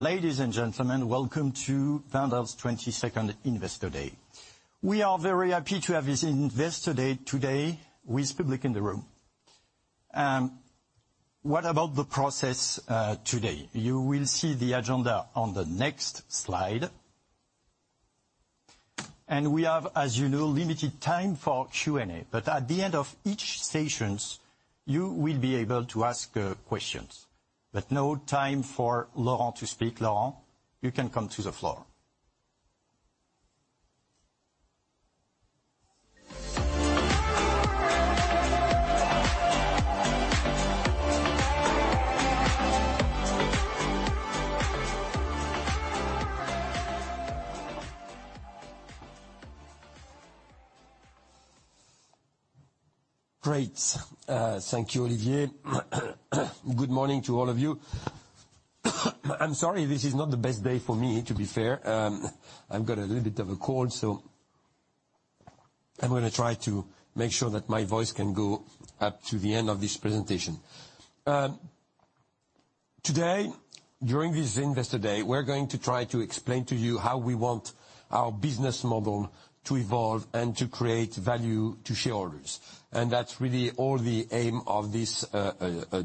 Ladies and gentlemen, welcome to Wendel's 22nd Investor Day. We are very happy to have this Investor Day today with public in the room. What about the process today? You will see the agenda on the next slide. And we have, as you know, limited time for Q&A, but at the end of each sessions, you will be able to ask questions, but no time for Laurent to speak. Laurent, you can come to the floor. Great. Thank you, Olivier. Good morning to all of you. I'm sorry, this is not the best day for me, to be fair. I've got a little bit of a cold, so I'm gonna try to make sure that my voice can go up to the end of this presentation. Today, during this Investor Day, we're going to try to explain to you how we want our business model to evolve and to create value to shareholders, and that's really all the aim of this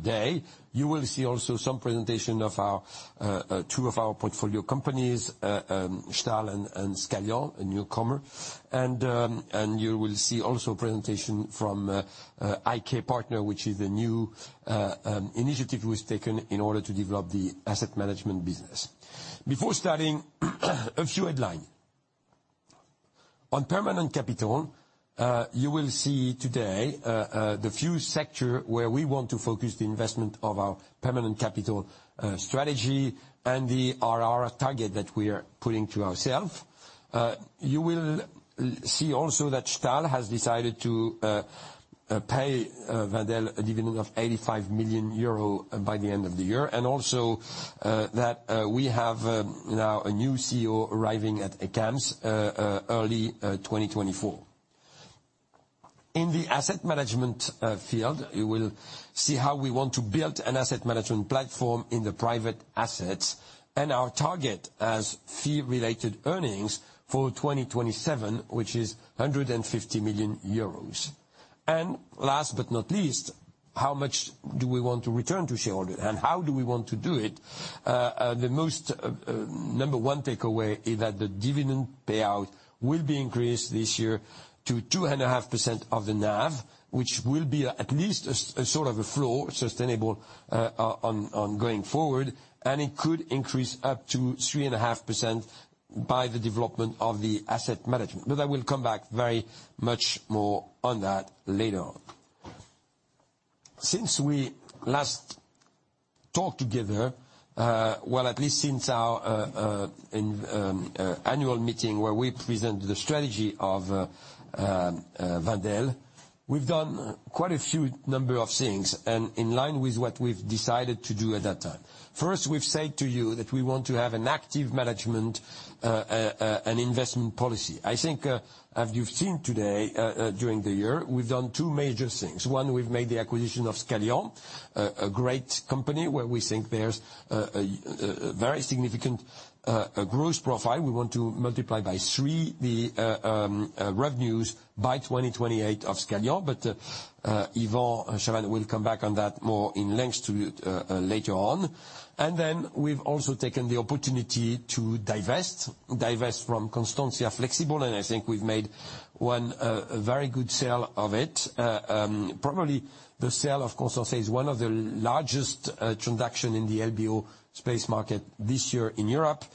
day. You will see also some presentation of our two of our portfolio companies, Stahl and Scalian, a newcomer. And you will see also a presentation from IK Partners, which is a new initiative which was taken in order to develop the Asset Management business. Before starting, a few headlines. On Permanent Capital, you will see today, the few sector where we want to focus the investment of our permanent capital, strategy and the IRR target that we are putting to ourselves. You will see also that Stahl has decided to pay Wendel a dividend of 85 million euro by the end of the year, and also, that we have now a new CEO arriving at ACAMS early 2024. In the Asset Management field, you will see how we want to build an Asset Management platform in the private assets, and our target as fee-related earnings for 2027, which is 150 million euros. And last but not least, how much do we want to return to shareholders, and how do we want to do it? The most number one takeaway is that the dividend payout will be increased this year to 2.5% of the NAV, which will be at least a sort of a floor, sustainable, ongoing forward, and it could increase up to 3.5% by the development of the Asset Management. But I will come back very much more on that later on. Since we last talked together, well, at least since our annual meeting, where we presented the strategy of Wendel, we've done quite a few number of things, and in line with what we've decided to do at that time. First, we've said to you that we want to have an active management an investment policy. I think, as you've seen today, during the year, we've done two major things. One, we've made the acquisition of Scalian, a great company where we think there's a very significant growth profile. We want to multiply by three the revenues by 2028 of Scalian. But Yvan Chabanne will come back on that more in length to later on. And then we've also taken the opportunity to divest from Constantia Flexibles, and I think we've made one a very good sale of it. Probably the sale, of course, I'll say, is one of the largest transaction in the LBO space market this year in Europe.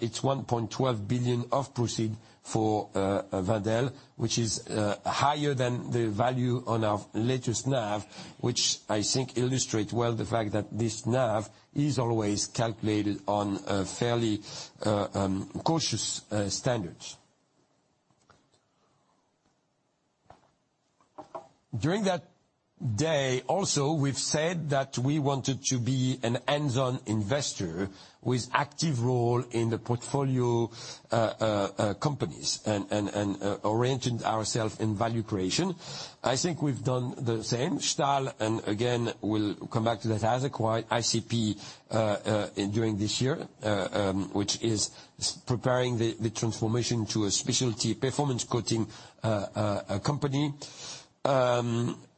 It's 1.12 billion of proceeds for Wendel, which is higher than the value on our latest NAV, which I think illustrates well the fact that this NAV is always calculated on fairly cautious standards. During that day, also, we've said that we wanted to be a hands-on investor with active role in the portfolio companies and oriented ourselves in value creation. I think we've done the same. Stahl, and again, we'll come back to that, has acquired ICP during this year, which is preparing the transformation to a specialty performance coating company.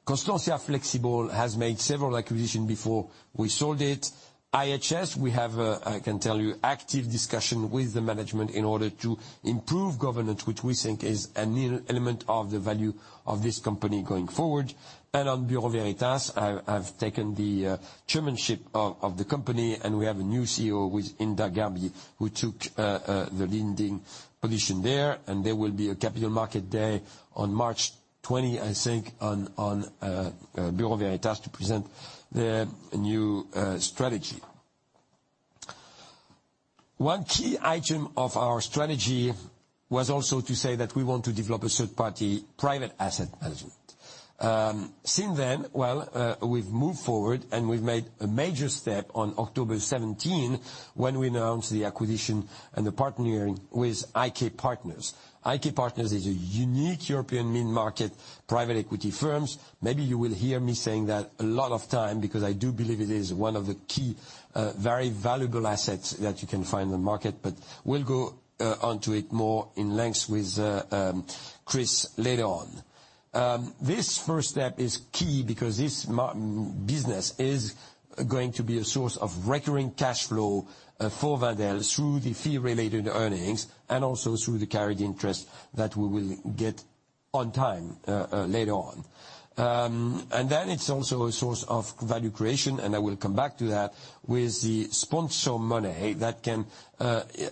Constantia Flexibles has made several acquisitions before we sold it. IHS, we have, I can tell you, active discussion with the management in order to improve governance, which we think is a new element of the value of this company going forward. On Bureau Veritas, I've taken the chairmanship of the company, and we have a new CEO with Hinda Gharbi, who took the leading position there, and there will be a Capital Market Day on March 20, I think, on Bureau Veritas to present the new strategy. One key item of our strategy was also to say that we want to develop a third-party private asset management. Since then, well, we've moved forward, and we've made a major step on October 17, when we announced the acquisition and the partnering with IK Partners. IK Partners is a unique European mid-market private equity firms. Maybe you will hear me saying that a lot of time, because I do believe it is one of the key very valuable assets that you can find in the market, but we'll go onto it more in length with Chris later on. This first step is key because this business is going to be a source of recurring cash flow for Wendel through the fee-related earnings, and also through the carried interest that we will get over time later on. And then it's also a source of value creation, and I will come back to that, with the sponsor money that can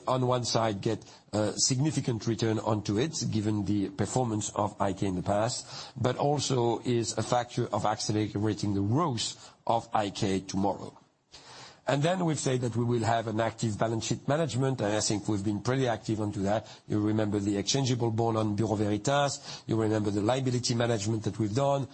on one side get a significant return on it, given the performance of IK in the past, but also is a factor of accelerating the growth of IK tomorrow. And then we've said that we will have an active balance sheet management, and I think we've been pretty active onto that. You remember the exchangeable bond on Bureau Veritas. You remember the liability management that we've done.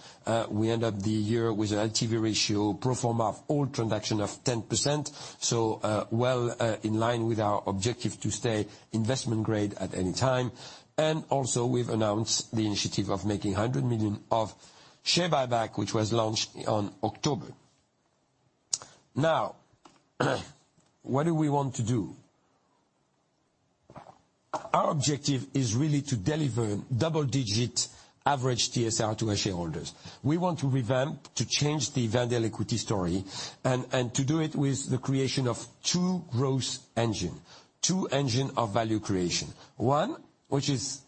We end up the year with an LTV ratio pro forma of all transaction of 10%, so, well, in line with our objective to stay investment grade at any time. And also, we've announced the initiative of making 100 million of share buyback, which was launched on October. Now, what do we want to do? Our objective is really to deliver double-digit average TSR to our shareholders. We want to revamp, to change the Wendel equity story, and, and to do it with the creation of two growth engine, two engine of value creation. One, which is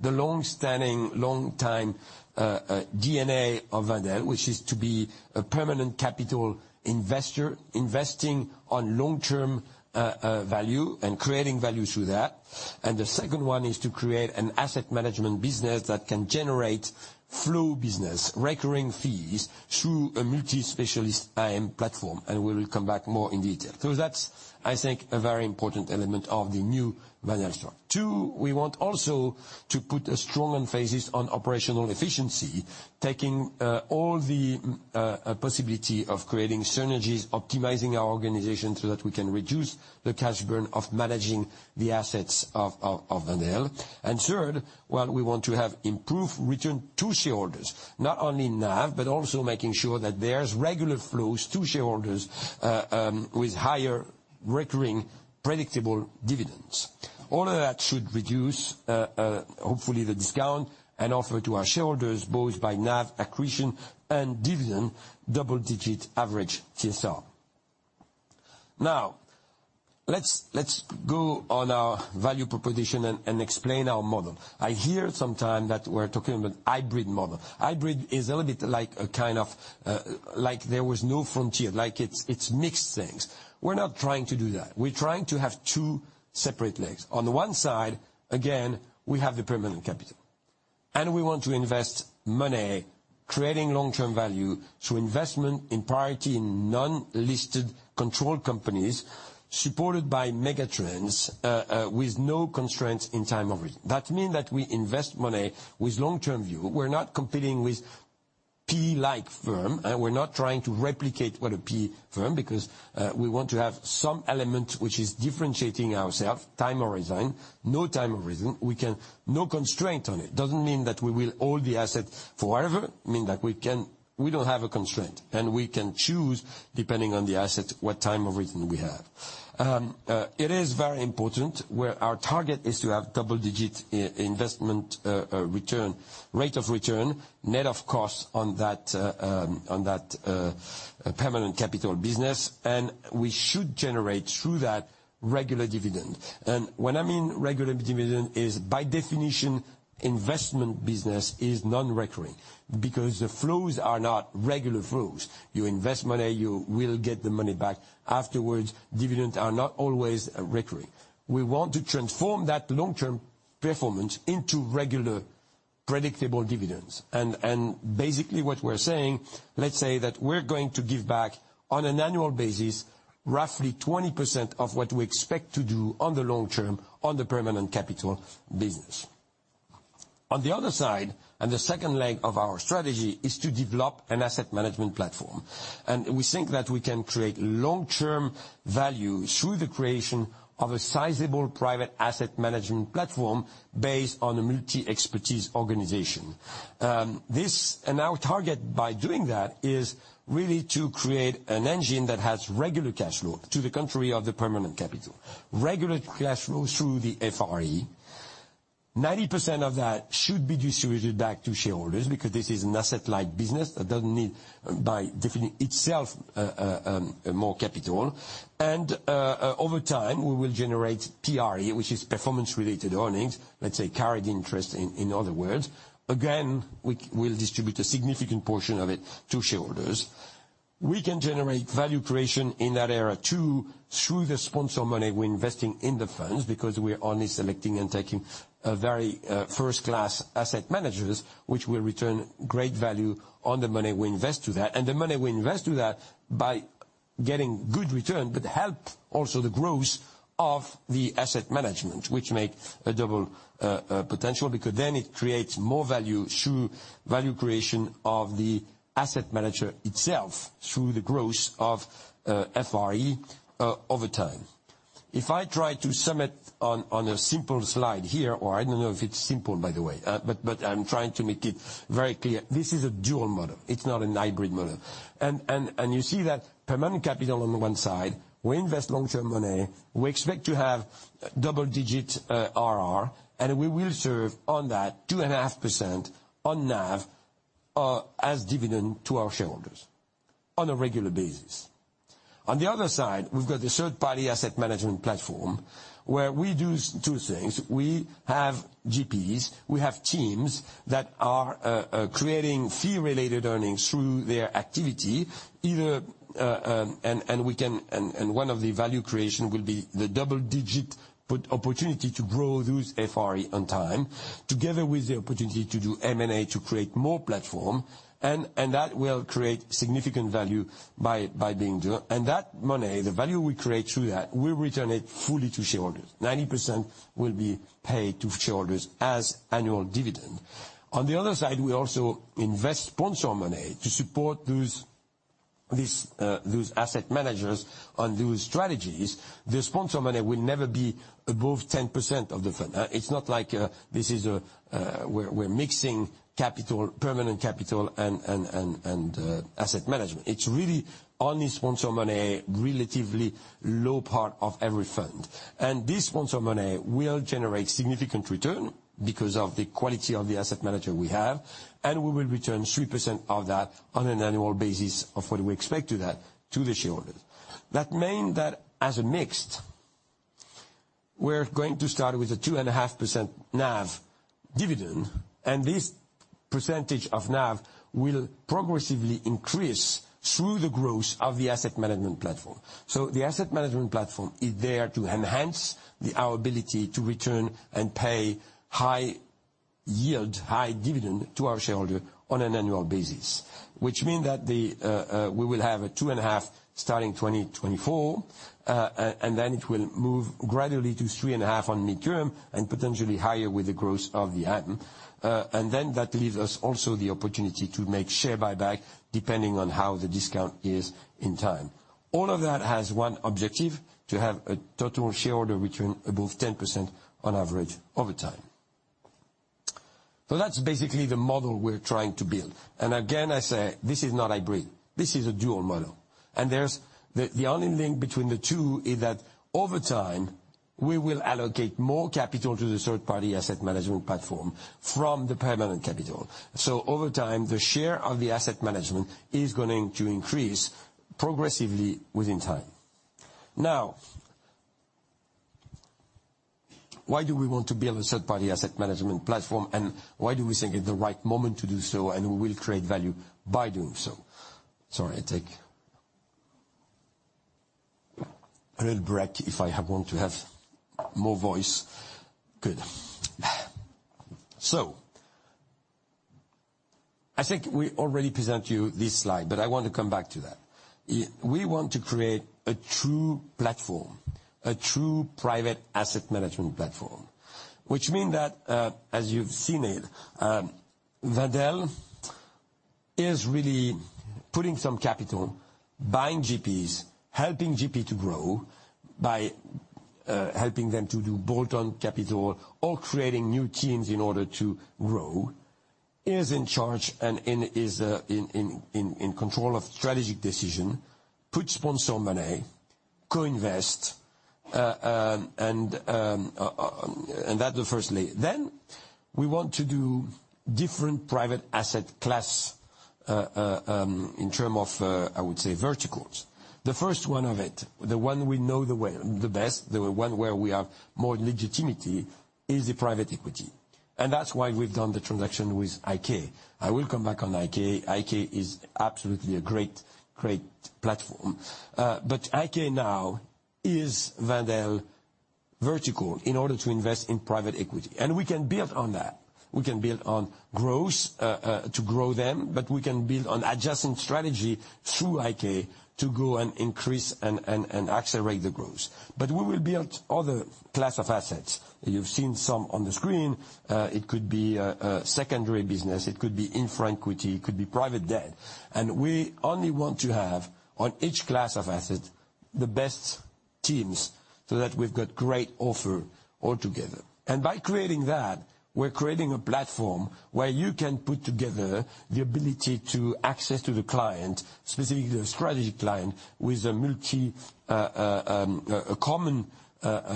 the long-standing, long-time DNA of Wendel, which is to be a permanent capital investor, investing on long-term value and creating value through that. And the second one is to create an Asset Management business that can generate flow business, recurring fees, through a multi-specialist IM platform, and we will come back more in detail. So that's, I think, a very important element of the new Wendel story. Two, we want also to put a strong emphasis on operational efficiency, taking all the possibility of creating synergies, optimizing our organization, so that we can reduce the cash burn of managing the assets of Wendel. And third, well, we want to have improved return to shareholders, not only in NAV, but also making sure that there's regular flows to shareholders with higher recurring, predictable dividends. All of that should reduce, hopefully, the discount and offer to our shareholders, both by NAV accretion and dividend double-digit average TSR. Now, let's go on our value proposition and explain our model. I hear sometime that we're talking about hybrid model. Hybrid is a little bit like a kind of, like there was no frontier, like it's, it's mixed things. We're not trying to do that. We're trying to have two separate legs. On the one side, again, we have the permanent capital, and we want to invest money, creating long-term value through investment in priority in non-listed controlled companies, supported by megatrends, with no constraints in time of it. That mean that we invest money with long-term view. We're not competing with PE-like firm, and we're not trying to replicate what a PE firm, because we want to have some element which is differentiating ourselves, time horizon, no time horizon. We can. No constraint on it. Doesn't mean that we will hold the asset forever. It mean that we can. We don't have a constraint, and we can choose, depending on the asset, what time horizon we have. It is very important, where our target is to have double-digit investment return, rate of return, net, of course, on that permanent capital business, and we should generate, through that, regular dividend. And when I mean regular dividend is, by definition, investment business is non-recurring, because the flows are not regular flows. You invest money, you will get the money back. Afterwards, dividends are not always recurring. We want to transform that long-term performance into regular, predictable dividends, and basically what we're saying, let's say that we're going to give back, on an annual basis, roughly 20% of what we expect to do on the long term on the permanent capital business. On the other side, and the second leg of our strategy, is to develop an asset management platform. We think that we can create long-term value through the creation of a sizable private asset management platform based on a multi-expertise organization. This, and our target by doing that, is really to create an engine that has regular cash flow, to the contrary of the permanent capital. Regular cash flow through the FRE. 90% of that should be distributed back to shareholders, because this is an asset-like business that doesn't need, by definition, itself, more capital. Over time, we will generate PRE, which is performance-related earnings, let's say, carried interest, in other words. Again, we will distribute a significant portion of it to shareholders. We can generate value creation in that area, too, through the sponsor money we're investing in the funds, because we're only selecting and taking a very first-class asset managers, which will return great value on the money we invest to that. And the money we invest to that, getting good return, but help also the growth of the asset management, which make a double potential, because then it creates more value through value creation of the asset manager itself through the growth of FRE over time. If I try to sum it on a simple slide here, or I don't know if it's simple, by the way, but I'm trying to make it very clear, this is a dual model. It's not a hybrid model. You see that permanent capital on the one side, we invest long-term money, we expect to have double-digit IRR, and we will serve on that 2.5% on NAV as dividend to our shareholders on a regular basis. On the other side, we've got the third-party asset management platform, where we do two things. We have GPs, we have teams that are creating fee-related earnings through their activity, either... One of the value creation will be the double-digit put opportunity to grow those FRE over time, together with the opportunity to do M&A to create more platform, and that will create significant value by being done. And that money, the value we create through that, we return it fully to shareholders. 90% will be paid to shareholders as annual dividend. On the other side, we also invest sponsor money to support these asset managers on those strategies. The sponsor money will never be above 10% of the fund. It's not like this is a, we're mixing capital, permanent capital, and asset management. It's really only sponsor money, relatively low part of every fund. This sponsor money will generate significant return because of the quality of the asset manager we have, and we will return 3% of that on an annual basis of what we expect to that, to the shareholders. That mean that as a mixed, we're going to start with a 2.5% NAV dividend, and this percentage of NAV will progressively increase through the growth of the asset management platform. So the asset management platform is there to enhance the, our ability to return and pay high yield, high dividend to our shareholder on an annual basis. Which mean that the, we will have a 2.5% starting 2024, and then it will move gradually to 3.5% on midterm, and potentially higher with the growth of the item. And then that leaves us also the opportunity to make share buyback, depending on how the discount is in time. All of that has one objective, to have a Total Shareholder Return above 10% on average over time. So that's basically the model we're trying to build. And again, I say this is not hybrid, this is a dual model. And there's the only link between the two is that over time, we will allocate more capital to the third-party asset management platform from the permanent capital. So over time, the share of the asset management is going to increase progressively within time. Now, why do we want to build a third-party asset management platform, and why do we think it's the right moment to do so, and we will create value by doing so? Sorry, I take a little break if I have want to have more voice. Good. So I think we already present you this slide, but I want to come back to that. We want to create a true platform, a true private asset management platform, which mean that, as you've seen it, Wendel is really putting some capital, buying GPs, helping GP to grow by, helping them to do bolt-on capital or creating new teams in order to grow. He is in charge and is in control of strategic decision, put sponsor money, co-invest, and that firstly. Then, we want to do different private asset class, in terms of, I would say, verticals. The first one of it, the one we know the way, the best, the one where we have more legitimacy, is the private equity, and that's why we've done the transaction with IK. I will come back on IK. IK is absolutely a great, great platform. But IK now is Wendel vertical in order to invest in private equity. And we can build on that. We can build on growth to grow them, but we can build on adjacent strategy through IK to go and increase and accelerate the growth. But we will build other class of assets. You've seen some on the screen. It could be a secondary business, it could be infra equity, it could be private debt. And we only want to have, on each class of asset, the best teams, so that we've got great offer altogether. By creating that, we're creating a platform where you can put together the ability to access to the client, specifically the strategic client, with a common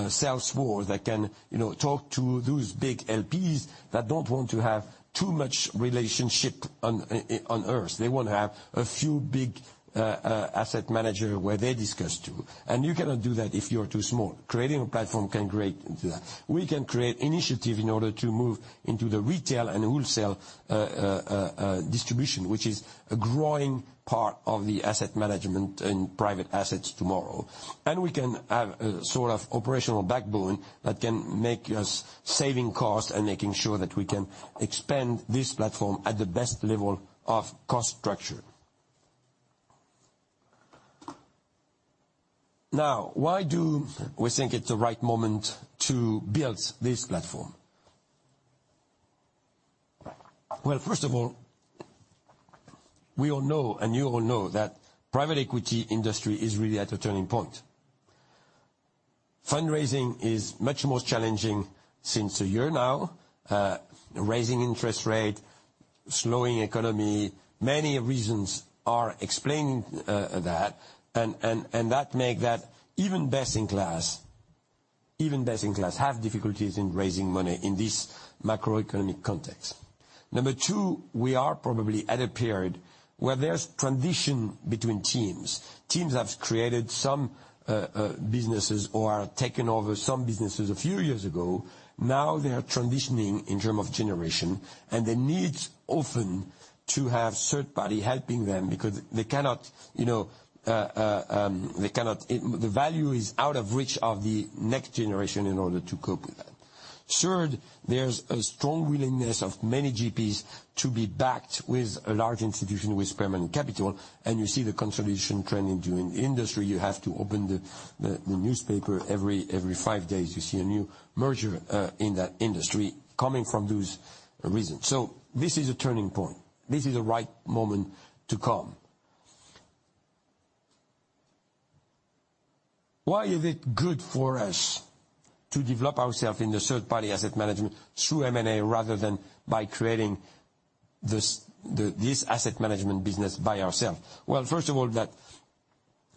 sales force that can, you know, talk to those big LPs that don't want to have too much relationship on, on earth. They want to have a few big asset manager where they discuss to, and you cannot do that if you are too small. Creating a platform can create into that. We can create initiative in order to move into the retail and wholesale distribution, which is a growing part of the asset management and private assets tomorrow. We can have a sort of operational backbone that can make us saving costs and making sure that we can expand this platform at the best level of cost structure. Now, why do we think it's the right moment to build this platform? Well, first of all, we all know, and you all know, that private equity industry is really at a turning point. Fundraising is much more challenging since a year now, raising interest rate, slowing economy, many reasons are explaining that, and that make that even best in class, even best in class, have difficulties in raising money in this macroeconomic context. Number two, we are probably at a period where there's transition between teams. Teams have created some businesses or taken over some businesses a few years ago. Now they are transitioning in terms of generation, and they need often to have third party helping them because they cannot, you know, they cannot—the value is out of reach of the next generation in order to cope with that. Third, there's a strong willingness of many GPs to be backed with a large institution with permanent capital, and you see the consolidation trending in the industry. You have to open the newspaper every five days, you see a new merger in that industry coming from those reasons. So this is a turning point. This is the right moment to come. Why is it good for us to develop ourselves in the third-party asset management through M&A, rather than by creating this asset management business by ourselves? Well, first of all,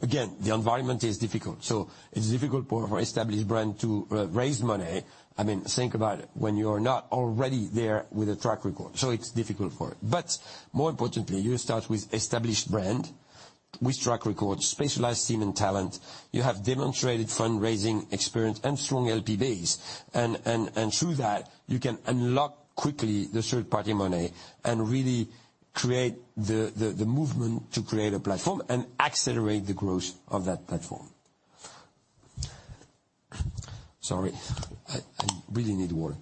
again, the environment is difficult, so it's difficult for an established brand to raise money. I mean, think about it, when you are not already there with a track record, so it's difficult for it. But more importantly, you start with established brand, with track record, specialized team and talent. You have demonstrated fundraising experience and strong LP base, and through that, you can unlock quickly the third-party money and really create the movement to create a platform and accelerate the growth of that platform. Sorry, I really need water.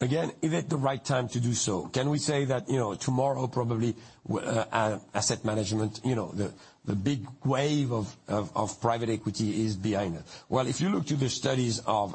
Again, is it the right time to do so? Can we say that, you know, tomorrow, probably, asset management, you know, the big wave of private equity is behind us? Well, if you look to the studies of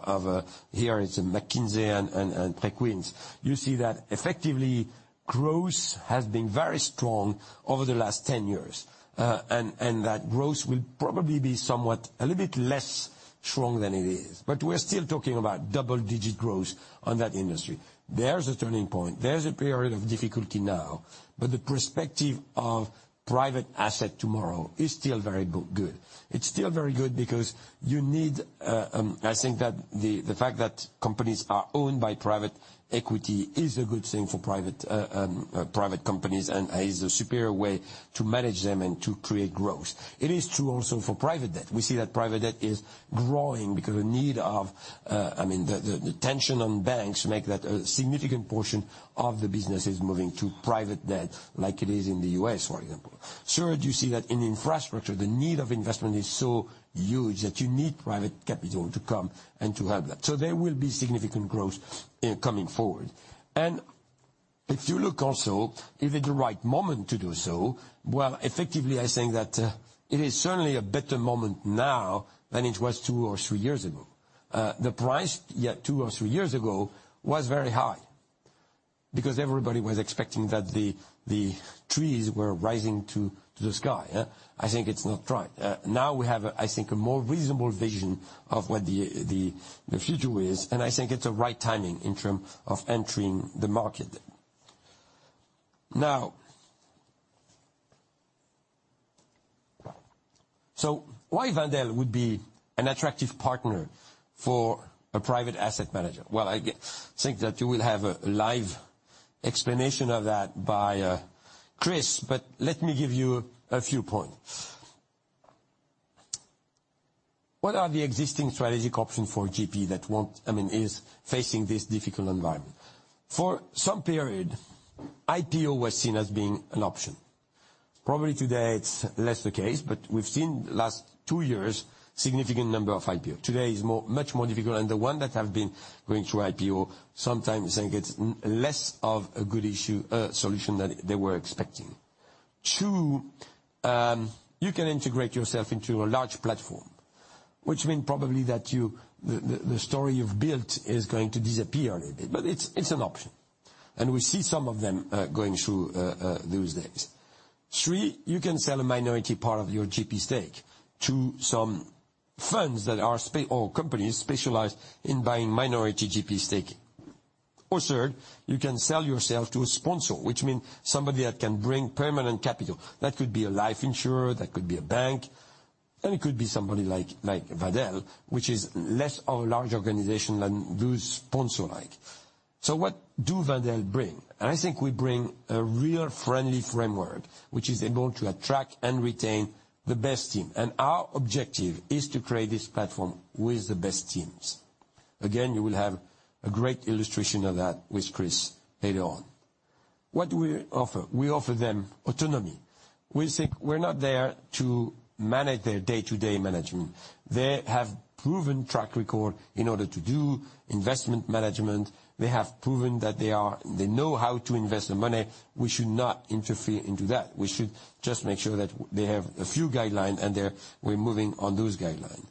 here it's McKinsey and Preqin, you see that effectively, growth has been very strong over the last 10 years, and that growth will probably be somewhat a little bit less strong than it is, but we're still talking about double-digit growth on that industry. There's a turning point, there's a period of difficulty now, but the perspective of private asset tomorrow is still very good. It's still very good because you need, I think that the, the fact that companies are owned by private equity is a good thing for private, private companies, and is a superior way to manage them and to create growth. It is true also for private debt. We see that private debt is growing because the need of, I mean, the tension on banks make that a significant portion of the business is moving to private debt, like it is in the U.S., for example. Third, you see that in infrastructure, the need of investment is so huge that you need private capital to come and to have that. So there will be significant growth, coming forward. And if you look also, is it the right moment to do so? Well, effectively, I think that, it is certainly a better moment now than it was two or three years ago. The price, yeah, two or three years ago was very high because everybody was expecting that the trees were rising to the sky. I think it's not right. Now we have, I think, a more reasonable vision of what the future is, and I think it's a right timing in terms of entering the market. Now... So why Wendel would be an attractive partner for a private asset manager? Well, I think that you will have a live explanation of that by Chris, but let me give you a few points. What are the existing strategic options for GP that want, I mean, is facing this difficult environment? For some period, IPO was seen as being an option. Probably today it's less the case, but we've seen last 2 years, significant number of IPO. Today is much more difficult, and the one that have been going through IPO sometimes think it's less of a good issue solution than they were expecting. Two, you can integrate yourself into a large platform, which mean probably that you, the, the, the story you've built is going to disappear a little bit, but it's, it's an option, and we see some of them going through those days. Three, you can sell a minority part of your GP stake to some funds that are or companies specialized in buying minority GP stake. Or third, you can sell yourself to a sponsor, which means somebody that can bring permanent capital. That could be a life insurer, that could be a bank, and it could be somebody like, like Wendel, which is less of a large organization than those sponsor-like. So what do Wendel bring? I think we bring a real friendly framework, which is able to attract and retain the best team, and our objective is to create this platform with the best teams. Again, you will have a great illustration of that with Chris later on. What do we offer? We offer them autonomy... We think we're not there to manage their day-to-day management. They have proven track record in order to do investment management. They have proven that they know how to invest the money. We should not interfere into that. We should just make sure that they have a few guidelines, and we're moving on those guidelines.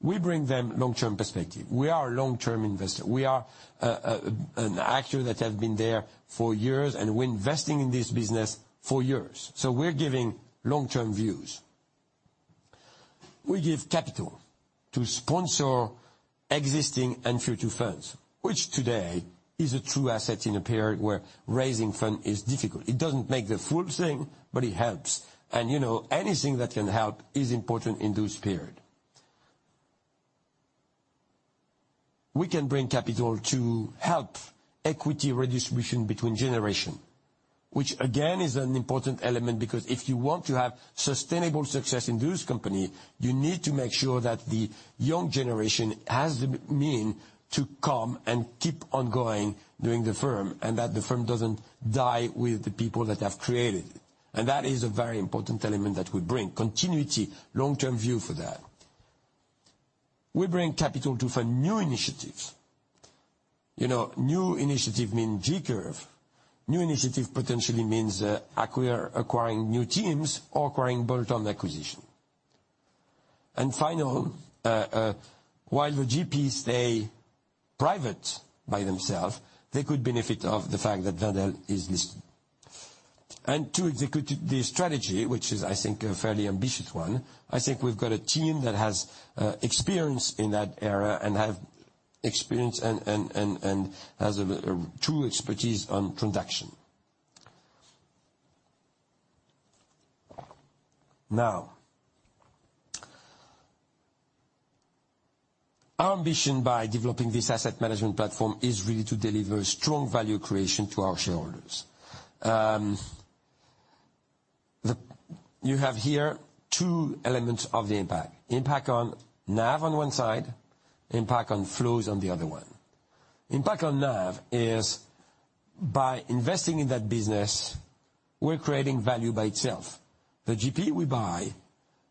We bring them long-term perspective. We are a long-term investor. We are an actor that has been there for years, and we're investing in this business for years, so we're giving long-term views. We give capital to sponsor existing and future funds, which today is a true asset in a period where raising fund is difficult. It doesn't make the full thing, but it helps. And, you know, anything that can help is important in this period. We can bring capital to help equity redistribution between generation, which, again, is an important element, because if you want to have sustainable success in this company, you need to make sure that the young generation has the means to come and keep on going during the firm, and that the firm doesn't die with the people that have created it, and that is a very important element that we bring, continuity, long-term view for that. We bring capital to fund new initiatives. You know, new initiative mean J Curve. New initiative potentially means, acquire, acquiring new teams or acquiring bolt-on acquisition. And final, while the GPs stay private by themselves, they could benefit of the fact that Wendel is this. And to execute the strategy, which is, I think, a fairly ambitious one, I think we've got a team that has experience in that area, and have experience and has a true expertise on transaction. Now, our ambition by developing this asset management platform is really to deliver strong value creation to our shareholders. You have here two elements of the impact, impact on NAV on one side, impact on flows on the other one. Impact on NAV is by investing in that business, we're creating value by itself. The GP we buy,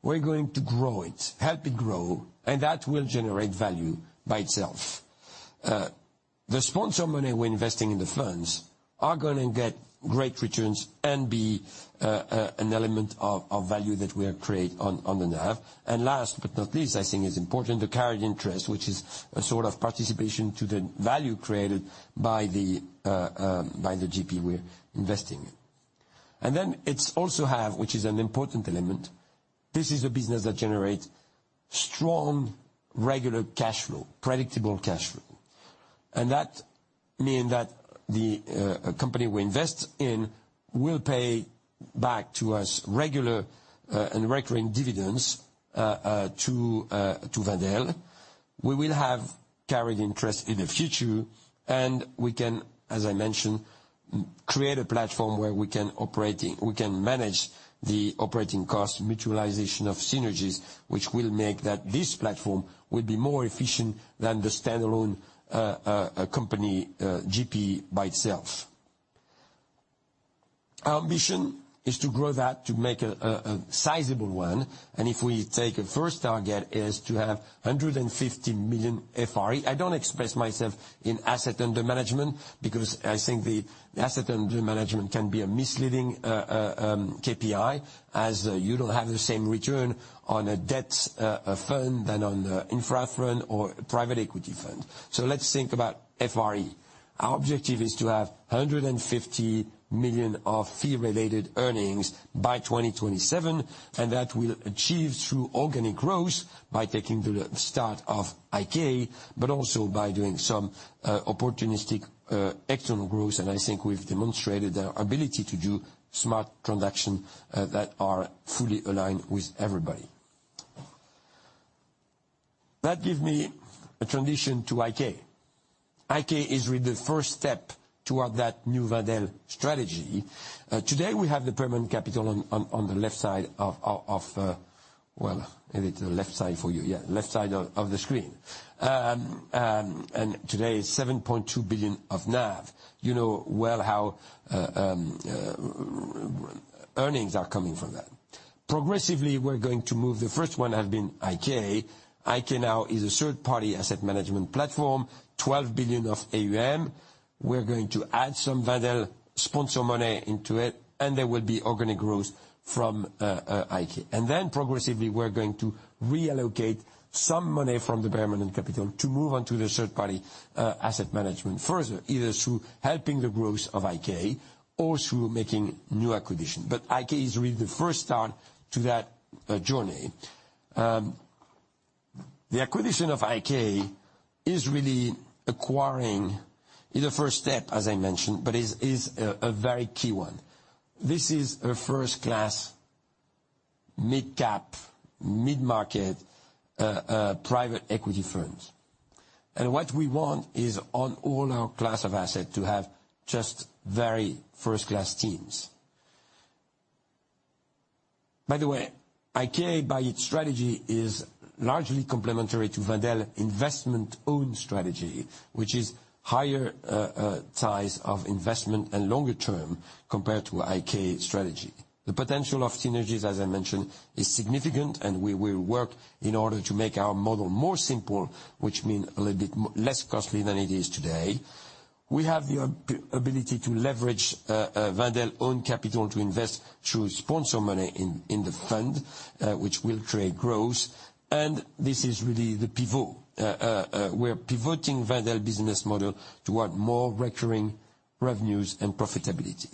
we're going to grow it, help it grow, and that will generate value by itself. The sponsor money we're investing in the funds are gonna get great returns and be an element of value that we create on the NAV. And last but not least, I think it's important, the carried interest, which is a sort of participation to the value created by the GP we're investing in. And then it's also have, which is an important element, this is a business that generates strong, regular cash flow, predictable cash flow. And that mean that the company we invest in will pay back to us regular and recurring dividends to Wendel. We will have carried interest in the future, and we can, as I mentioned, create a platform where we can operate, we can manage the operating costs, mutualization of synergies, which will make that this platform will be more efficient than the standalone company GP by itself. Our ambition is to grow that, to make a sizable one, and if we take a first target, is to have 150 million FRE. I don't express myself in asset under management, because I think the asset under management can be a misleading KPI, as you don't have the same return on a debt fund than on the infra fund or private equity fund. So let's think about FRE. Our objective is to have 150 million of fee-related earnings by 2027, and that we'll achieve through organic growth by taking the start of IK, but also by doing some opportunistic external growth. I think we've demonstrated our ability to do smart transaction that are fully aligned with everybody. That give me a transition to IK. IK is really the first step toward that new Wendel strategy. Today, we have the permanent capital on the left side of the screen. Well, it's the left side for you, yeah, left side of the screen. Today, 7.2 billion of NAV. You know well how earnings are coming from that. Progressively, we're going to move, the first one has been IK. IK now is a third-party asset management platform, 12 billion of AUM. We're going to add some Wendel sponsor money into it, and there will be organic growth from IK. Then progressively, we're going to reallocate some money from the permanent capital to move on to the third-party asset management further, either through helping the growth of IK or through making new acquisition. But IK is really the first start to that journey. The acquisition of IK is really acquiring a first step, as I mentioned, but is a very key one. This is a first-class Mid-Cap, Mid-Market Private Equity Fund, and what we want is on all our class of asset to have just very first-class teams... By the way, IK, by its strategy, is largely complementary to Wendel investment own strategy, which is higher size of investment and longer term compared to IK strategy. The potential of synergies, as I mentioned, is significant, and we will work in order to make our model more simple, which means a little bit less costly than it is today. We have the ability to leverage Wendel's own capital to invest through sponsor money in the fund, which will create growth. And this is really the pivot. We're pivoting Wendel business model toward more recurring revenues and profitability.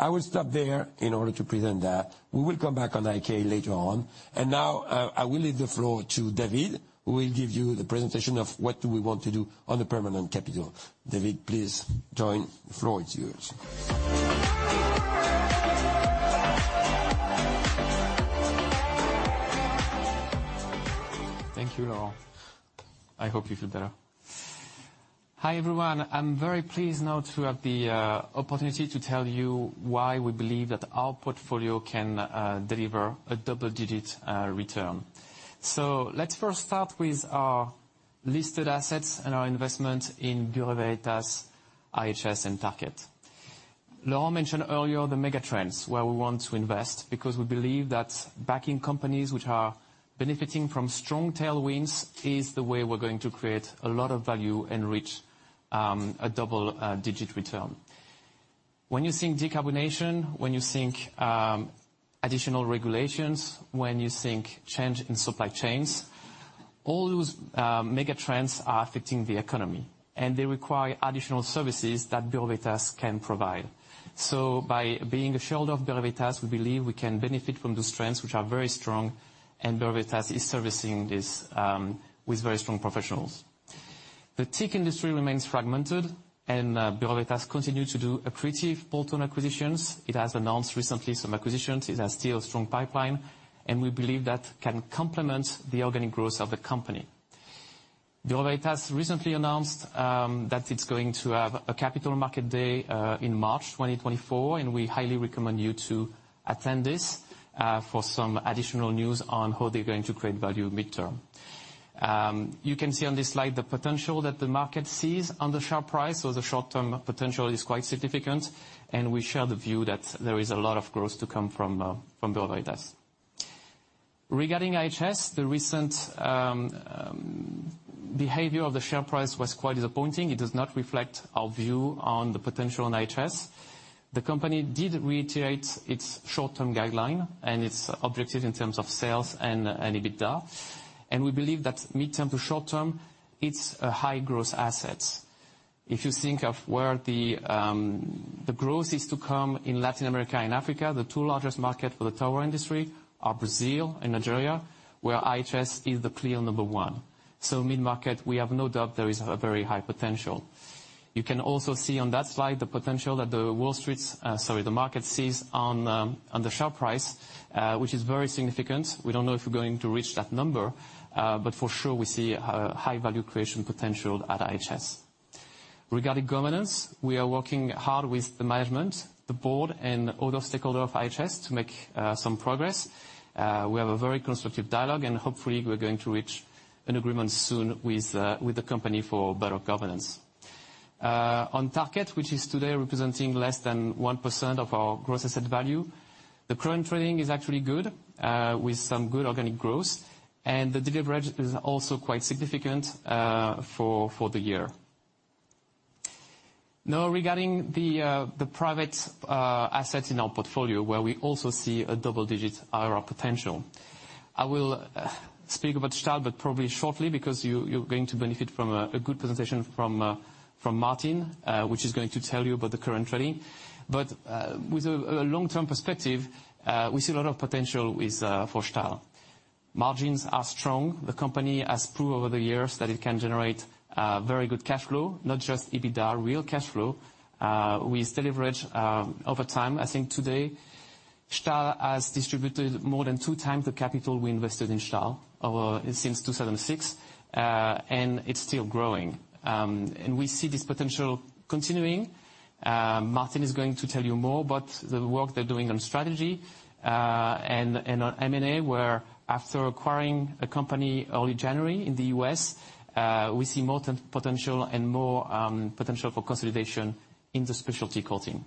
I will stop there in order to present that. We will come back on IK later on. And now, I will leave the floor to David, who will give you the presentation of what we want to do on the permanent capital. David, please join. The floor is yours. Thank you, Laurent. I hope you feel better. Hi, everyone. I'm very pleased now to have the opportunity to tell you why we believe that our portfolio can deliver a double-digit return. So let's first start with our listed assets and our investment in Bureau Veritas, IHS, and Tarkett. Laurent mentioned earlier the mega trends, where we want to invest, because we believe that backing companies which are benefiting from strong tailwinds is the way we're going to create a lot of value and reach a double-digit return. When you think decarbonation, when you think additional regulations, when you think change in supply chains, all those mega trends are affecting the economy, and they require additional services that Bureau Veritas can provide. So by being a shareholder of Bureau Veritas, we believe we can benefit from those trends, which are very strong, and Bureau Veritas is servicing this with very strong professionals. The TIC industry remains fragmented, and Bureau Veritas continue to do accretive bolt-on acquisitions. It has announced recently some acquisitions. It has still a strong pipeline, and we believe that can complement the organic growth of the company. Bureau Veritas recently announced that it's going to have a Capital Market Day in March 2024, and we highly recommend you to attend this for some additional news on how they're going to create value midterm. You can see on this slide the potential that the market sees on the share price, so the short-term potential is quite significant, and we share the view that there is a lot of growth to come from, from Bureau Veritas. Regarding IHS, the recent behavior of the share price was quite disappointing. It does not reflect our view on the potential on IHS. The company did reiterate its short-term guideline and its objective in terms of sales and EBITDA, and we believe that midterm to short term, it's a high-growth asset. If you think of where the growth is to come in Latin America and Africa, the two largest market for the tower industry are Brazil and Nigeria, where IHS is the clear number one. So mid-market, we have no doubt there is a very high potential. You can also see on that slide the potential that the Wall Street's, sorry, the market sees on the, on the share price, which is very significant. We don't know if we're going to reach that number, but for sure, we see a high value creation potential at IHS. Regarding governance, we are working hard with the management, the board, and other stakeholder of IHS to make some progress. We have a very constructive dialogue, and hopefully, we're going to reach an agreement soon with the company for better governance. On Tarkett, which is today representing less than 1% of our gross asset value, the current trading is actually good with some good organic growth, and the dividend bridge is also quite significant for the year. Now, regarding the private assets in our portfolio, where we also see a double-digit IRR potential. I will speak about Stahl, but probably shortly, because you're going to benefit from a good presentation from Martin, which is going to tell you about the current trading. But with a long-term perspective, we see a lot of potential with for Stahl. Margins are strong. The company has proved over the years that it can generate very good cash flow, not just EBITDA, real cash flow. We still leverage over time. I think today, Stahl has distributed more than two times the capital we invested in Stahl over since 2006, and it's still growing. And we see this potential continuing. Martin is going to tell you more about the work they're doing on strategy, and on M&A, where after acquiring a company early January in the U.S., we see more potential and more, potential for consolidation in the specialty coating.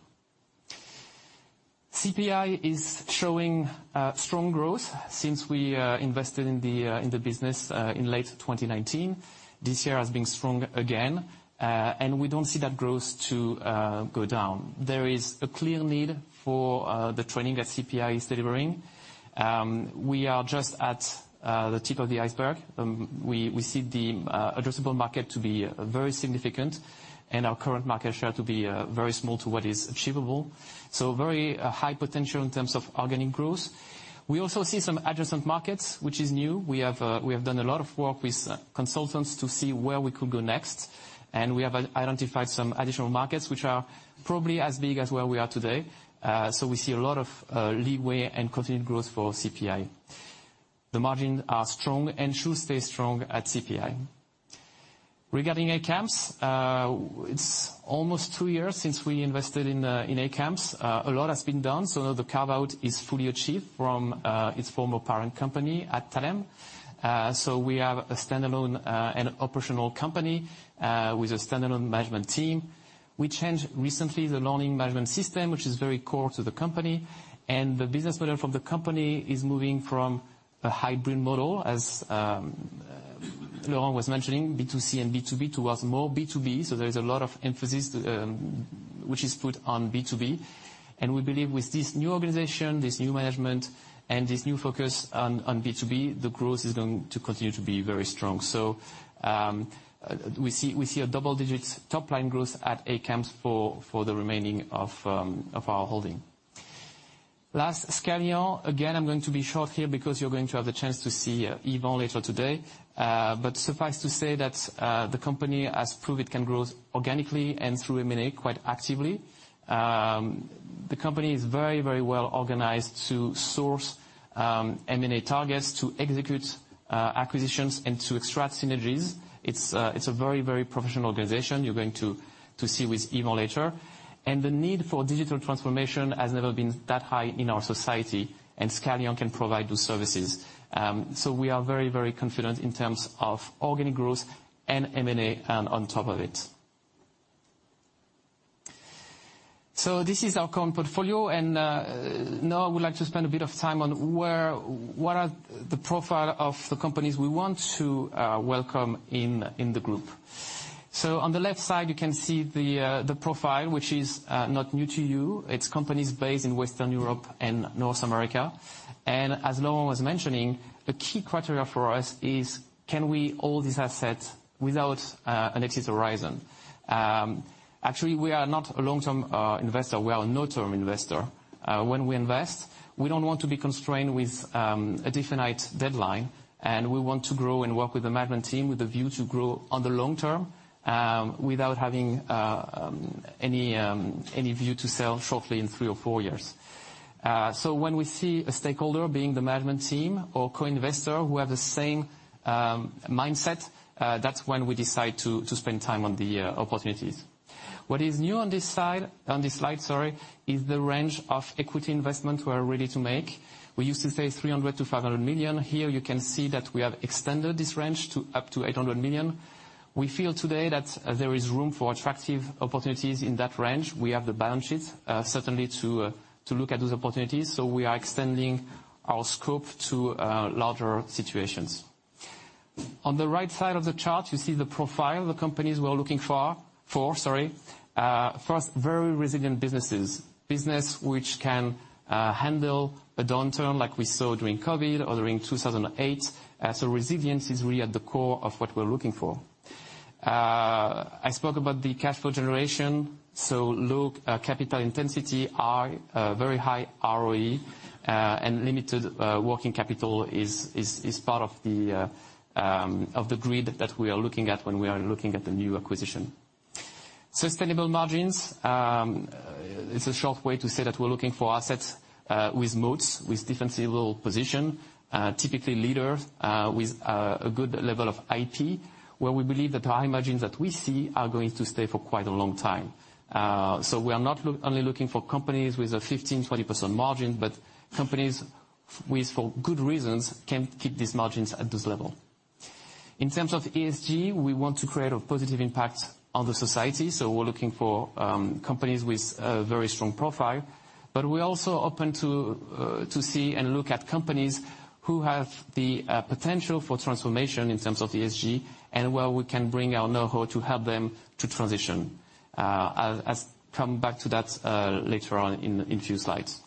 CPI is showing, strong growth since we, invested in the, in the business, in late 2019. This year has been strong again, and we don't see that growth to, go down. There is a clear need for, the training that CPI is delivering. We are just at, the tip of the iceberg. We, we see the, addressable market to be very significant and our current market share to be, very small to what is achievable, so very, high potential in terms of organic growth. We also see some adjacent markets, which is new. We have done a lot of work with consultants to see where we could go next, and we have identified some additional markets which are probably as big as where we are today. So we see a lot of leeway and continued growth for CPI. The margins are strong and should stay strong at CPI. Regarding ACAMS, it's almost two years since we invested in ACAMS. A lot has been done, so now the carve-out is fully achieved from its former parent company at Thales. So we have a standalone and operational company with a standalone management team. We changed recently the learning management system, which is very core to the company, and the business model from the company is moving from a hybrid model, as Laurent was mentioning, B2C and B2B, towards more B2B. So there is a lot of emphasis which is put on B2B, and we believe with this new organization, this new management, and this new focus on B2B, the growth is going to continue to be very strong. So we see, we see a double-digit top-line growth at ACAMS for the remaining of our holding. Last, Scalian. Again, I'm going to be short here because you're going to have the chance to see Yvan later today. But suffice to say that the company has proved it can grow organically and through M&A quite actively. The company is very, very well organized to source M&A targets, to execute acquisitions, and to extract synergies. It's a very, very professional organization you're going to see with Yvan later. The need for digital transformation has never been that high in our society, and Scalian can provide those services. We are very, very confident in terms of organic growth and M&A on top of it. This is our current portfolio, and now I would like to spend a bit of time on what are the profile of the companies we want to welcome in the group. On the left side, you can see the profile, which is not new to you. It's companies based in Western Europe and North America, and as Laurent was mentioning, the key criteria for us is, can we hold this asset without an exit horizon? Actually, we are not a long-term investor, we are a no-term investor. When we invest, we don't want to be constrained with a definite deadline, and we want to grow and work with the management team with a view to grow on the long term, without having any view to sell shortly in three or four years. So when we see a stakeholder being the management team or co-investor who have the same mindset, that's when we decide to spend time on the opportunities. What is new on this side, on this slide, sorry, is the range of equity investment we are ready to make. We used to say 300 million-500 million. Here you can see that we have extended this range to up to 800 million. We feel today that there is room for attractive opportunities in that range. We have the balance sheets, certainly to look at those opportunities, so we are extending our scope to larger situations. On the right side of the chart, you see the profile of the companies we are looking for, sorry. First, very resilient businesses, business which can handle a downturn like we saw during COVID or during 2008. So resilience is really at the core of what we're looking for. I spoke about the cash flow generation, so low capital intensity, high very high ROE, and limited working capital is part of the grid that we are looking at when we are looking at the new acquisition. Sustainable margins, it's a short way to say that we're looking for assets with moats, with defensible position, typically leaders with a good level of IT, where we believe that the high margins that we see are going to stay for quite a long time. So we are not only looking for companies with a 15%-20% margin, but companies with, for good reasons, can keep these margins at this level. In terms of ESG, we want to create a positive impact on the society, so we're looking for companies with a very strong profile. But we're also open to to see and look at companies who have the potential for transformation in terms of ESG and where we can bring our know-how to help them to transition. I'll, I'll come back to that later on in a few slides.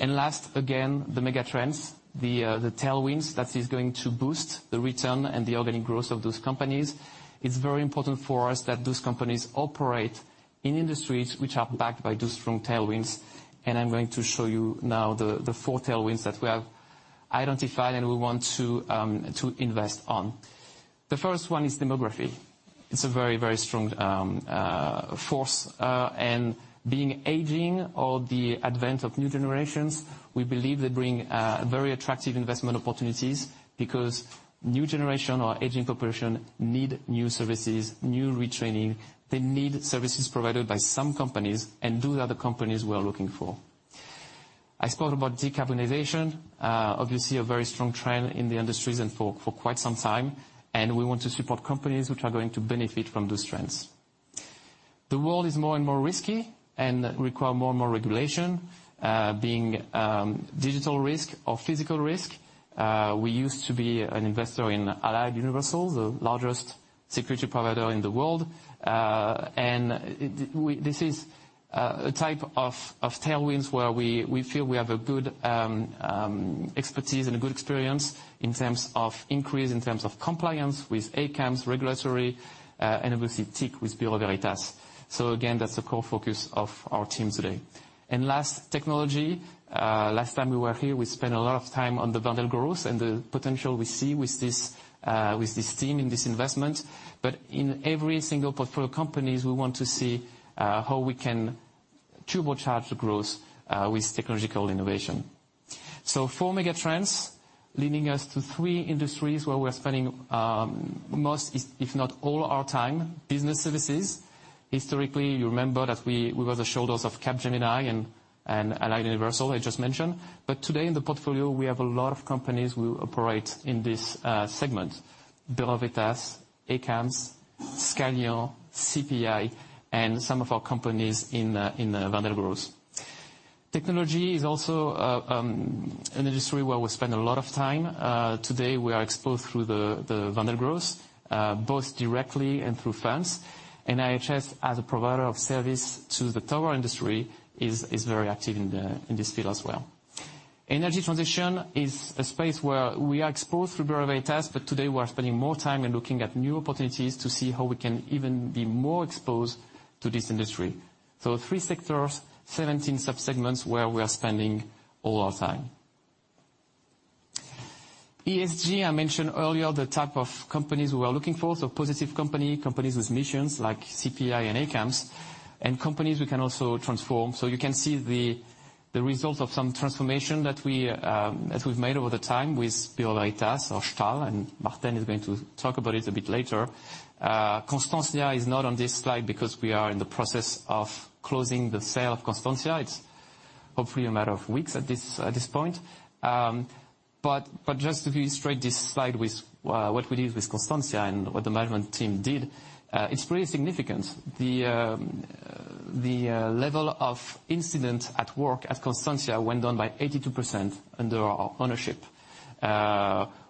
And last, again, the mega trends, the tailwinds, that is going to boost the return and the organic growth of those companies. It's very important for us that those companies operate in industries which are backed by those strong tailwinds, and I'm going to show you now the four tailwinds that we have identified and we want to to invest on. The first one is demography. It's a very, very strong force, and being aging or the advent of new generations, we believe they bring very attractive investment opportunities because new generation or aging population need new services, new retraining. They need services provided by some companies, and those are the companies we are looking for. I spoke about decarbonization. Obviously, a very strong trend in the industries and for quite some time, and we want to support companies which are going to benefit from those trends. The world is more and more risky and require more and more regulation, being digital risk or physical risk. We used to be an investor in Allied Universal, the largest security provider in the world. And we... This is a type of tailwinds where we feel we have a good expertise and a good experience in terms of increase, in terms of compliance with ACAMS, regulatory, and obviously, TIC with Bureau Veritas. So again, that's the core focus of our team today. Last, technology. Last time we were here, we spent a lot of time on the Wendel growth and the potential we see with this team in this investment. But in every single portfolio companies, we want to see how we can turbocharge the growth with technological innovation. So four megatrends leading us to three industries where we are spending most, if not all our time. Business services. Historically, you remember that we were the shoulders of Capgemini and Allied Universal, I just mentioned. But today in the portfolio, we have a lot of companies who operate in this segment: Bureau Veritas, ACAMS, Scalian, CPI, and some of our companies in Wendel Group. Technology is also an industry where we spend a lot of time. Today we are exposed through the Wendel Group, both directly and through funds. And IHS, as a provider of service to the tower industry, is very active in this field as well. Energy transition is a space where we are exposed through Bureau Veritas, but today we are spending more time and looking at new opportunities to see how we can even be more exposed to this industry. So three sectors, 17 subsegments, where we are spending all our time. ESG, I mentioned earlier the type of companies we are looking for, so positive company, companies with missions like CPI and ACAMS, and companies we can also transform. So you can see the results of some transformation that we, that we've made over the time with Bureau Veritas or Stahl, and Martin is going to talk about it a bit later. Constantia is not on this slide because we are in the process of closing the sale of Constantia. It's hopefully a matter of weeks at this point. But just to illustrate this slide with what we did with Constantia and what the management team did, it's pretty significant. The level of incidents at work at Constantia went down by 82% under our ownership.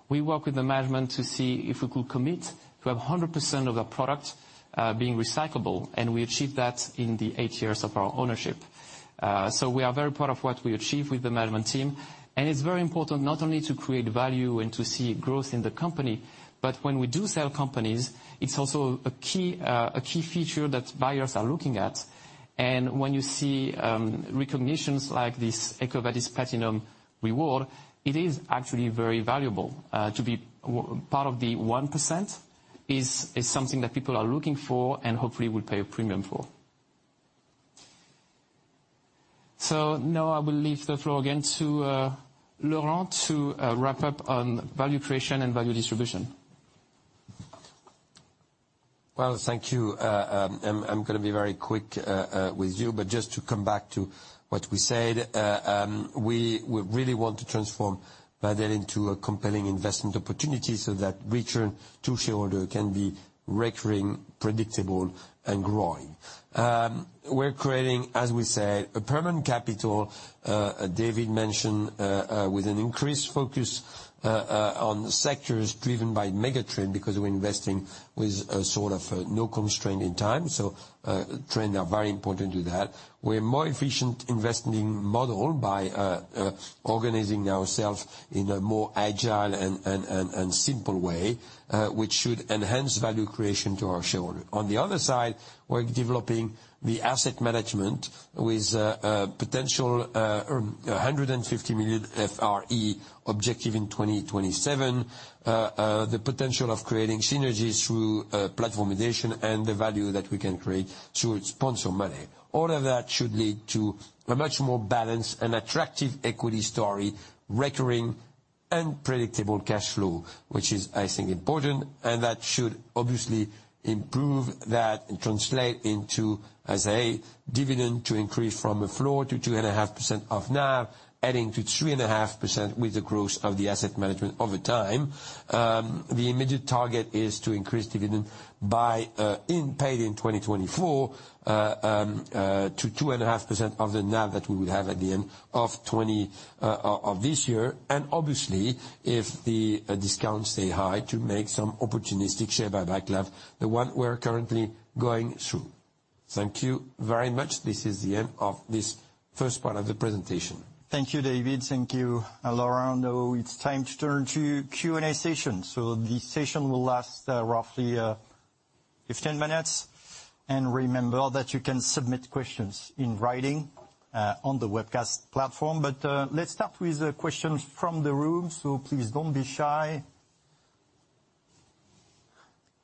We work with the management to see if we could commit to have 100% of the product being recyclable, and we achieved that in the eight years of our ownership. So we are very proud of what we achieved with the management team, and it's very important not only to create value and to see growth in the company, but when we do sell companies, it's also a key feature that buyers are looking at. And when you see recognitions like this EcoVadis Platinum Award, it is actually very valuable. To be part of the 1% is something that people are looking for, and hopefully will pay a premium for. So now I will leave the floor again to Laurent to wrap up on value creation and value distribution. Well, thank you. I'm gonna be very quick with you, but just to come back to what we said, we really want to transform Wendel into a compelling investment opportunity so that return to shareholder can be recurring, predictable, and growing. We're creating, as we said, a permanent capital, David mentioned, with an increased focus on sectors driven by megatrend, because we're investing with a sort of no constraint in time. So, trends are very important to that. We're more efficient investing model by organizing ourselves in a more agile and simple way, which should enhance value creation to our shareholder. On the other side, we're developing the asset management with a potential 150 million FRE objective in 2027. The potential of creating synergies through platformization and the value that we can create through sponsor money. All of that should lead to a much more balanced and attractive equity story, recurring and predictable cash flow, which is, I think, important, and that should obviously improve that, and translate into, as a dividend, to increase from a floor to 2.5% of now, adding to 3.5% with the growth of the asset management over time. The immediate target is to increase dividend by in paid in 2024 to 2.5% of the NAV that we will have at the end of this year. And obviously, if the discount stay high, to make some opportunistic share buyback, like the one we're currently going through. Thank you very much. This is the end of this first part of the presentation. Thank you, David. Thank you, Laurent. Now it's time to turn to Q&A session. The session will last roughly 15 minutes. And remember that you can submit questions in writing on the webcast platform. But let's start with the questions from the room. So please don't be shy.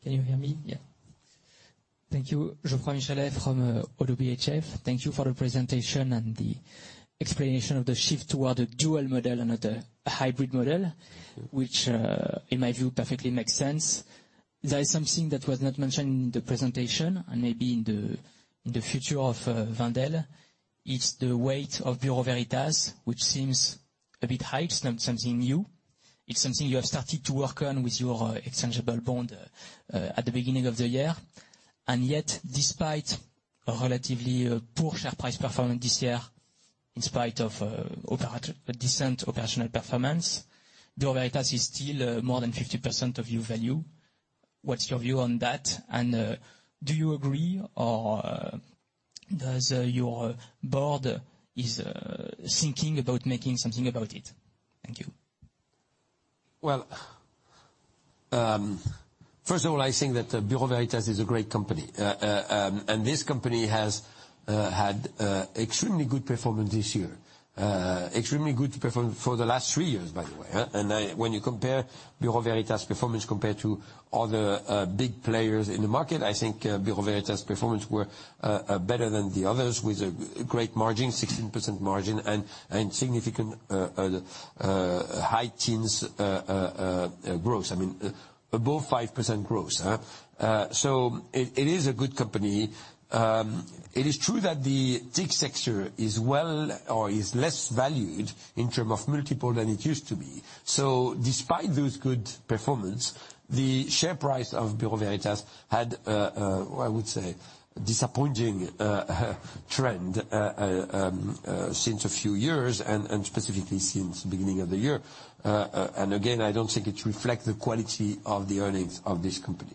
Can you hear me? Yeah. Thank you. Geoffroy Michalet from ODDO BHF. Thank you for the presentation and the explanation of the shift toward a dual model, another hybrid model, which, in my view, perfectly makes sense. There is something that was not mentioned in the presentation and maybe in the future of Wendel. It's the weight of Bureau Veritas, which seems a bit high, it's not something new. It's something you have started to work on with your exchangeable bond at the beginning of the year. And yet, despite a relatively poor share price performance this year, in spite of a decent operational performance, Bureau Veritas is still more than 50% of your value. What's your view on that? And do you agree or does your board is thinking about making something about it? Thank you. ...Well, first of all, I think that Bureau Veritas is a great company. And this company has had extremely good performance this year. Extremely good performance for the last three years, by the way, huh? And when you compare Bureau Veritas' performance compared to other big players in the market, I think Bureau Veritas' performance were better than the others, with a great margin, 16% margin, and significant high teens growth. I mean, above 5% growth, huh? So it is a good company. It is true that the tech sector is well or is less valued in term of multiple than it used to be. So despite those good performance, the share price of Bureau Veritas had, I would say, disappointing trend since a few years and specifically since the beginning of the year. And again, I don't think it reflects the quality of the earnings of this company.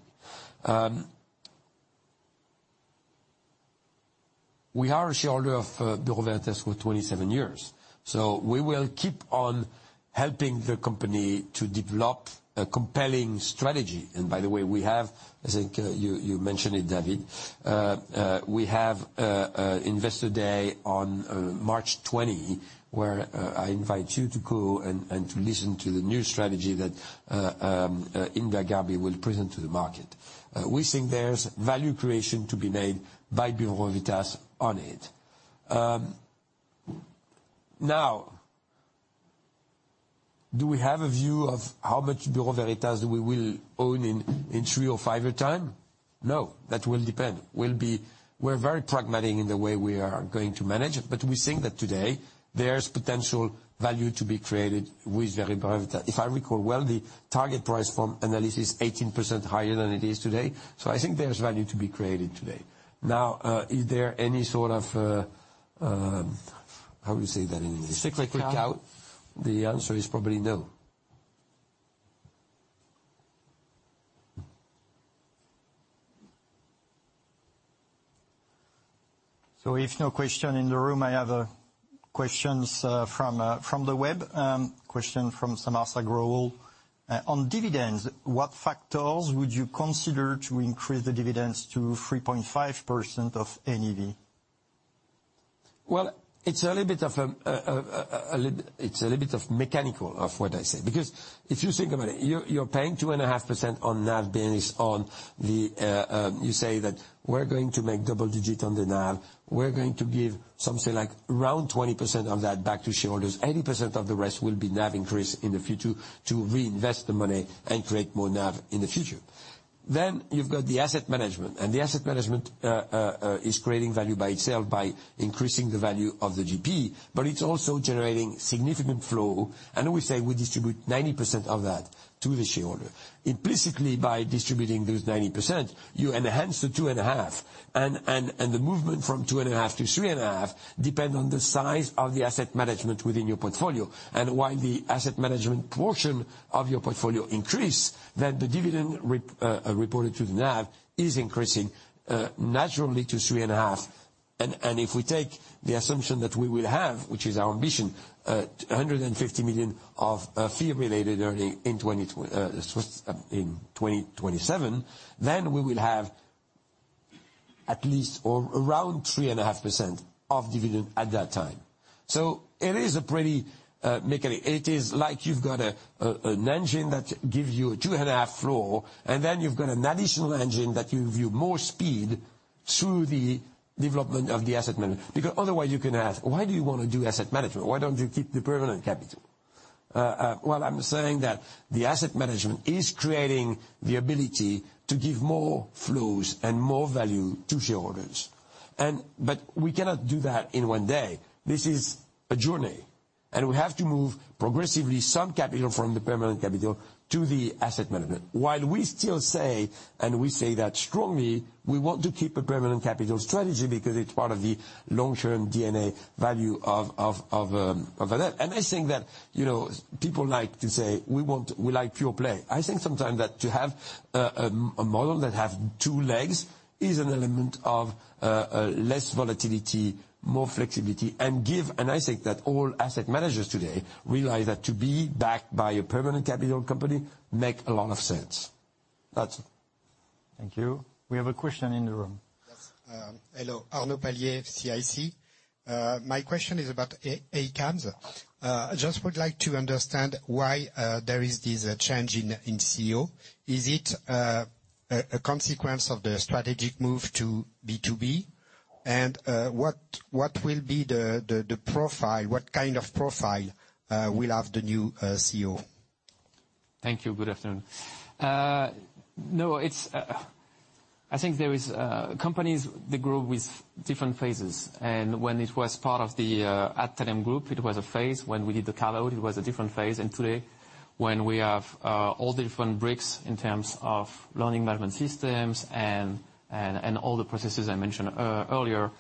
We are a shareholder of Bureau Veritas for 27 years, so we will keep on helping the company to develop a compelling strategy. And by the way, we have, I think, you mentioned it, David, we have an Investor Day on March 20, where I invite you to go and to listen to the new strategy that Hinda Gharbi will present to the market. We think there's value creation to be made by Bureau Veritas on it. Now, do we have a view of how much Bureau Veritas we will own in, in three or five years' time? No, that will depend. We'll be-- We're very pragmatic in the way we are going to manage it, but we think that today there's potential value to be created with Bureau Veritas. If I recall well, the target price from analysts is 18% higher than it is today, so I think there's value to be created today. Now, is there any sort of, how do you say that in English? Cyclical. Quick out? The answer is probably no. So if no question in the room, I have questions from the web. Question from Samarth Agrawal. On dividends, what factors would you consider to increase the dividends to 3.5% of NAV? Well, it's a little bit mechanical of what I say, because if you think about it, you're paying 2.5% on NAV business on the, you say that we're going to make double-digit on the NAV. We're going to give something like around 20% of that back to shareholders. 80% of the rest will be NAV increase in the future to reinvest the money and create more NAV in the future. Then you've got the asset management, and the asset management is creating value by itself by increasing the value of the GP, but it's also generating significant flow. And we say we distribute 90% of that to the shareholder. Implicitly, by distributing those 90%, you enhance the 2.5, and the movement from 2.5 to 3.5 depends on the size of the asset management within your portfolio. And while the asset management portion of your portfolio increases, then the dividend reported to the NAV is increasing naturally to 3.5. And if we take the assumption that we will have, which is our ambition, 150 million of fee-related earnings in 2027, then we will have at least or around 3.5% of dividend at that time. So it is a pretty mechanical. It is like you've got an engine that gives you 2.5 flow, and then you've got an additional engine that gives you more speed through the development of the asset management. Because otherwise, you can ask, "Why do you want to do asset management? Why don't you keep the permanent capital?" Well, I'm saying that the asset management is creating the ability to give more flows and more value to shareholders. But we cannot do that in one day. This is a journey, and we have to move progressively some capital from the permanent capital to the asset management. While we still say, and we say that strongly, we want to keep a permanent capital strategy because it's part of the long-term DNA value of that. I think that, you know, people like to say, "We want, we like pure play." I think sometimes that to have a model that have two legs is an element of less volatility, more flexibility, and give, and I think that all asset managers today realize that to be backed by a permanent capital company make a lot of sense. That's it. Thank you. We have a question in the room. Yes. Hello, Arnaud Palliez, CIC. My question is about ACAMS. I just would like to understand why there is this change in CEO. Is it a consequence of the strategic move to B2B? And what will be the profile, what kind of profile will have the new CEO? Thank you. Good afternoon. No, it's, I think there is companies, they grow with different phases, and when it was part of the Altran Group, it was a phase. When we did the callout, it was a different phase. And today, when we have all different bricks in terms of learning management systems and, and, and all the processes I mentioned earlier,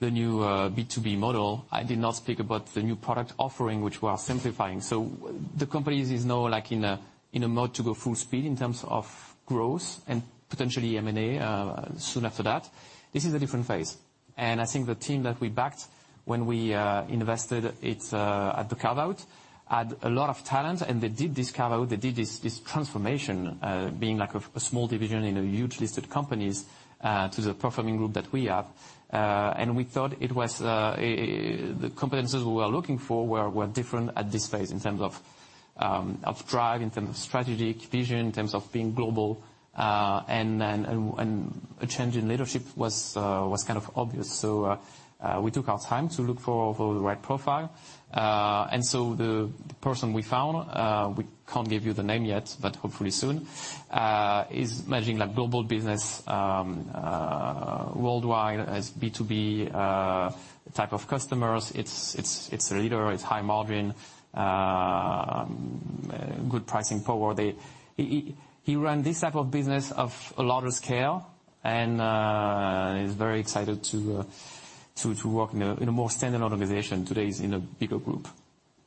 the new B2B model, I did not speak about the new product offering, which we are simplifying. So the company is now, like, in a mode to go full speed in terms of growth and potentially M&A soon after that. This is a different phase.... And I think the team that we backed when we invested, it's at the carve-out, had a lot of talent, and they did this carve-out, they did this transformation, being like a small division in a huge listed companies, to the performing group that we have. And we thought it was the competencies we were looking for were different at this phase in terms of drive, in terms of strategic vision, in terms of being global, and then a change in leadership was kind of obvious. So we took our time to look for the right profile. And so the person we found, we can't give you the name yet, but hopefully soon, is managing, like, global business, worldwide, has B2B type of customers. It's a leader, it's high margin, good pricing power. He ran this type of business of a larger scale and is very excited to work in a more standard organization. Today, he's in a bigger group.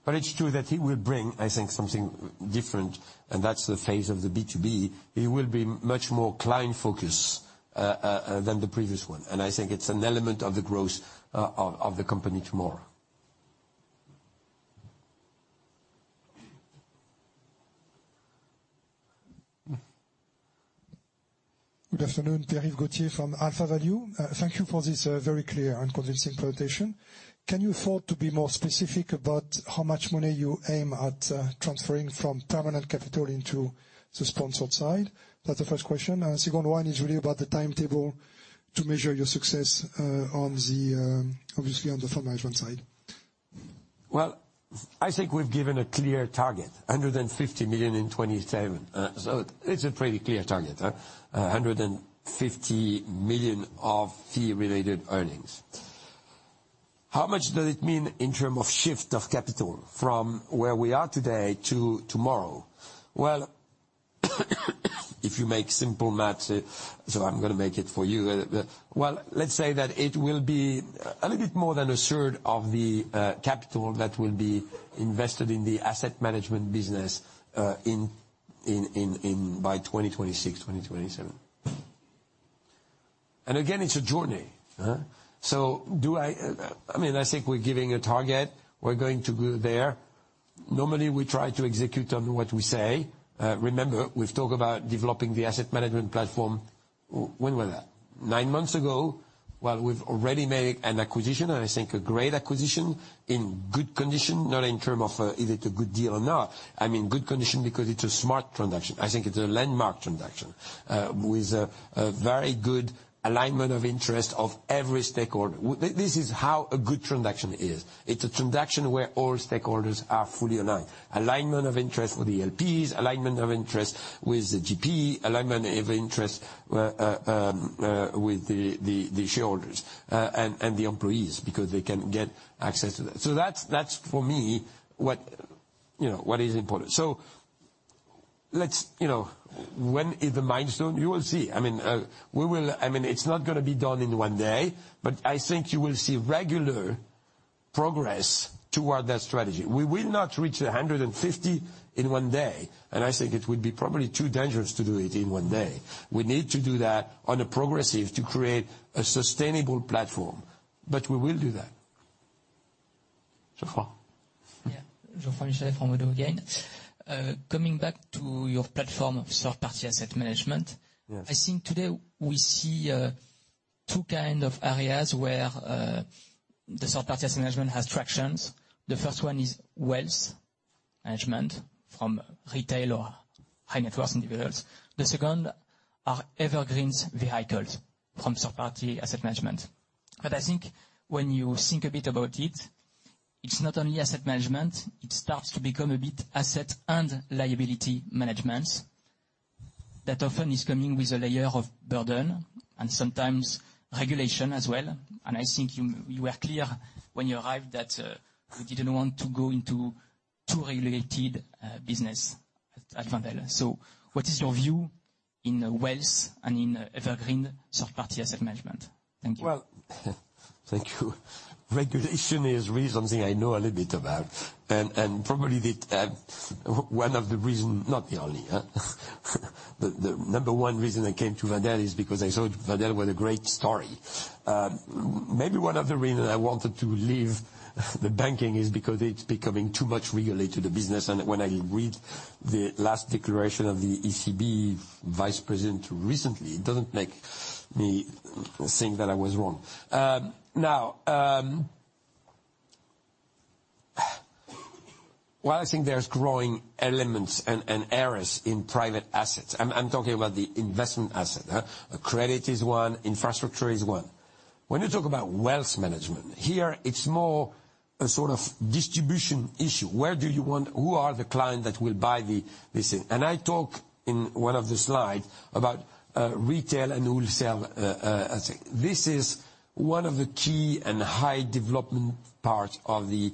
But it's true that he will bring, I think, something different, and that's the phase of the B2B. He will be much more client-focused than the previous one, and I think it's an element of the growth of the company tomorrow. Good afternoon, Pierre Gauthier from AlphaValue. Thank you for this very clear and convincing presentation. Can you afford to be more specific about how much money you aim at transferring from permanent capital into the sponsored side? That's the first question. Second one is really about the timetable to measure your success on the, obviously, on the fund management side. Well, I think we've given a clear target, 150 million in 2027. So it's a pretty clear target, 150 million of fee-related earnings. How much does it mean in terms of shift of capital from where we are today to tomorrow? Well, if you make simple math, so I'm going to make it for you. Well, let's say that it will be a little bit more than a third of the capital that will be invested in the asset management business in 2026, 2027. And again, it's a journey. So do I—I mean, I think we're giving a target. We're going to go there. Normally, we try to execute on what we say. Remember, we've talked about developing the asset management platform. When was that? Nine months ago. Well, we've already made an acquisition, and I think a great acquisition in good condition, not in terms of, is it a good deal or not? I mean, good condition because it's a smart transaction. I think it's a landmark transaction, with a very good alignment of interest of every stakeholder. This is how a good transaction is. It's a transaction where all stakeholders are fully aligned. Alignment of interest with the LPs, alignment of interest with the GP, alignment of interest with the shareholders, and the employees, because they can get access to that. So that's, that's for me, what, you know, what is important. So let's, you know, when is the milestone? You will see. I mean, we will, I mean, it's not going to be done in one day, but I think you will see regular progress toward that strategy. We will not reach 150 in one day, and I think it would be probably too dangerous to do it in one day. We need to do that on a progressive to create a sustainable platform, but we will do that. Geoffroy? Yeah. Geoffroy Michalet from ODDO again. Coming back to your platform of third-party asset management- Yes. I think today we see two kind of areas where the third-party asset management has traction. The first one is wealth management from retail or high-net-worth individuals. The second are evergreen vehicles from third-party asset management. But I think when you think a bit about it, it's not only asset management, it starts to become a bit asset and liability management. That often is coming with a layer of burden and sometimes regulation as well. And I think you were clear when you arrived that you didn't want to go into too regulated business at Wendel. So what is your view in wealth and in evergreen third-party asset management? Thank you. Well, thank you. Regulation is really something I know a little bit about, and probably the one of the reason, not the only. The number one reason I came to Wendel is because I thought Wendel was a great story. Maybe one of the reason I wanted to leave the banking is because it's becoming too much regulated business, and when I read the last declaration of the ECB vice president recently, it doesn't make me think that I was wrong. Well, I think there's growing elements and areas in private assets. I'm talking about the investment asset. Credit is one, infrastructure is one. When you talk about wealth management, here, it's more a sort of distribution issue. Where do you want— Who are the clients that will buy this thing? I talk in one of the slides about retail and wholesale, I think. This is one of the key and high development parts of the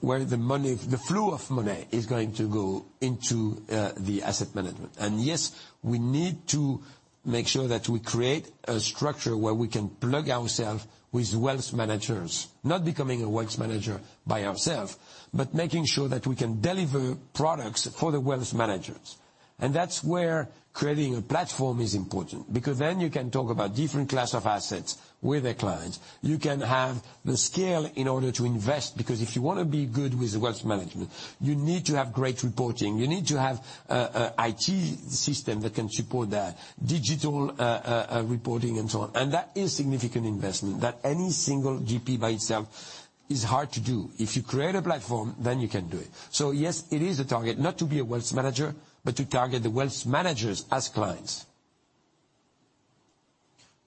where the money, the flow of money is going to go into the asset management. And yes, we need to make sure that we create a structure where we can plug ourselves with wealth managers, not becoming a wealth manager by ourselves, but making sure that we can deliver products for the wealth managers. And that's where creating a platform is important, because then you can talk about different class of assets with the clients. You can have the scale in order to invest, because if you want to be good with the wealth management, you need to have great reporting, you need to have IT system that can support that, digital reporting, and so on. And that is significant investment that any single GP by itself is hard to do. If you create a platform, then you can do it. So yes, it is a target, not to be a wealth manager, but to target the wealth managers as clients.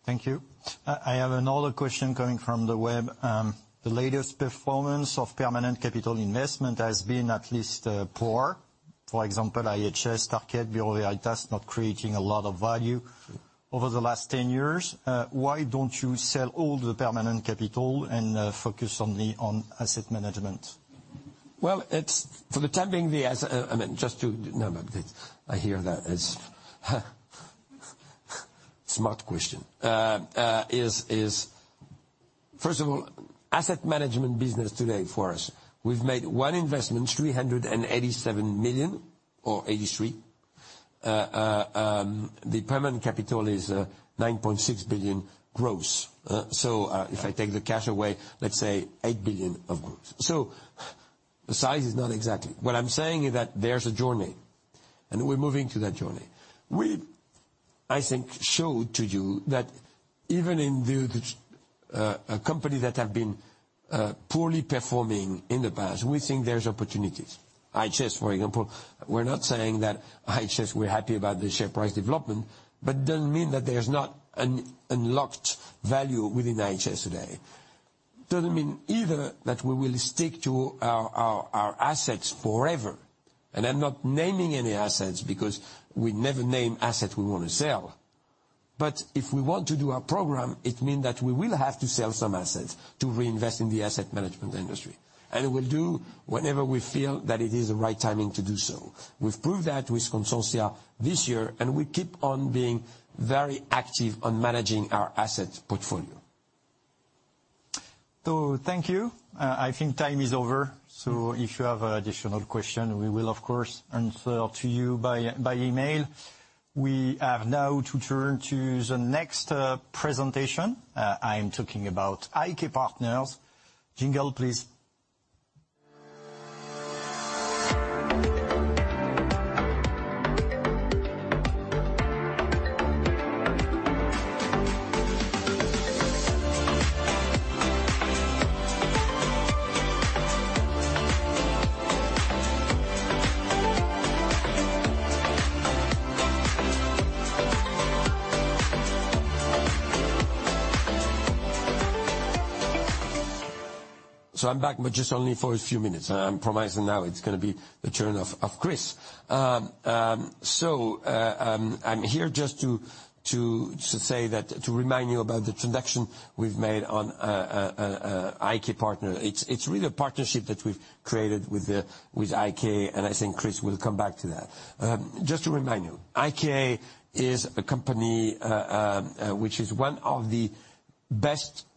Thank you. I have another question coming from the web. The latest performance of permanent capital investment has been at least poor. For example, IHS, Tarkett, Bureau Veritas, not creating a lot of value over the last 10 years. Why don't you sell all the permanent capital and focus only on asset management? Well, it's, for the time being, I mean, no, but it's, I hear that, it's smart question. First of all, asset management business today for us, we've made one investment, 387 million or 83. The permanent capital is 9.6 billion gross. So, if I take the cash away, let's say 8 billion gross. So the size is not exactly. What I'm saying is that there's a journey, and we're moving to that journey. We, I think, showed to you that even in a company that have been poorly performing in the past, we think there's opportunities. IHS, for example, we're not saying that IHS, we're happy about the share price development, but doesn't mean that there's not an unlocked value within IHS today. Doesn't mean either that we will stick to our assets forever, and I'm not naming any assets because we never name assets we want to sell. But if we want to do our program, it means that we will have to sell some assets to reinvest in the asset management industry, and we'll do whenever we feel that it is the right timing to do so. We've proved that with Constantia this year, and we keep on being very active on managing our asset portfolio. So thank you. I think time is over, so if you have additional questions, we will, of course, answer to you by email. We have now to turn to the next presentation. I'm talking about IK Partners. Jingle, please. So I'm back, but just only for a few minutes. I'm promising now it's going to be the turn of Chris. So, I'm here just to say that, to remind you about the transaction we've made on IK Partners. It's really a partnership that we've created with IK, and I think Chris will come back to that. Just to remind you, IK is a company which is one of the best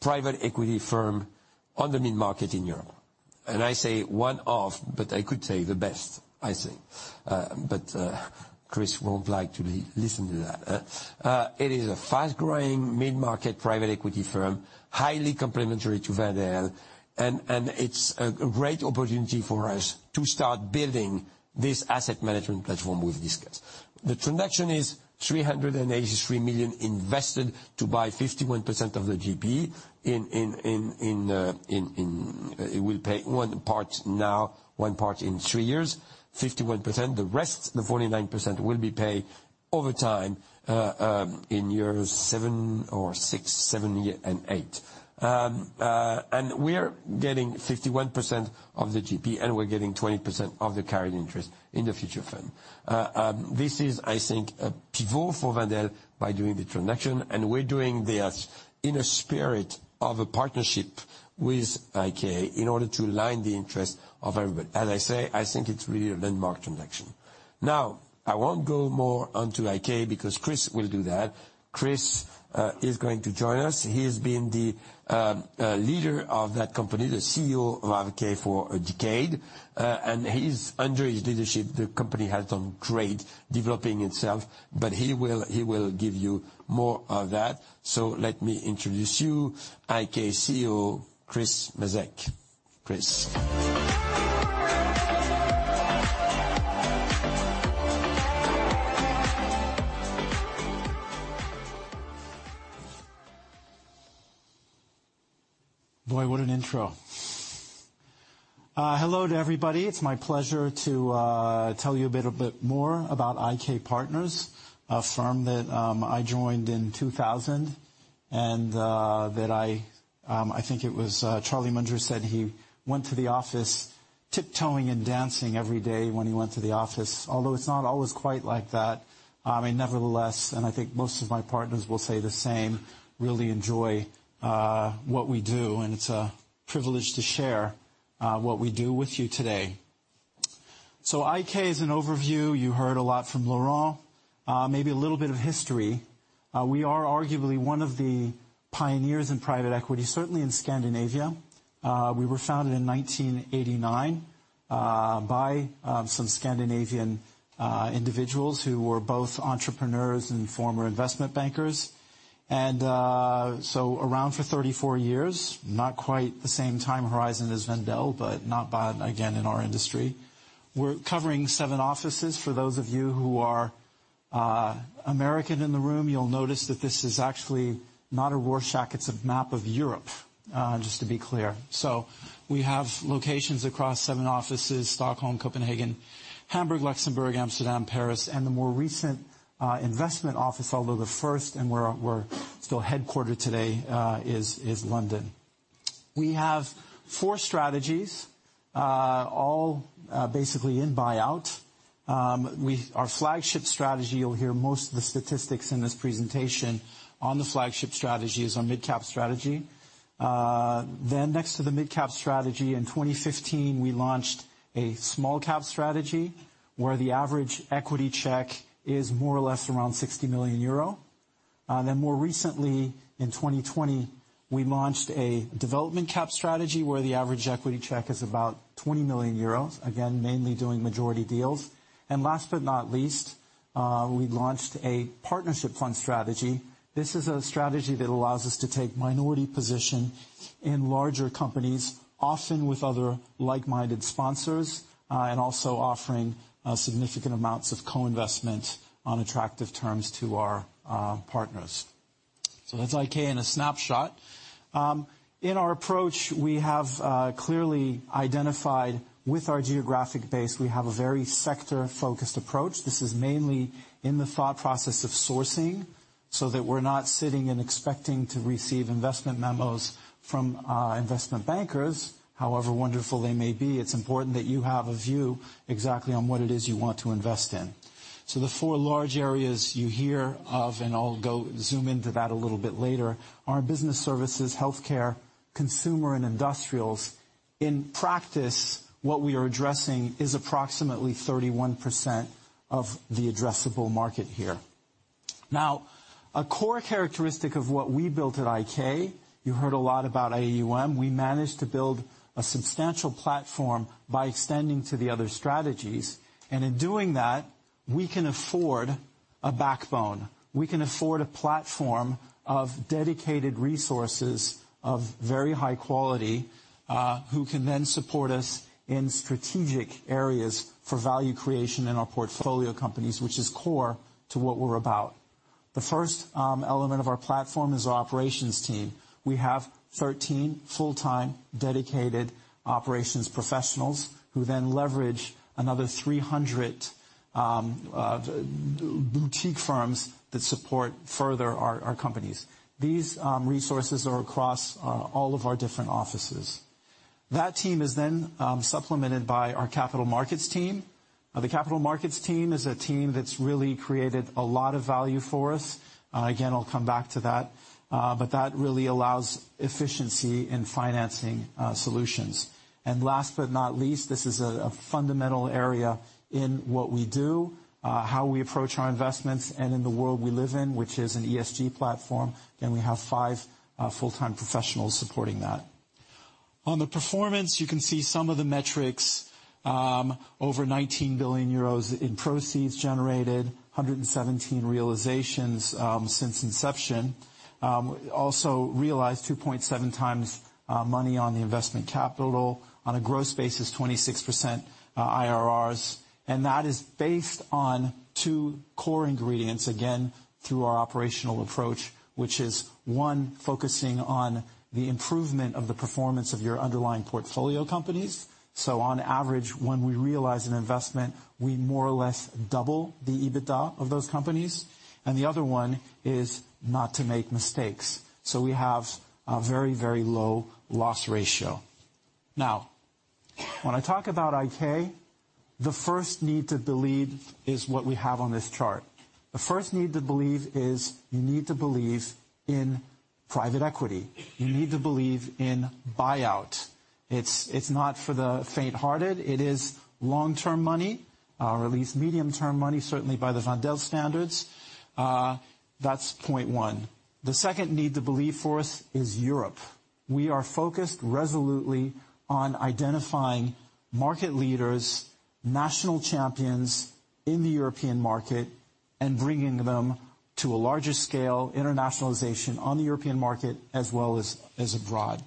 private equity firm on the mid-market in Europe. And I say one of, but I could say the best, I think. But Chris won't like to relisten to that. It is a fast-growing, mid-market private equity firm, highly complementary to Wendel, and it's a great opportunity for us to start building this asset management platform we've discussed. The transaction is 383 million, invested to buy 51% of the GP in IK. It will pay one part now, one part in three years, 51%. The rest, the 49%, will be paid over time, in years six, seven, or eight. And we are getting 51% of the GP, and we're getting 20% of the carried interest in the future fund. This is, I think, a pivot for Wendel by doing the transaction, and we're doing this in a spirit of a partnership with IK in order to align the interest of everybody. As I say, I think it's really a landmark transaction. Now, I won't go more onto IK because Chris will do that. Chris is going to join us. He has been the leader of that company, the CEO of IK for a decade, and he's under his leadership, the company has done great, developing itself, but he will give you more of that. So let me introduce you, IK CEO, Chris Masek. Chris. Boy, what an intro! Hello to everybody. It's my pleasure to tell you a bit more about IK Partners, a firm that I joined in 2000, and I think it was Charlie Munger said he went to the office tiptoeing and dancing every day when he went to the office. Although it's not always quite like that, and nevertheless, and I think most of my partners will say the same, really enjoy what we do, and it's a privilege to share what we do with you today. So IK as an overview, you heard a lot from Laurent, maybe a little bit of history. We are arguably one of the pioneers in private equity, certainly in Scandinavia. We were founded in 1989 by some Scandinavian individuals who were both entrepreneurs and former investment bankers. So around for 34 years, not quite the same time horizon as Wendel, but not bad, again, in our industry. We're covering seven offices. For those of you who are American in the room, you'll notice that this is actually not a Rorschach, it's a map of Europe, just to be clear. So we have locations across seven offices, Stockholm, Copenhagen, Hamburg, Luxembourg, Amsterdam, Paris, and the more recent investment office, although the first and where we're still headquartered today is London. We have four strategies, all basically in buyout. Our flagship strategy, you'll hear most of the statistics in this presentation on the flagship strategy, is our midcap strategy. Then next to the midcap strategy, in 2015, we launched a small cap strategy, where the average equity check is more or less around 60 million euro. Then more recently, in 2020, we launched a development cap strategy, where the average equity check is about 20 million euros, again, mainly doing majority deals. And last but not least, we launched a Partnership Fund strategy. This is a strategy that allows us to take minority position in larger companies, often with other like-minded sponsors, and also offering significant amounts of co-investment on attractive terms to our partners. So that's IK in a snapshot. In our approach, we have clearly identified with our geographic base, we have a very sector-focused approach. This is mainly in the thought process of sourcing, so that we're not sitting and expecting to receive investment memos from, investment bankers, however wonderful they may be. It's important that you have a view exactly on what it is you want to invest in. So the four large areas you hear of, and I'll go zoom into that a little bit later, are business services, healthcare, consumer, and industrials. In practice, what we are addressing is approximately 31% of the addressable market here. Now, a core characteristic of what we built at IK, you heard a lot about AUM. We managed to build a substantial platform by extending to the other strategies, and in doing that, we can afford a backbone. We can afford a platform of dedicated resources of very high quality, who can then support us in strategic areas for value creation in our portfolio companies, which is core to what we're about. The first element of our platform is our operations team. We have 13 full-time, dedicated operations professionals, who then leverage another 300 boutique firms that support further our companies. These resources are across all of our different offices. That team is then supplemented by our capital markets team. The capital markets team is a team that's really created a lot of value for us. Again, I'll come back to that. But that really allows efficiency in financing solutions. And last but not least, this is a fundamental area in what we do, how we approach our investments and in the world we live in, which is an ESG platform, and we have five full-time professionals supporting that. On the performance, you can see some of the metrics, over 19 billion euros in proceeds generated, 117 realizations, since inception. We also realized 2.7x money on the investment capital. On a gross basis, 26% IRRs, and that is based on two core ingredients, again, through our operational approach. Which is, one, focusing on the improvement of the performance of your underlying portfolio companies. So on average, when we realize an investment, we more or less double the EBITDA of those companies, and the other one is not to make mistakes. So we have a very, very low loss ratio. Now, when I talk about IK, the first need to believe is what we have on this chart. The first need to believe is you need to believe in private equity. You need to believe in buyout. It's, it's not for the fainthearted. It is long-term money, or at least medium-term money, certainly by the Wendel standards. That's point one. The second need to believe for us is Europe. We are focused resolutely on identifying market leaders, national champions in the European market, and bringing them to a larger scale, internationalization on the European market, as well as abroad.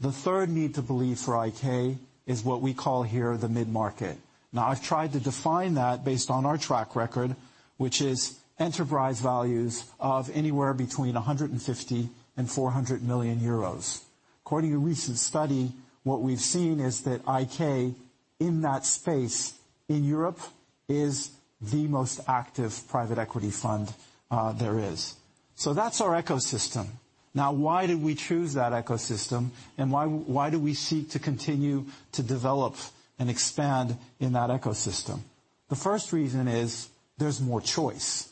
The third need to believe for IK is what we call here the mid-market. Now, I've tried to define that based on our track record, which is enterprise values of anywhere between 150 million and 400 million euros. According to a recent study, what we've seen is that IK, in that space in Europe, is the most active private equity fund there is. So that's our ecosystem. Now, why did we choose that ecosystem, and why, why do we seek to continue to develop and expand in that ecosystem? The first reason is there's more choice.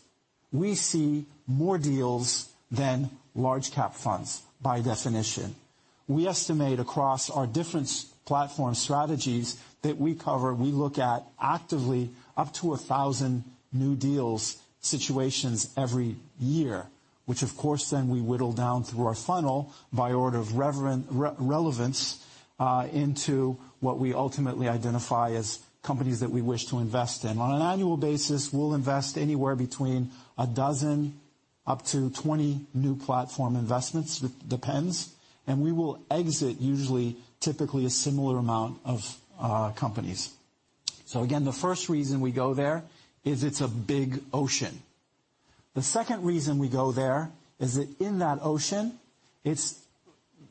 We see more deals than Large-Cap Funds, by definition... We estimate across our different platform strategies that we cover, we look at actively up to 1,000 new deals situations every year, which of course, then we whittle down through our funnel by order of relevance into what we ultimately identify as companies that we wish to invest in. On an annual basis, we'll invest anywhere between 12-20 new platform investments, it depends, and we will exit usually, typically a similar amount of companies. So again, the first reason we go there is it's a big ocean. The second reason we go there is that in that ocean, it's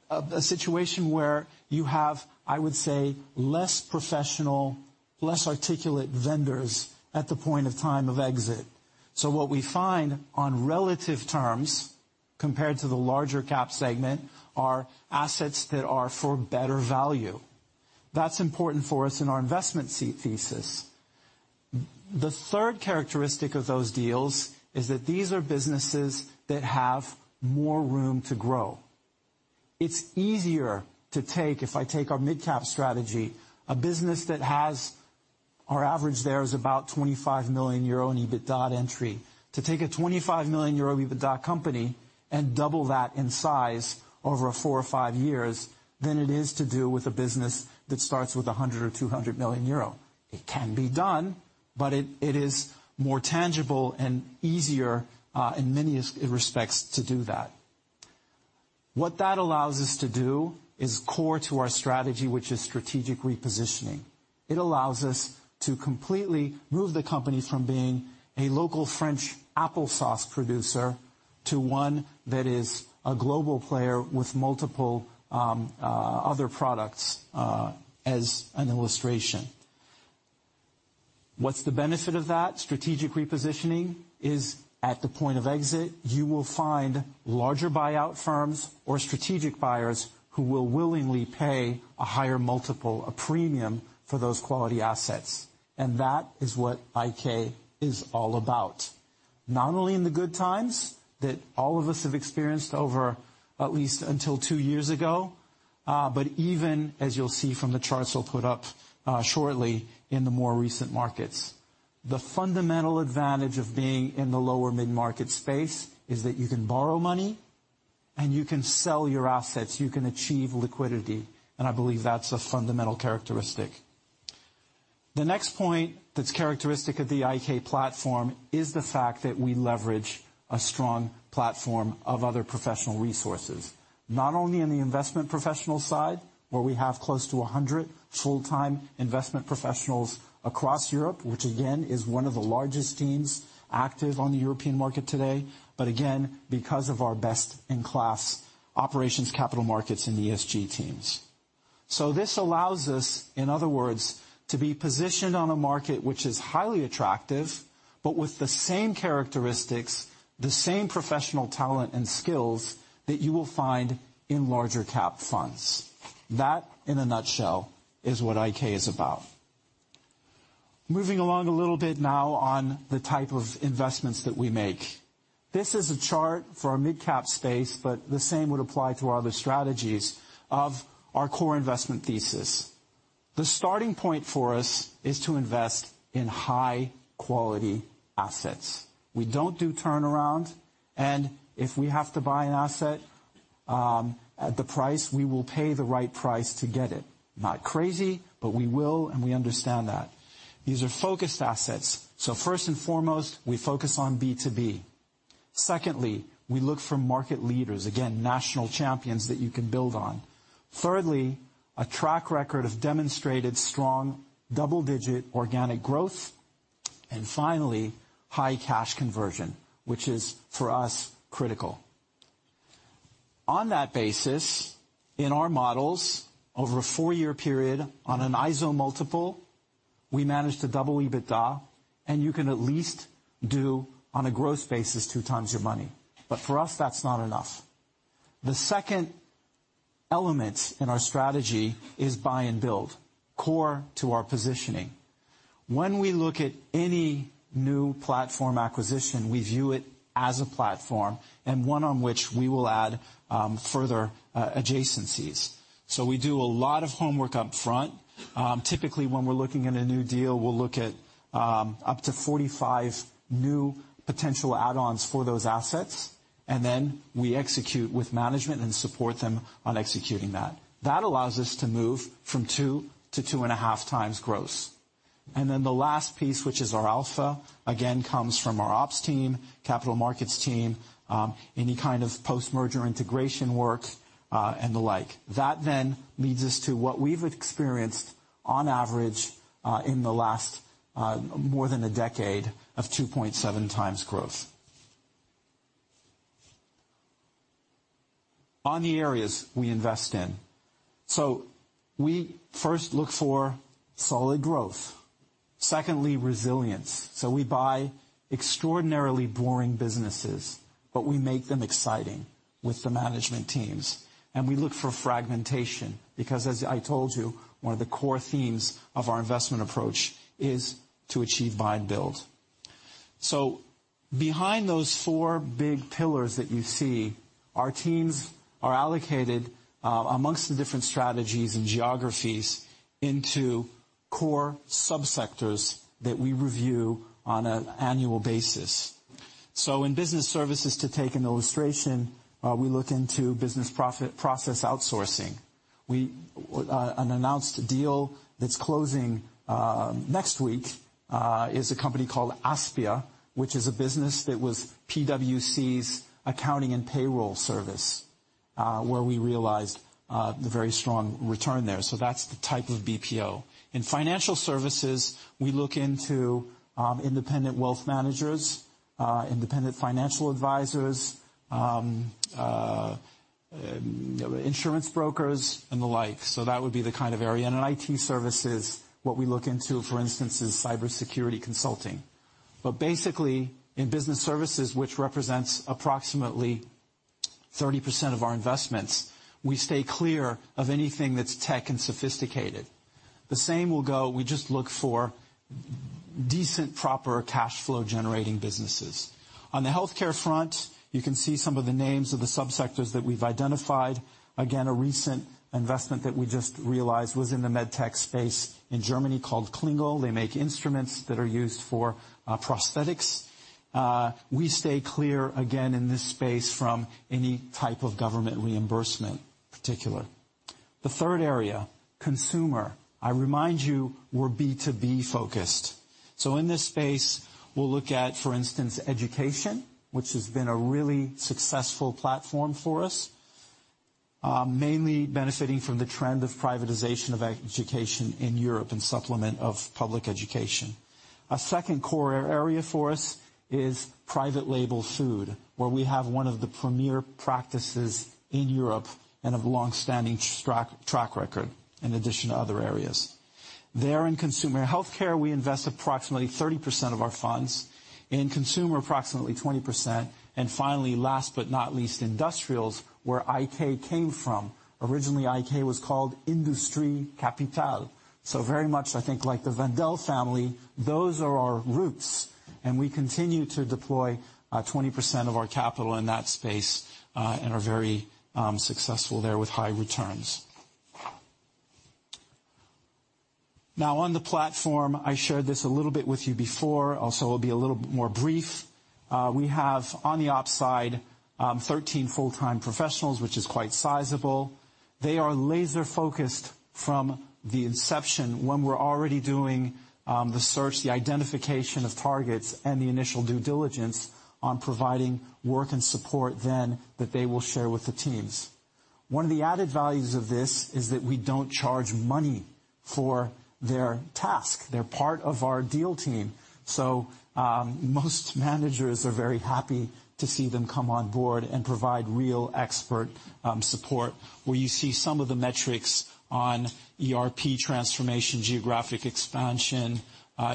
a situation where you have, I would say, less professional, less articulate vendors at the point of time of exit. So what we find on relative terms, compared to the larger cap segment, are assets that are for better value. That's important for us in our investment thesis. The third characteristic of those deals is that these are businesses that have more room to grow. It's easier to take, if I take our midcap strategy, a business that has. Our average there is about 25 million euro in EBITDA entry. To take a 25 million euro EBITDA company and double that in size over a 4 or 5 years than it is to do with a business that starts with a 100 or 200 million euro. It can be done, but it, it is more tangible and easier in many respects to do that. What that allows us to do is core to our strategy, which is strategic repositioning. It allows us to completely move the company from being a local French applesauce producer to one that is a global player with multiple other products as an illustration. What's the benefit of that? Strategic repositioning is, at the point of exit, you will find larger buyout firms or strategic buyers who will willingly pay a higher multiple, a premium, for those quality assets, and that is what IK is all about. Not only in the good times that all of us have experienced over at least until two years ago, but even as you'll see from the charts we'll put up, shortly in the more recent markets. The fundamental advantage of being in the lower mid-market space is that you can borrow money and you can sell your assets, you can achieve liquidity, and I believe that's a fundamental characteristic. The next point that's characteristic of the IK platform is the fact that we leverage a strong platform of other professional resources, not only in the investment professional side, where we have close to 100 full-time investment professionals across Europe, which again, is one of the largest teams active on the European market today, but again, because of our best-in-class operations, capital markets, and ESG teams. So this allows us, in other words, to be positioned on a market which is highly attractive, but with the same characteristics, the same professional talent and skills that you will find in larger cap funds. That, in a nutshell, is what IK is about. Moving along a little bit now on the type of investments that we make. This is a chart for our midcap space, but the same would apply to our other strategies of our core investment thesis. The starting point for us is to invest in high-quality assets. We don't do turnaround, and if we have to buy an asset, at the price, we will pay the right price to get it. Not crazy, but we will, and we understand that. These are focused assets, so first and foremost, we focus on B2B. Secondly, we look for market leaders, again, national champions that you can build on. Thirdly, a track record of demonstrated strong double-digit organic growth. And finally, high cash conversion, which is, for us, critical. On that basis, in our models, over a 4-year period on an LBO multiple, we managed to double EBITDA, and you can at least do, on a growth basis, 2x your money. But for us, that's not enough. The second element in our strategy is buy and build, core to our positioning. When we look at any new platform acquisition, we view it as a platform, and one on which we will add further adjacencies. So we do a lot of homework up front. Typically, when we're looking at a new deal, we'll look at up to 45 new potential add-ons for those assets, and then we execute with management and support them on executing that. That allows us to move from 2x-2.5x gross. And then the last piece, which is our alpha, again, comes from our ops team, capital markets team, any kind of post-merger integration work, and the like. That then leads us to what we've experienced on average, in the last more than a decade, of 2.7x growth. On the areas we invest in. So we first look for solid growth, secondly, resilience. So we buy extraordinarily boring businesses, but we make them exciting with the management teams, and we look for fragmentation, because as I told you, one of the core themes of our investment approach is to achieve buy and build. So behind those four big pillars that you see, our teams are allocated amongst the different strategies and geographies into core subsectors that we review on an annual basis. So in business services, to take an illustration, we look into business process outsourcing. An announced deal that's closing next week is a company called Aspia, which is a business that was PwC's accounting and payroll service, where we realized the very strong return there. So that's the type of BPO. In financial services, we look into independent wealth managers, independent financial advisors, insurance brokers, and the like. So that would be the kind of area. And in IT services, what we look into, for instance, is cybersecurity consulting. But basically, in business services, which represents approximately 30% of our investments, we stay clear of anything that's tech and sophisticated. The same will go, we just look for decent, proper cash flow generating businesses. On the healthcare front, you can see some of the names of the subsectors that we've identified. Again, a recent investment that we just realized was in the med tech space in Germany called Klingel. They make instruments that are used for prosthetics. We stay clear, again, in this space from any type of government reimbursement, particular. The third area, consumer. I remind you, we're B2B focused. So in this space, we'll look at, for instance, education, which has been a really successful platform for us, mainly benefiting from the trend of privatization of education in Europe and supplement of public education. A second core area for us is private label food, where we have one of the premier practices in Europe and a long-standing track record, in addition to other areas. There in consumer healthcare, we invest approximately 30% of our funds, in consumer, approximately 20%, and finally, last but not least, industrials, where IK came from. Originally, IK was called Industri Kapital. So very much, I think, like the Wendel family, those are our roots, and we continue to deploy 20% of our capital in that space, and are very successful there with high returns. Now, on the platform, I shared this a little bit with you before, also will be a little bit more brief. We have, on the ops side, 13 full-time professionals, which is quite sizable. They are laser-focused from the inception, when we're already doing the search, the identification of targets, and the initial due diligence on providing work and support then that they will share with the teams. One of the added values of this is that we don't charge money for their task. They're part of our deal team. So, most managers are very happy to see them come on board and provide real expert support, where you see some of the metrics on ERP transformation, geographic expansion,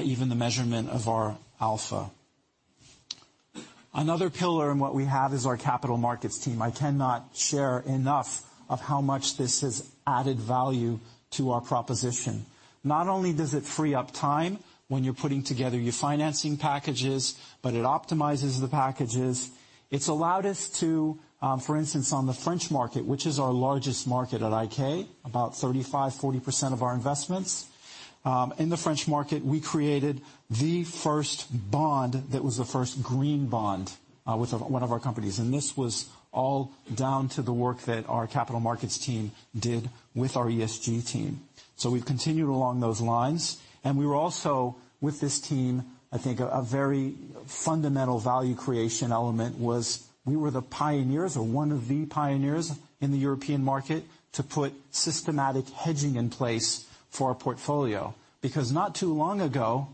even the measurement of our alpha. Another pillar in what we have is our capital markets team. I cannot share enough of how much this has added value to our proposition. Not only does it free up time when you're putting together your financing packages, but it optimizes the packages. It's allowed us to, for instance, on the French market, which is our largest market at IK, about 35-40% of our investments. In the French market, we created the first bond that was the first green bond with one of our companies, and this was all down to the work that our capital markets team did with our ESG team. So we've continued along those lines, and we were also, with this team, I think, a very fundamental value creation element was we were the pioneers or one of the pioneers in the European market to put systematic hedging in place for our portfolio. Because not too long ago,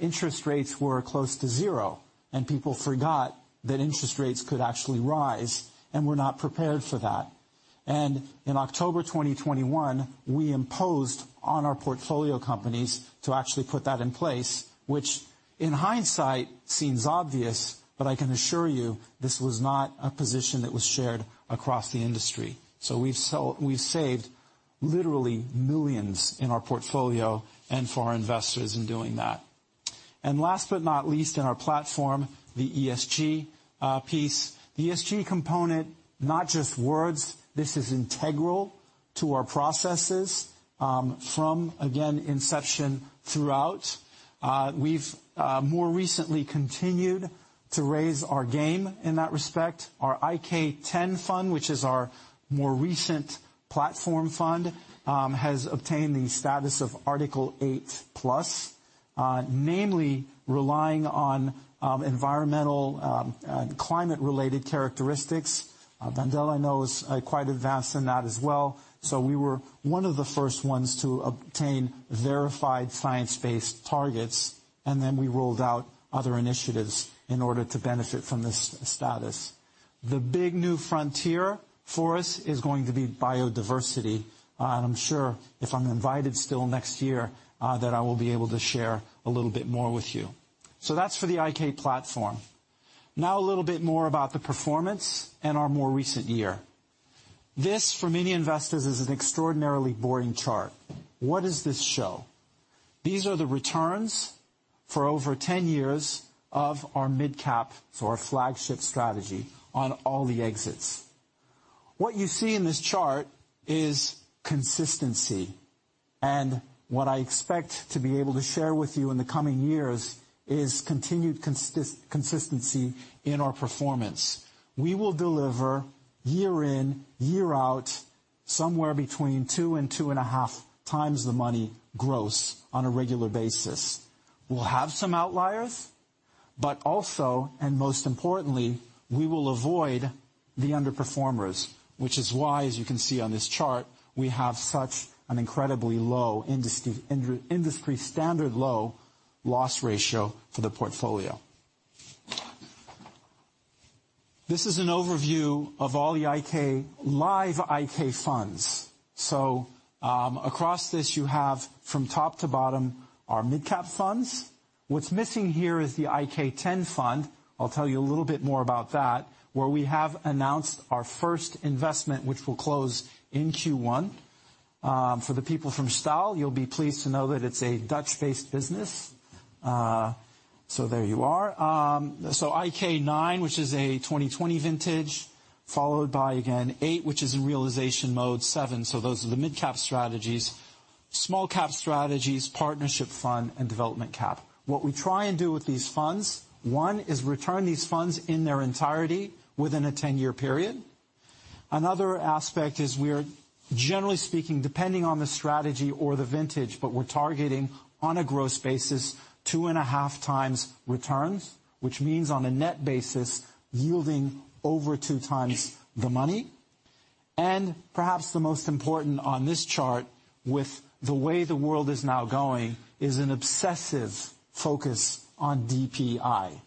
interest rates were close to zero, and people forgot that interest rates could actually rise and were not prepared for that. And in October 2021, we imposed on our portfolio companies to actually put that in place, which, in hindsight, seems obvious, but I can assure you this was not a position that was shared across the industry. So we've saved literally millions in our portfolio and for our investors in doing that. And last but not least, in our platform, the ESG piece. The ESG component, not just words, this is integral to our processes, from, again, inception throughout. We've more recently continued to raise our game in that respect. Our IK X Fund, which is our more recent Platform Fund, has obtained the status of Article 8 Plus, namely relying on, environmental, climate-related characteristics. Wendel, I know, is quite advanced in that as well. So we were one of the first ones to obtain verified science-based targets, and then we rolled out other initiatives in order to benefit from this status. The big new frontier for us is going to be biodiversity, and I'm sure if I'm invited still next year, that I will be able to share a little bit more with you. So that's for the IK platform. Now, a little bit more about the performance and our more recent year.... This, for many investors, is an extraordinarily boring chart. What does this show? These are the returns for over 10 years of our midcap, so our flagship strategy, on all the exits. What you see in this chart is consistency, and what I expect to be able to share with you in the coming years is continued consistency in our performance. We will deliver year in, year out, somewhere between 2x and 2.5x the money, gross, on a regular basis. We'll have some outliers, but also, and most importantly, we will avoid the underperformers, which is why, as you can see on this chart, we have such an incredibly low industry standard low loss ratio for the portfolio. This is an overview of all the live IK Funds. So, across this, you have from top to bottom, our Mid-Cap funds. What's missing here is the IK X fund. I'll tell you a little bit more about that, where we have announced our first investment, which will close in Q1. For the people from Stahl, you'll be pleased to know that it's a Dutch-based business. So there you are. So IK IX, which is a 2020 vintage, followed by, again, IK VIII, which is in realization mode, IK VII, so those are the midcap strategies. Small Cap strategies, Partnership Fund, and Development Cap. What we try and do with these funds, one, is return these funds in their entirety within a 10-year period. Another aspect is we're, generally speaking, depending on the strategy or the vintage, but we're targeting, on a gross basis, 2.5x returns, which means on a net basis, yielding over 2x the money. Perhaps the most important on this chart, with the way the world is now going, is an obsessive focus on DPI.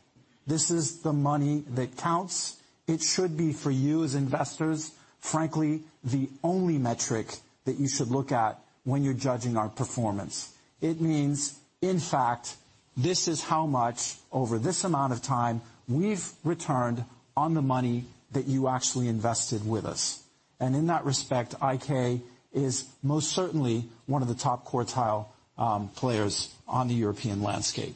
This is the money that counts. It should be for you, as investors, frankly, the only metric that you should look at when you're judging our performance. It means, in fact, this is how much over this amount of time we've returned on the money that you actually invested with us, and in that respect, IK is most certainly one of the top quartile players on the European landscape.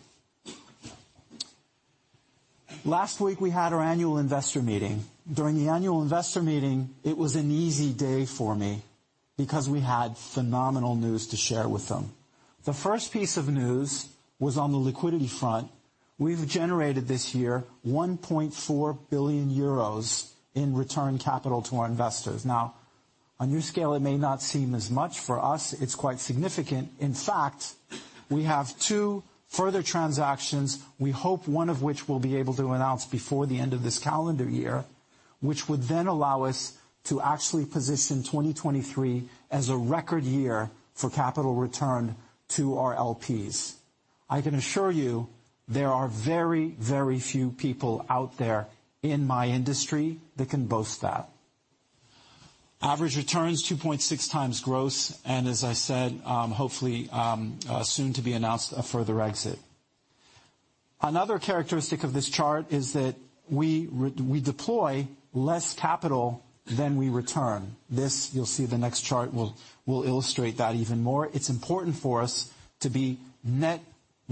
Last week, we had our annual investor meeting. During the annual investor meeting, it was an easy day for me because we had phenomenal news to share with them. The first piece of news was on the liquidity front. We've generated this year 1.4 billion euros in return capital to our investors. Now, on your scale, it may not seem as much. For us, it's quite significant. In fact, we have two further transactions, we hope one of which we'll be able to announce before the end of this calendar year, which would then allow us to actually position 2023 as a record year for capital return to our LPs. I can assure you there are very, very few people out there in my industry that can boast that. Average returns, 2.6x gross, and as I said, hopefully, soon to be announced, a further exit. Another characteristic of this chart is that we deploy less capital than we return. This, you'll see the next chart will illustrate that even more. It's important for us to be net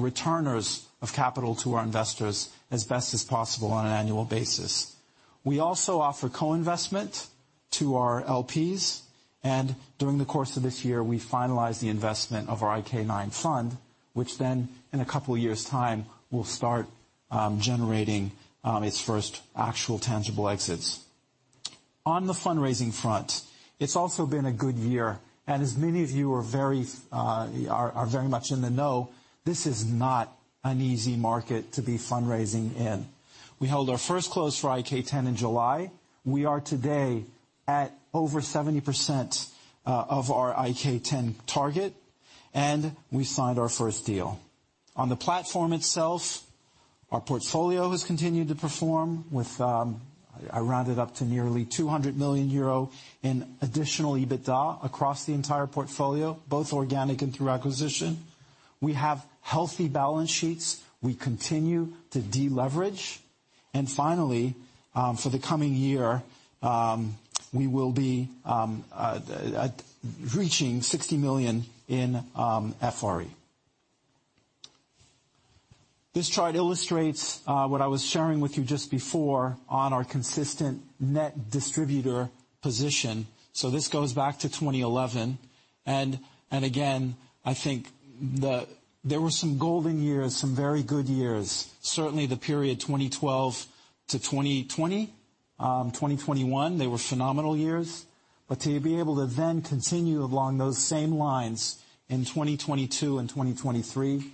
returners of capital to our investors as best as possible on an annual basis. We also offer co-investment to our LPs, and during the course of this year, we finalized the investment of our IK IX fund, which then, in a couple of years' time, will start generating its first actual tangible exits. On the fundraising front, it's also been a good year, and as many of you are very are very much in the know, this is not an easy market to be fundraising in. We held our first close for IK X in July. We are today at over 70%, of our IK X target, and we signed our first deal. On the platform itself, our portfolio has continued to perform with, I rounded up to nearly 200 million euro in additional EBITDA across the entire portfolio, both organic and through acquisition. We have healthy balance sheets. We continue to deleverage. And finally, for the coming year, we will be reaching EUR 60 million in FRE. This chart illustrates what I was sharing with you just before on our consistent net distributor position. So this goes back to 2011, and again, I think there were some golden years, some very good years. Certainly, the period 2012 to 2020, 2021, they were phenomenal years. But to be able to then continue along those same lines in 2022 and 2023,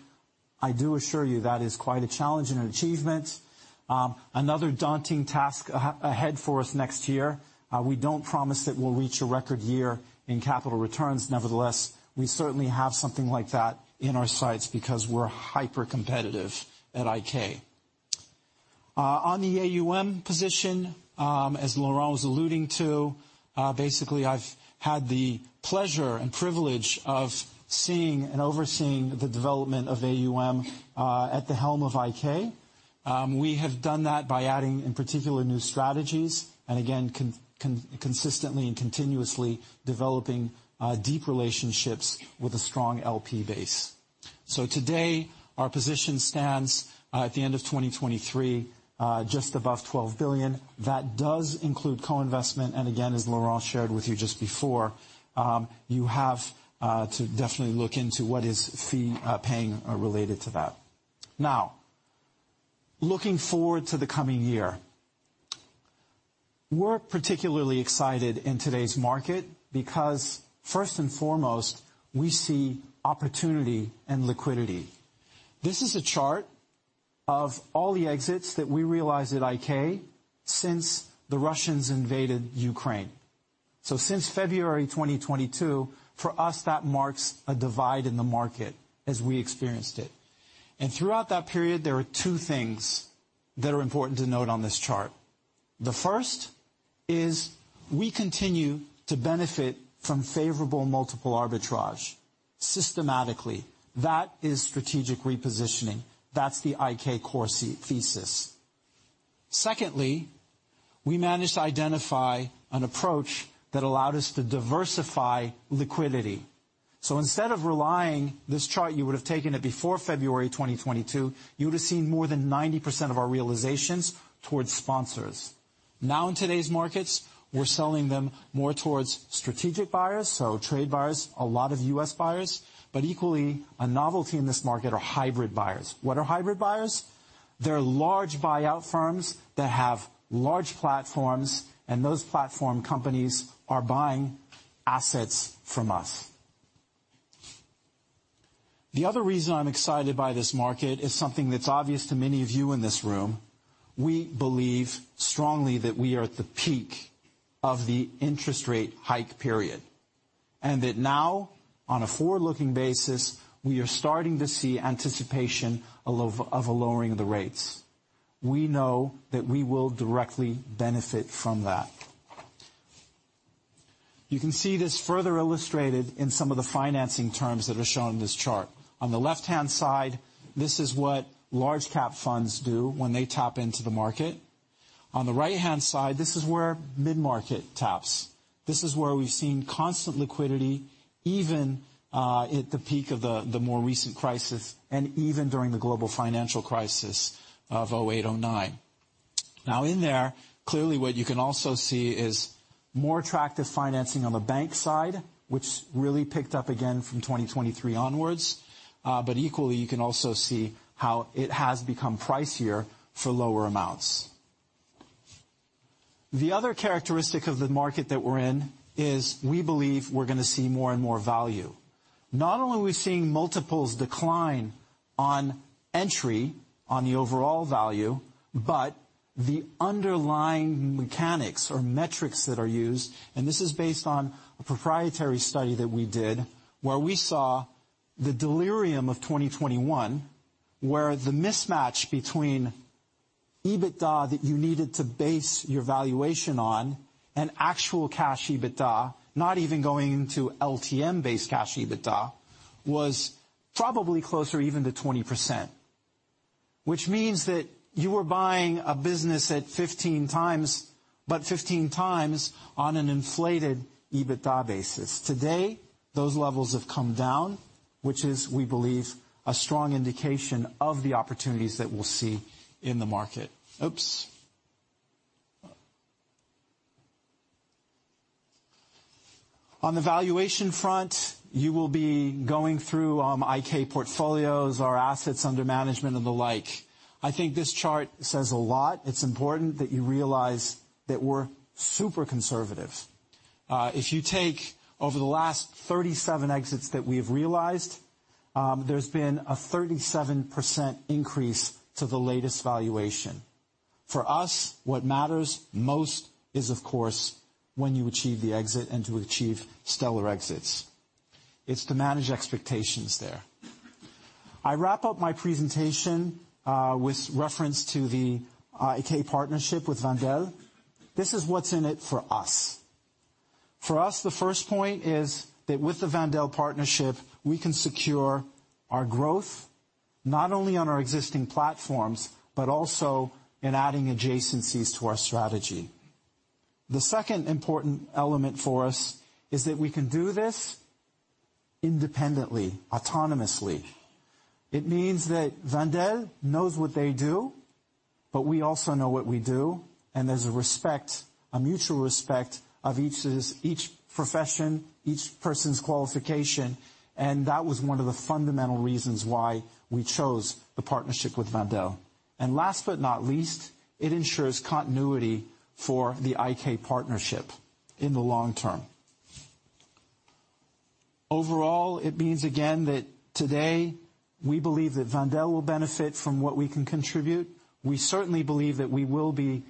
I do assure you that is quite a challenge and an achievement. Another daunting task ahead for us next year, we don't promise that we'll reach a record year in capital returns. Nevertheless, we certainly have something like that in our sights because we're hypercompetitive at IK. On the AUM position, as Laurent was alluding to, basically, I've had the pleasure and privilege of seeing and overseeing the development of AUM, at the helm of IK. We have done that by adding, in particular, new strategies, and again, consistently and continuously developing, deep relationships with a strong LP base. So today, our position stands, at the end of 2023, just above 12 billion. That does include co-investment, and again, as Laurent shared with you just before, you have, to definitely look into what is fee paying related to that. Now, looking forward to the coming year, we're particularly excited in today's market, because first and foremost, we see opportunity and liquidity. This is a chart of all the exits that we realized at IK since the Russians invaded Ukraine. So since February 2022, for us, that marks a divide in the market as we experienced it. And throughout that period, there are two things that are important to note on this chart. The first is we continue to benefit from favorable multiple arbitrage systematically. That is strategic repositioning. That's the IK core thesis. Secondly, we managed to identify an approach that allowed us to diversify liquidity. So instead of relying, this chart, you would have taken it before February 2022, you would have seen more than 90% of our realizations towards sponsors. Now, in today's markets, we're selling them more towards strategic buyers, so trade buyers, a lot of U.S. buyers, but equally, a novelty in this market are hybrid buyers. What are hybrid buyers? They're large buyout firms that have large platforms, and those platform companies are buying assets from us. The other reason I'm excited by this market is something that's obvious to many of you in this room. We believe strongly that we are at the peak of the interest rate hike period, and that now, on a forward-looking basis, we are starting to see anticipation of a lowering of the rates. We know that we will directly benefit from that. You can see this further illustrated in some of the financing terms that are shown in this chart. On the left-hand side, this is what Large-Cap Funds do when they tap into the market. On the right-hand side, this is where mid-market taps. This is where we've seen constant liquidity, even at the peak of the more recent crisis and even during the global financial crisis of 2008, 2009. Now, in there, clearly, what you can also see is more attractive financing on the bank side, which really picked up again from 2023 onwards. But equally, you can also see how it has become pricier for lower amounts. The other characteristic of the market that we're in is we believe we're going to see more and more value. Not only are we seeing multiples decline on entry on the overall value, but the underlying mechanics or metrics that are used, and this is based on a proprietary study that we did, where we saw the delirium of 2021, where the mismatch between EBITDA that you needed to base your valuation on and actual cash EBITDA, not even going into LTM-based cash EBITDA, was probably closer even to 20%. Which means that you were buying a business at 15x, but 15x on an inflated EBITDA basis. Today, those levels have come down, which is, we believe, a strong indication of the opportunities that we'll see in the market. Oops! On the valuation front, you will be going through IK portfolios, our assets under management, and the like. I think this chart says a lot. It's important that you realize that we're super conservative. If you take over the last 37 exits that we've realized, there's been a 37% increase to the latest valuation. For us, what matters most is, of course, when you achieve the exit and to achieve stellar exits. It's to manage expectations there. I wrap up my presentation with reference to the IK partnership with Wendel. This is what's in it for us. For us, the first point is that with the Wendel partnership, we can secure our growth, not only on our existing platforms, but also in adding adjacencies to our strategy. The second important element for us is that we can do this independently, autonomously. It means that Wendel knows what they do, but we also know what we do, and there's a respect, a mutual respect of each's, each profession, each person's qualification, and that was one of the fundamental reasons why we chose the partnership with Wendel. And last but not least, it ensures continuity for the IK partnership in the long term. Overall, it means, again, that today, we believe that Wendel will benefit from what we can contribute. We certainly believe that we will be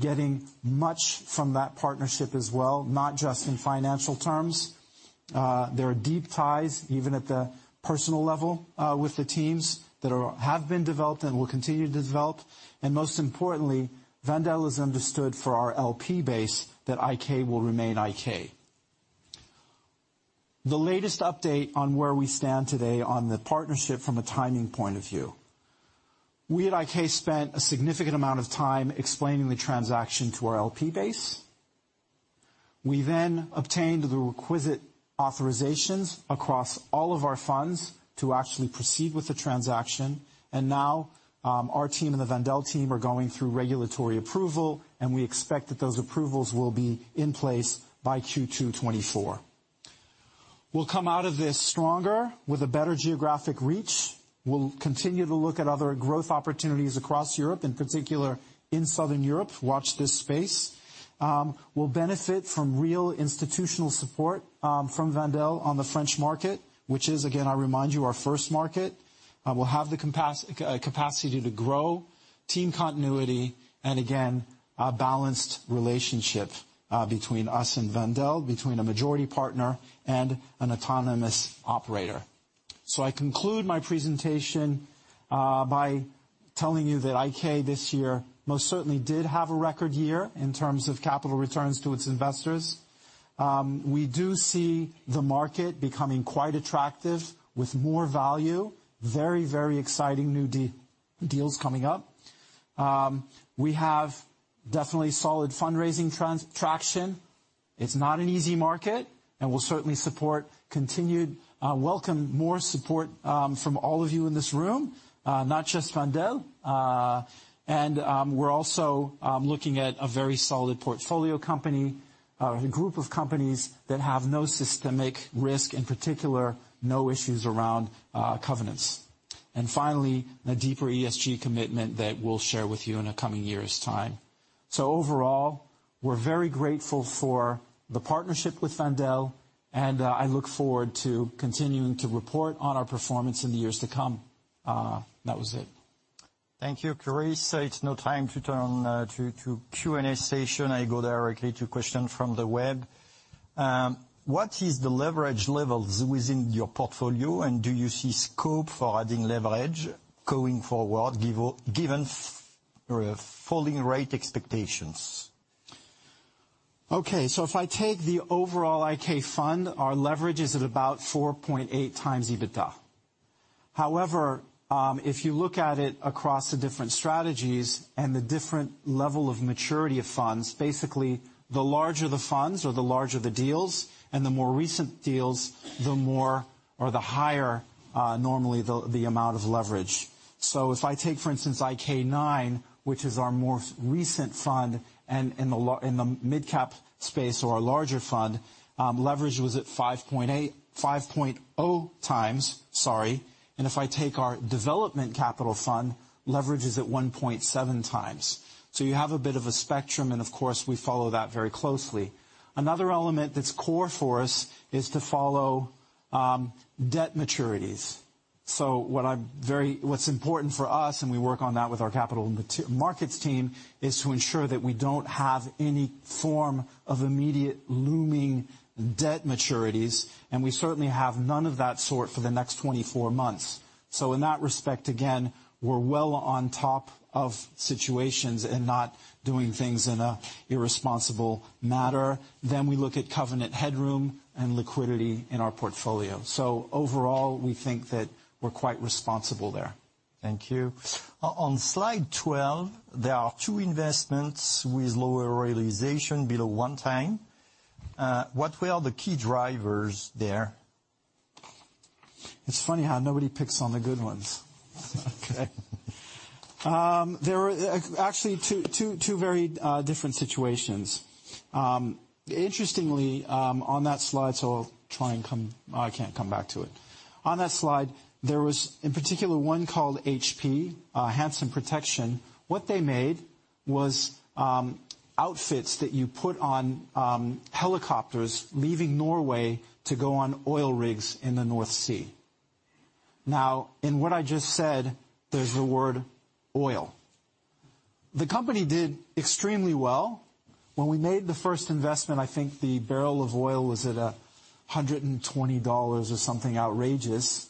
getting much from that partnership as well, not just in financial terms. There are deep ties, even at the personal level, with the teams that have been developed and will continue to develop. And most importantly, Wendel is understood for our LP base that IK will remain IK. The latest update on where we stand today on the partnership from a timing point of view. We at IK spent a significant amount of time explaining the transaction to our LP base. We then obtained the requisite authorizations across all of our funds to actually proceed with the transaction, and now, our team and the Wendel team are going through regulatory approval, and we expect that those approvals will be in place by Q2 2024. We'll come out of this stronger, with a better geographic reach. We'll continue to look at other growth opportunities across Europe, in particular, in Southern Europe. Watch this space. We'll benefit from real institutional support from Wendel on the French market, which is, again, I remind you, our first market. We'll have the capacity to grow, team continuity, and again, a balanced relationship between us and Wendel, between a majority partner and an autonomous operator. So I conclude my presentation by telling you that IK, this year, most certainly did have a record year in terms of capital returns to its investors. We do see the market becoming quite attractive, with more value. Very, very exciting new deals coming up. We have definitely solid fundraising traction. It's not an easy market, and we'll certainly welcome more support from all of you in this room, not just Wendel. And we're also looking at a very solid portfolio company, a group of companies that have no systemic risk, in particular, no issues around covenants. And finally, a deeper ESG commitment that we'll share with you in a coming year's time. So overall, we're very grateful for the partnership with Wendel, and I look forward to continuing to report on our performance in the years to come. That was it. Thank you, Chris. So it's now time to turn to Q&A session. I go directly to question from the web. What is the leverage levels within your portfolio, and do you see scope for adding leverage going forward, given falling rate expectations? Okay, so if I take the overall IK Fund, our leverage is at about 4.8x EBITDA. However, if you look at it across the different strategies and the different level of maturity of funds, basically, the larger the funds or the larger the deals, and the more recent deals, the higher, normally, the amount of leverage. So if I take, for instance, IK IX, which is our more recent fund, and in the Mid-Cap space or a larger fund, leverage was at 5.8x, 5.0x, sorry. And if I take our Development Capital Fund, leverage is at 1.7x. So you have a bit of a spectrum, and of course, we follow that very closely. Another element that's core for us is to follow debt maturities. So what's important for us, and we work on that with our capital markets team, is to ensure that we don't have any form of immediate looming debt maturities, and we certainly have none of that sort for the next 24 months. So in that respect, again, we're well on top of situations and not doing things in an irresponsible manner. Then we look at covenant headroom and liquidity in our portfolio. So overall, we think that we're quite responsible there. Thank you. On slide 12, there are two investments with lower realization below one time. What were the key drivers there? It's funny how nobody picks on the good ones. Okay, there were actually two very different situations. Interestingly, on that slide, so I'll try and come... Oh, I can't come back to it. On that slide, there was, in particular, one called HP, Handsome Protection. What they made was outfits that you put on helicopters leaving Norway to go on oil rigs in the North Sea. Now, in what I just said, there's the word oil. The company did extremely well. When we made the first investment, I think the barrel of oil was at $120 or something outrageous.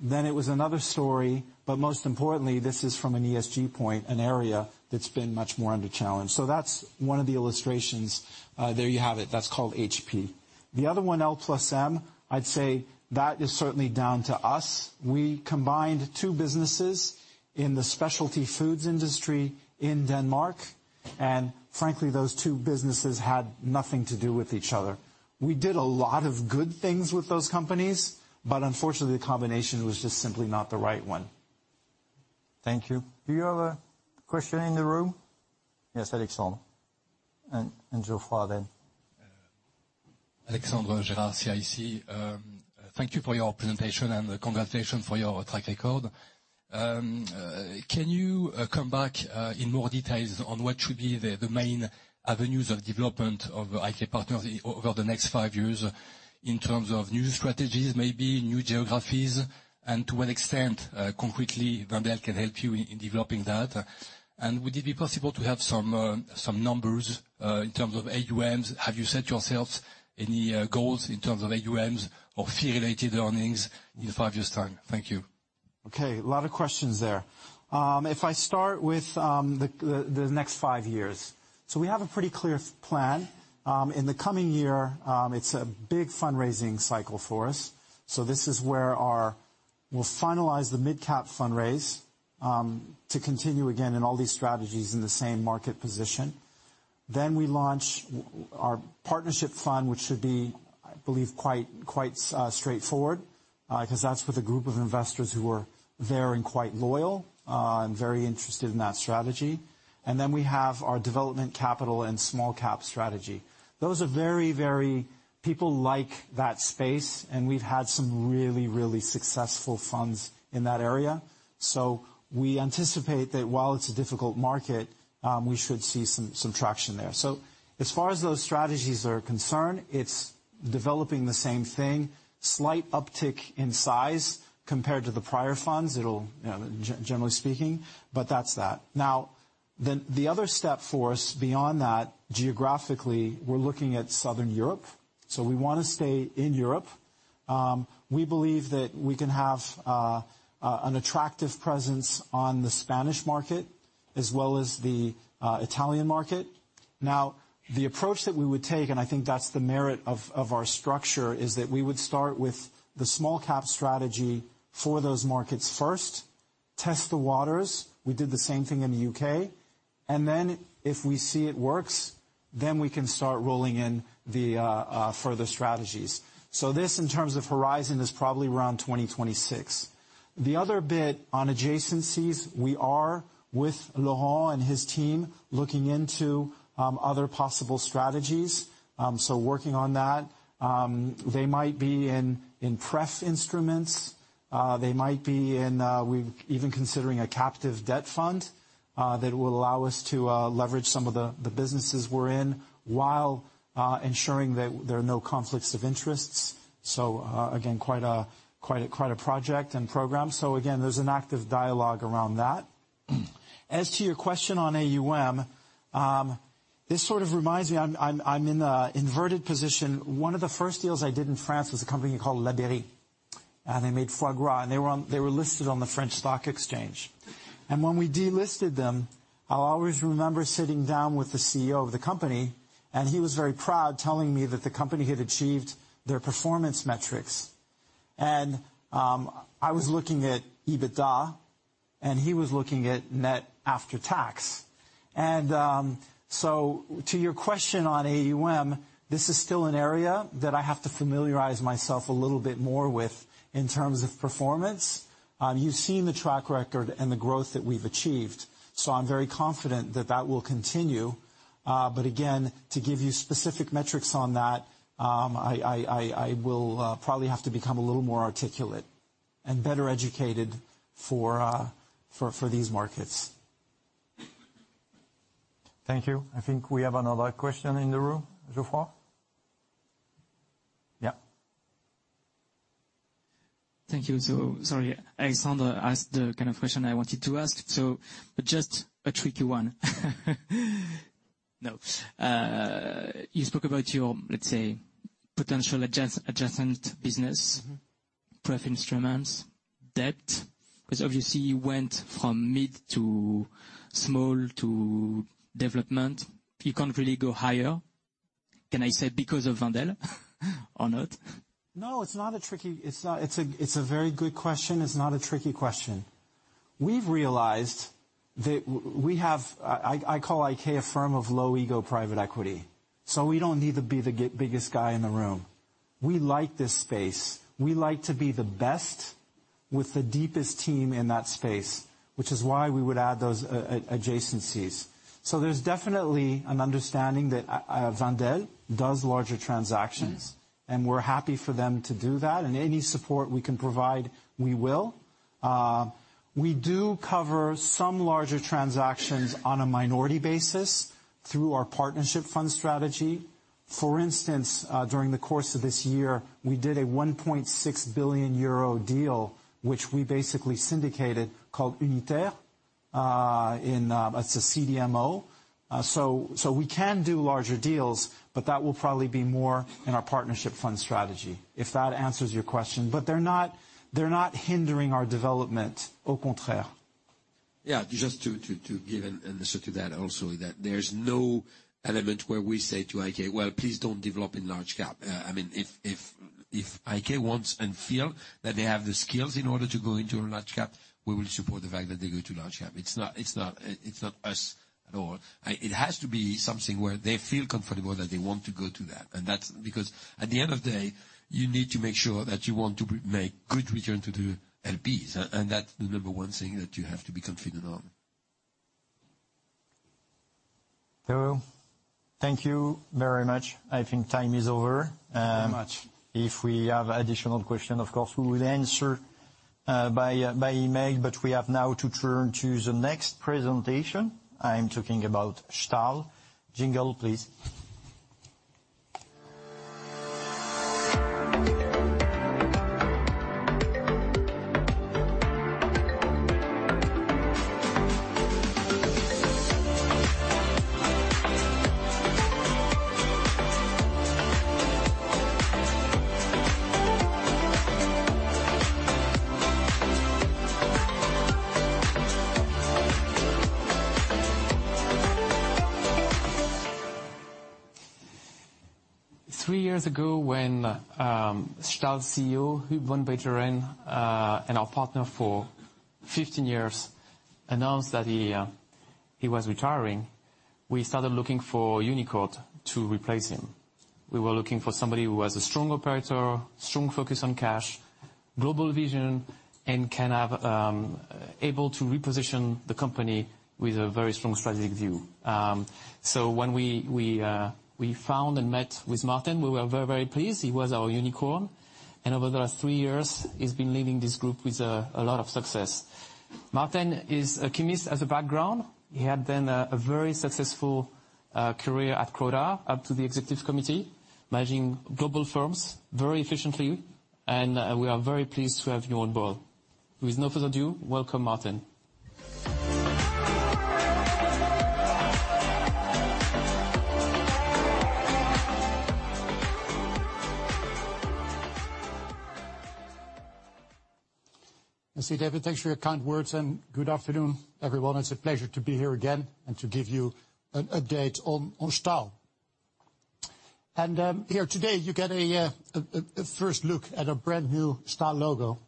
Then it was another story, but most importantly, this is from an ESG point, an area that's been much more under challenge. So that's one of the illustrations. There you have it. That's called HP. The other one, L+M, I'd say that is certainly down to us. We combined two businesses in the specialty foods industry in Denmark, and frankly, those two businesses had nothing to do with each other. We did a lot of good things with those companies, but unfortunately, the combination was just simply not the right one. Thank you. Do you have a question in the room? Yes, Alexandre and Geoffroy then. Alexandre Gérard, CIC. Thank you for your presentation and congratulations for your track record. Can you come back in more details on what should be the main avenues of development of IK Partners over the next five years in terms of new strategies, maybe new geographies, and to what extent concretely Wendel can help you in developing that? And would it be possible to have some numbers in terms of AUMs? Have you set yourselves any goals in terms of AUMs or fee-related earnings in five years' time? Thank you.... Okay, a lot of questions there. If I start with the next five years. So we have a pretty clear plan. In the coming year, it's a big fundraising cycle for us, so this is where we'll finalize the mid-cap fundraise to continue again in all these strategies in the same market position. Then we launch our Partnership Fund, which should be, I believe, quite straightforward, because that's with a group of investors who are there and quite loyal and very interested in that strategy. And then we have our development capital and small cap strategy. Those are very, very people like that space, and we've had some really, really successful funds in that area. So we anticipate that while it's a difficult market, we should see some traction there. So as far as those strategies are concerned, it's developing the same thing, slight uptick in size compared to the prior funds. It'll, you know, generally speaking, but that's that. Now, then, the other step for us beyond that, geographically, we're looking at Southern Europe, so we want to stay in Europe. We believe that we can have an attractive presence on the Spanish market as well as the Italian market. Now, the approach that we would take, and I think that's the merit of our structure, is that we would start with the small cap strategy for those markets first, test the waters. We did the same thing in the UK. And then if we see it works, then we can start rolling in the further strategies. So this, in terms of horizon, is probably around 2026. The other bit on adjacencies, we are, with Laurent and his team, looking into other possible strategies, so working on that. They might be in, in pref instruments, they might be in... We're even considering a captive debt fund that will allow us to leverage some of the, the businesses we're in, while ensuring that there are no conflicts of interests. So, again, quite a project and program. So again, there's an active dialogue around that. As to your question on AUM, this sort of reminds me, I'm in an inverted position. One of the first deals I did in France was a company called Labeyrie, and they made foie gras, and they were listed on the French stock exchange. When we delisted them, I'll always remember sitting down with the CEO of the company, and he was very proud, telling me that the company had achieved their performance metrics. I was looking at EBITDA, and he was looking at net after tax. So to your question on AUM, this is still an area that I have to familiarize myself a little bit more with in terms of performance. You've seen the track record and the growth that we've achieved, so I'm very confident that that will continue. But again, to give you specific metrics on that, I will probably have to become a little more articulate and better educated for these markets. Thank you. I think we have another question in the room. Geoffroy? Yeah. Thank you. So, sorry, Alexandra asked the kind of question I wanted to ask, so just a tricky one. You spoke about your, let's say, potential adjacent business- Mm-hmm. Pref instruments, debt, because obviously you went from mid to small to development. You can't really go higher, can I say, because of Wendel? Or not? No, it's not a tricky question. It's a very good question. It's not a tricky question. We've realized that we have. I call IK a firm of low ego private equity, so we don't need to be the biggest guy in the room. We like this space. We like to be the best with the deepest team in that space, which is why we would add those adjacencies. So there's definitely an understanding that Wendel does larger transactions- Mm-hmm. And we're happy for them to do that, and any support we can provide, we will. We do cover some larger transactions on a minority basis through our Partnership Fund strategy. For instance, during the course of this year, we did a 1.6 billion euro deal, which we basically syndicated, called Uniter. In, it's a CDMO. So, so we can do larger deals, but that will probably be more in our Partnership Fund strategy, if that answers your question. But they're not, they're not hindering our development au contraire. Yeah, just to give an answer to that also, that there's no element where we say to IK, "Well, please don't develop in large cap." I mean, if IK wants and feel that they have the skills in order to go into large cap, we will support the fact that they go to large cap. It's not us at all. It has to be something where they feel comfortable that they want to go to that, and that's because at the end of the day, you need to make sure that you want to make good return to the LPs, and that's the number one thing that you have to be confident on. Thank you very much. I think time is over. Thank you very much. If we have additional question, of course, we will answer by email, but we have now to turn to the next presentation. I'm talking about Stahl. Jingle, please. Three years ago, when Stahl CEO Huub van Beijeren and our partner for 15 years announced that he was retiring, we started looking for unicorn to replace him. We were looking for somebody who was a strong operator, strong focus on cash, global vision, and able to reposition the company with a very strong strategic view. So when we found and met with Maarten, we were very, very pleased. He was our unicorn, and over the last three years, he's been leading this group with a lot of success. Maarten is a chemist as a background. He had then a very successful career at Croda, up to the Executive Committee, managing global firms very efficiently, and we are very pleased to have you on board. With no further ado, welcome, Maarten. Thank you, David. Thanks for your kind words, and good afternoon, everyone. It's a pleasure to be here again and to give you an update on Stahl. And here today you get a first look at a brand-new Stahl logo.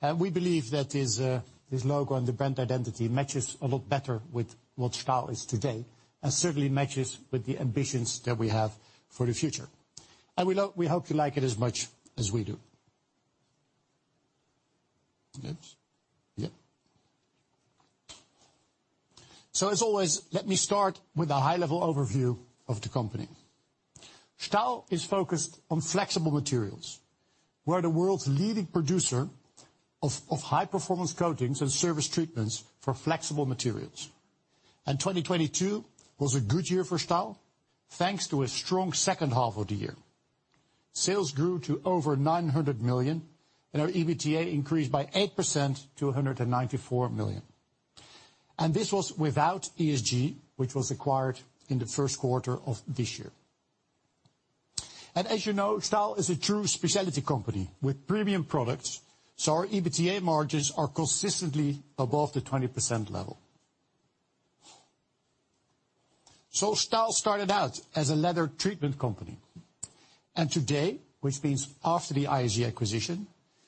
And we believe that this logo and the brand identity matches a lot better with what Stahl is today, and certainly matches with the ambitions that we have for the future. And we hope you like it as much as we do. Oops. Yep. So as always, let me start with a high-level overview of the company. Stahl is focused on flexible materials. We're the world's leading producer of high-performance coatings and service treatments for flexible materials. And 2022 was a good year for Stahl, thanks to a strong second half of the year. Sales grew to over 900 million, and our EBITDA increased by 8% to 194 million. This was without ESG, which was acquired in the first quarter of this year. As you know, Stahl is a true specialty company with premium products, so our EBITDA margins are consistently above the 20% level. Stahl started out as a leather treatment company, and today, which means after the ISG acquisition,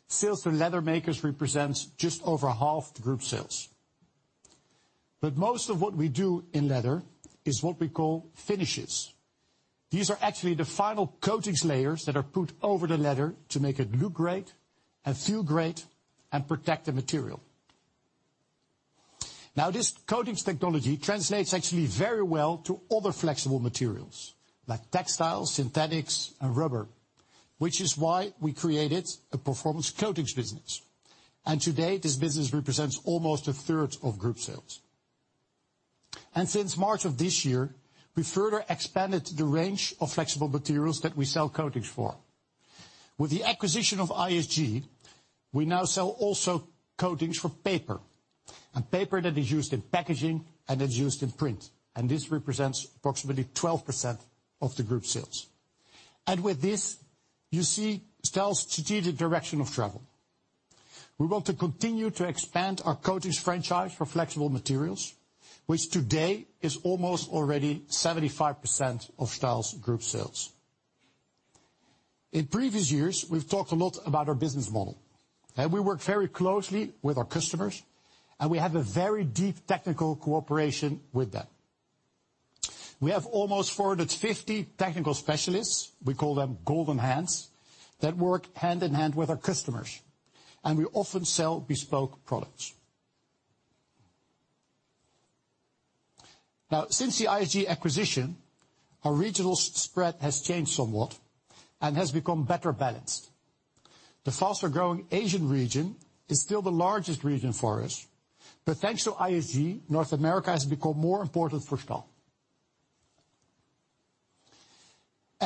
sales to leather makers represents just over half the group sales. But most of what we do in leather is what we call finishes. These are actually the final coatings layers that are put over the leather to make it look great and feel great and protect the material. Now, this coatings technology translates actually very well to other flexible materials, like textiles, synthetics, and rubber, which is why we created a performance coatings business. Today, this business represents almost a third of group sales. Since March of this year, we further expanded the range of flexible materials that we sell coatings for. With the acquisition of ISG, we now sell also coatings for paper, and paper that is used in packaging and is used in print, and this represents approximately 12% of the group sales. With this, you see Stahl's strategic direction of travel. We want to continue to expand our coatings franchise for flexible materials, which today is almost already 75% of Stahl's group sales. In previous years, we've talked a lot about our business model, and we work very closely with our customers, and we have a very deep technical cooperation with them. We have almost 450 technical specialists, we call them golden hands, that work hand in hand with our customers, and we often sell bespoke products. Now, since the ISG acquisition, our regional spread has changed somewhat and has become better balanced. The faster-growing Asian region is still the largest region for us, but thanks to ISG, North America has become more important for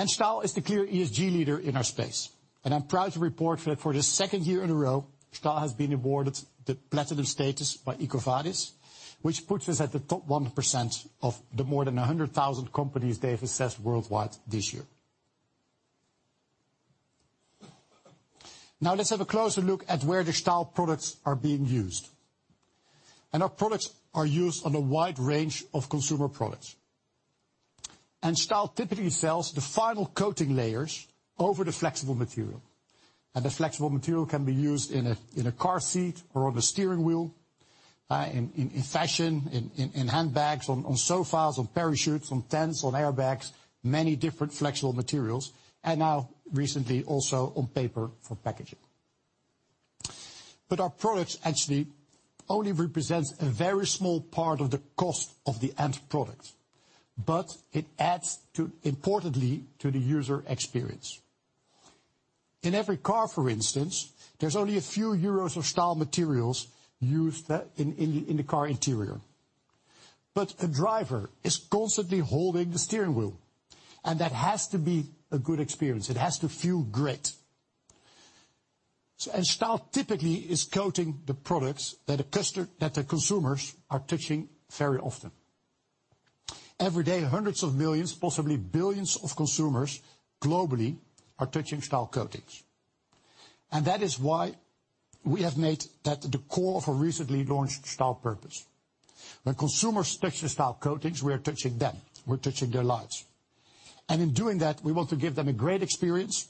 Stahl. Stahl is the clear ESG leader in our space, and I'm proud to report that for the second year in a row, Stahl has been awarded the platinum status by EcoVadis, which puts us at the top 1% of the more than 100,000 companies they have assessed worldwide this year. Now let's have a closer look at where the Stahl products are being used. Our products are used on a wide range of consumer products. Stahl typically sells the final coating layers over the flexible material, and the flexible material can be used in a car seat or on a steering wheel, in fashion, in handbags, on sofas, on parachutes, on tents, on airbags, many different flexible materials, and now recently also on paper for packaging. But our products actually only represents a very small part of the cost of the end product, but it adds to, importantly, to the user experience. In every car, for instance, there's only a few euros of Stahl materials used in the car interior. But a driver is constantly holding the steering wheel, and that has to be a good experience. It has to feel great. So and Stahl typically is coating the products that the customer, that the consumers are touching very often. Every day, hundreds of millions, possibly billions of consumers globally are touching Stahl coatings. And that is why we have made that the core of our recently launched Stahl purpose. When consumers touch the Stahl coatings, we are touching them, we're touching their lives. And in doing that, we want to give them a great experience.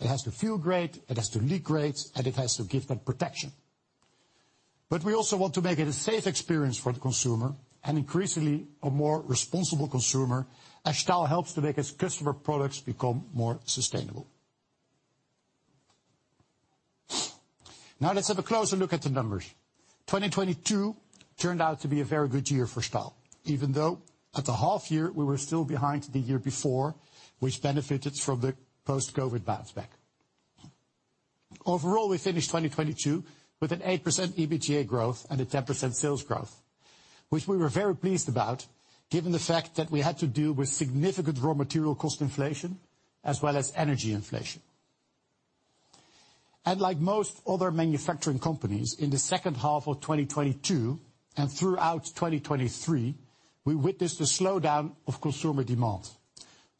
It has to feel great, it has to look great, and it has to give them protection. But we also want to make it a safe experience for the consumer, and increasingly, a more responsible consumer, as Stahl helps to make its customer products become more sustainable. Now, let's have a closer look at the numbers. 2022 turned out to be a very good year for Stahl, even though at the half year we were still behind the year before, which benefited from the post-Covid bounce back. Overall, we finished 2022 with an 8% EBITDA growth and a 10% sales growth, which we were very pleased about, given the fact that we had to deal with significant raw material cost inflation as well as energy inflation. Like most other manufacturing companies, in the second half of 2022 and throughout 2023, we witnessed a slowdown of consumer demand,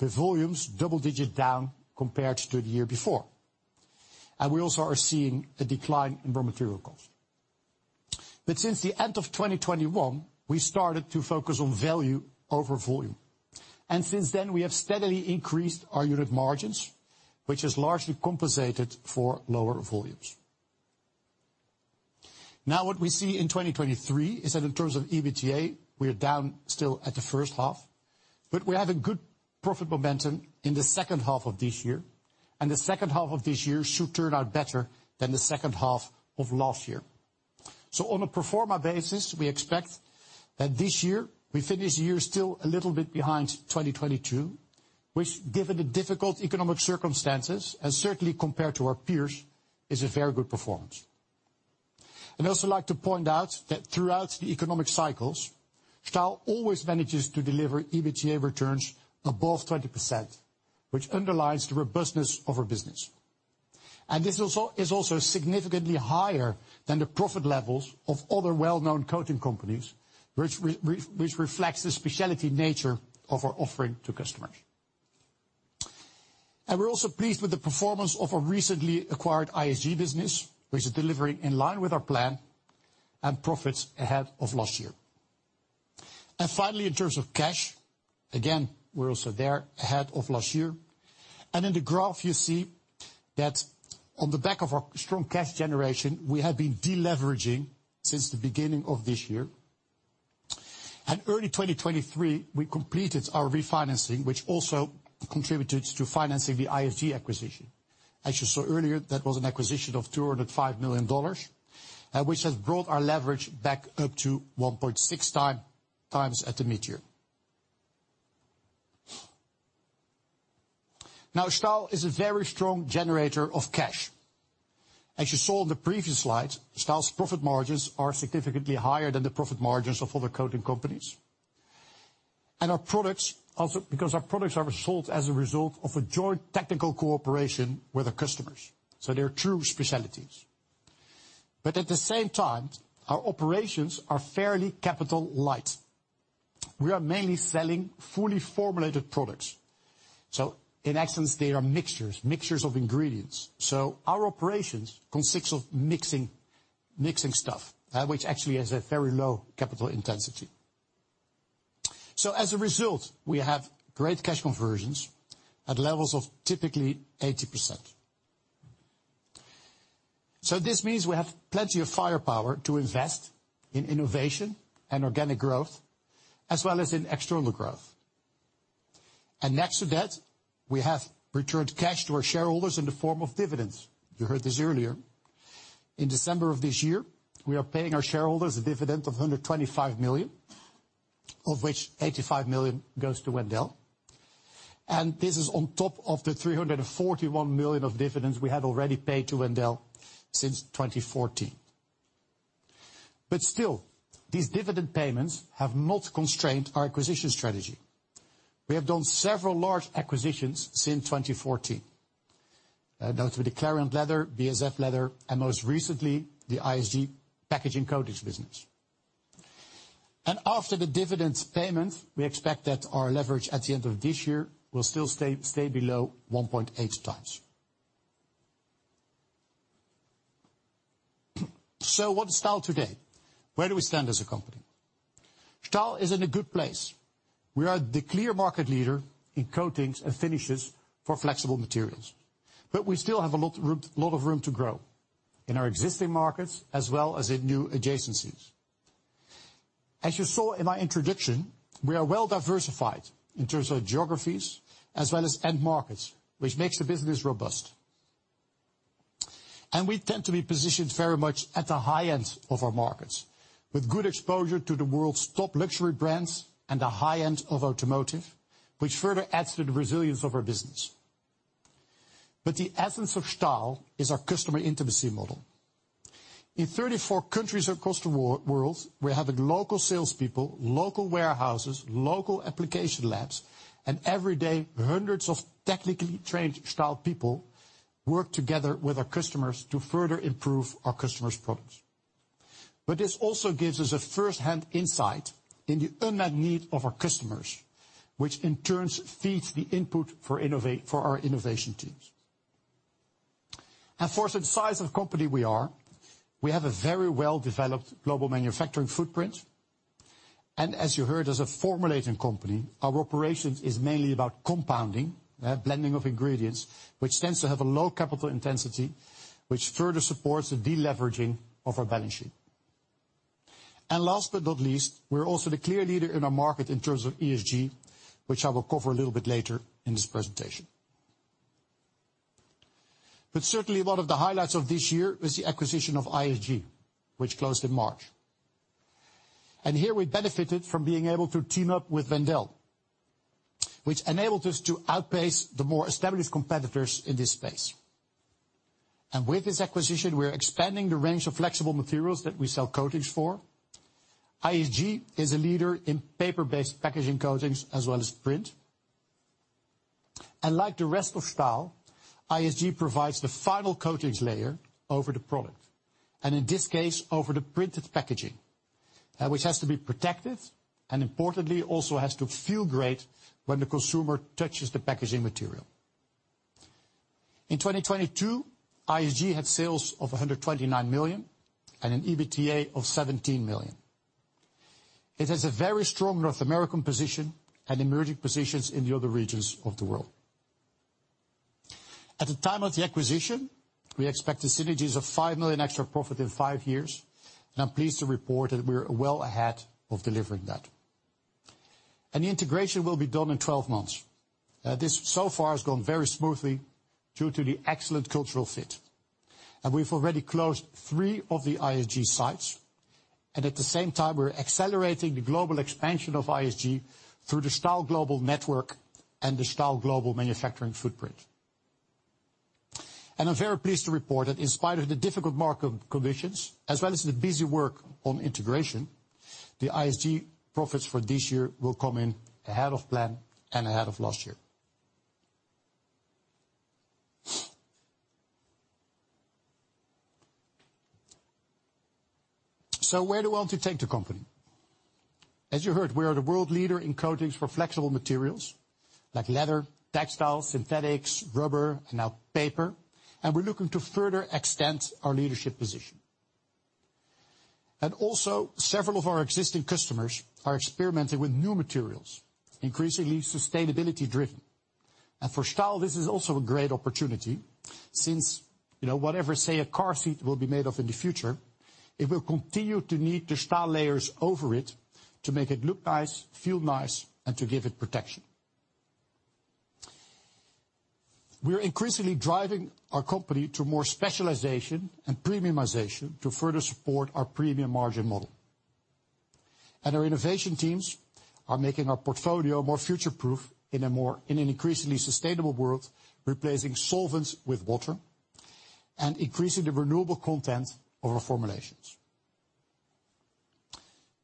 with volumes double-digit down compared to the year before, and we also are seeing a decline in raw material costs. But since the end of 2021, we started to focus on value over volume, and since then, we have steadily increased our unit margins, which has largely compensated for lower volumes. Now, what we see in 2023 is that in terms of EBITDA, we are down still at the first half, but we have a good profit momentum in the second half of this year, and the second half of this year should turn out better than the second half of last year. So on a pro forma basis, we expect that this year, we finish the year still a little bit behind 2022, which, given the difficult economic circumstances, and certainly compared to our peers, is a very good performance. I'd also like to point out that throughout the economic cycles, Stahl always manages to deliver EBITDA returns above 20%, which underlines the robustness of our business. And this also, is also significantly higher than the profit levels of other well-known coating companies, which reflects the specialty nature of our offering to customers. And we're also pleased with the performance of our recently acquired ISG business, which is delivering in line with our plan and profits ahead of last year. And finally, in terms of cash, again, we're also there ahead of last year. In the graph you see that on the back of our strong cash generation, we have been deleveraging since the beginning of this year. Early 2023, we completed our refinancing, which also contributed to financing the ISG acquisition. As you saw earlier, that was an acquisition of $205 million, which has brought our leverage back up to 1.6x at the midyear. Now, Stahl is a very strong generator of cash. As you saw on the previous slide, Stahl's profit margins are significantly higher than the profit margins of other coating companies. Our products also, because our products are sold as a result of a joint technical cooperation with our customers, so they are true specialties. But at the same time, our operations are fairly capital light. We are mainly selling fully formulated products, so in essence, they are mixtures, mixtures of ingredients. So our operations consist of mixing, mixing stuff, which actually has a very low capital intensity. So as a result, we have great cash conversions at levels of typically 80%. So this means we have plenty of firepower to invest in innovation and organic growth, as well as in external growth. And next to that, we have returned cash to our shareholders in the form of dividends. You heard this earlier. In December of this year, we are paying our shareholders a dividend of 125 million, of which 85 million goes to Wendel, and this is on top of the 341 million of dividends we have already paid to Wendel since 2014. But still, these dividend payments have not constrained our acquisition strategy. We have done several large acquisitions since 2014, notably Clariant Leather, BASF Leather, and most recently, the ISG packaging coatings business. After the dividend payment, we expect that our leverage at the end of this year will still stay below 1.8x. So what is Stahl today? Where do we stand as a company? Stahl is in a good place. We are the clear market leader in coatings and finishes for flexible materials, but we still have a lot room, lot of room to grow, in our existing markets, as well as in new adjacencies. As you saw in my introduction, we are well diversified in terms of geographies as well as end markets, which makes the business robust. And we tend to be positioned very much at the high end of our markets, with good exposure to the world's top luxury brands and the high end of automotive, which further adds to the resilience of our business. But the essence of Stahl is our customer intimacy model.... In 34 countries across the world, we have local salespeople, local warehouses, local application labs, and every day, hundreds of technically trained Stahl people work together with our customers to further improve our customers' products. But this also gives us a first-hand insight in the unmet need of our customers, which in turn feeds the input for our innovation teams. For the size of company we are, we have a very well-developed global manufacturing footprint, and as you heard, as a formulating company, our operations is mainly about compounding, blending of ingredients, which tends to have a low capital intensity, which further supports the deleveraging of our balance sheet. Last but not least, we're also the clear leader in our market in terms of ESG, which I will cover a little bit later in this presentation. Certainly, one of the highlights of this year was the acquisition of ISG, which closed in March. Here we benefited from being able to team up with Wendel, which enabled us to outpace the more established competitors in this space. With this acquisition, we are expanding the range of flexible materials that we sell coatings for. ISG is a leader in paper-based packaging coatings as well as print. Like the rest of Stahl, ISG provides the final coatings layer over the product, and in this case, over the printed packaging, which has to be protected, and importantly, also has to feel great when the consumer touches the packaging material. In 2022, ISG had sales of 129 million and an EBITDA of 17 million. It has a very strong North American position and emerging positions in the other regions of the world. At the time of the acquisition, we expected synergies of 5 million extra profit in five years, and I'm pleased to report that we are well ahead of delivering that. The integration will be done in 12 months. This so far has gone very smoothly due to the excellent cultural fit. And we've already closed three of the ISG sites, and at the same time, we're accelerating the global expansion of ISG through the Stahl global network and the Stahl global manufacturing footprint. And I'm very pleased to report that in spite of the difficult market conditions, as well as the busy work on integration, the ISG profits for this year will come in ahead of plan and ahead of last year. So where do we want to take the company? As you heard, we are the world leader in coatings for flexible materials, like leather, textiles, synthetics, rubber, and now paper, and we're looking to further extend our leadership position. And also, several of our existing customers are experimenting with new materials, increasingly sustainability driven. For Stahl, this is also a great opportunity since, you know, whatever, say, a car seat will be made of in the future, it will continue to need the Stahl layers over it to make it look nice, feel nice, and to give it protection. We are increasingly driving our company to more specialization and premiumization to further support our premium margin model. Our innovation teams are making our portfolio more future-proof in an increasingly sustainable world, replacing solvents with water and increasing the renewable content of our formulations.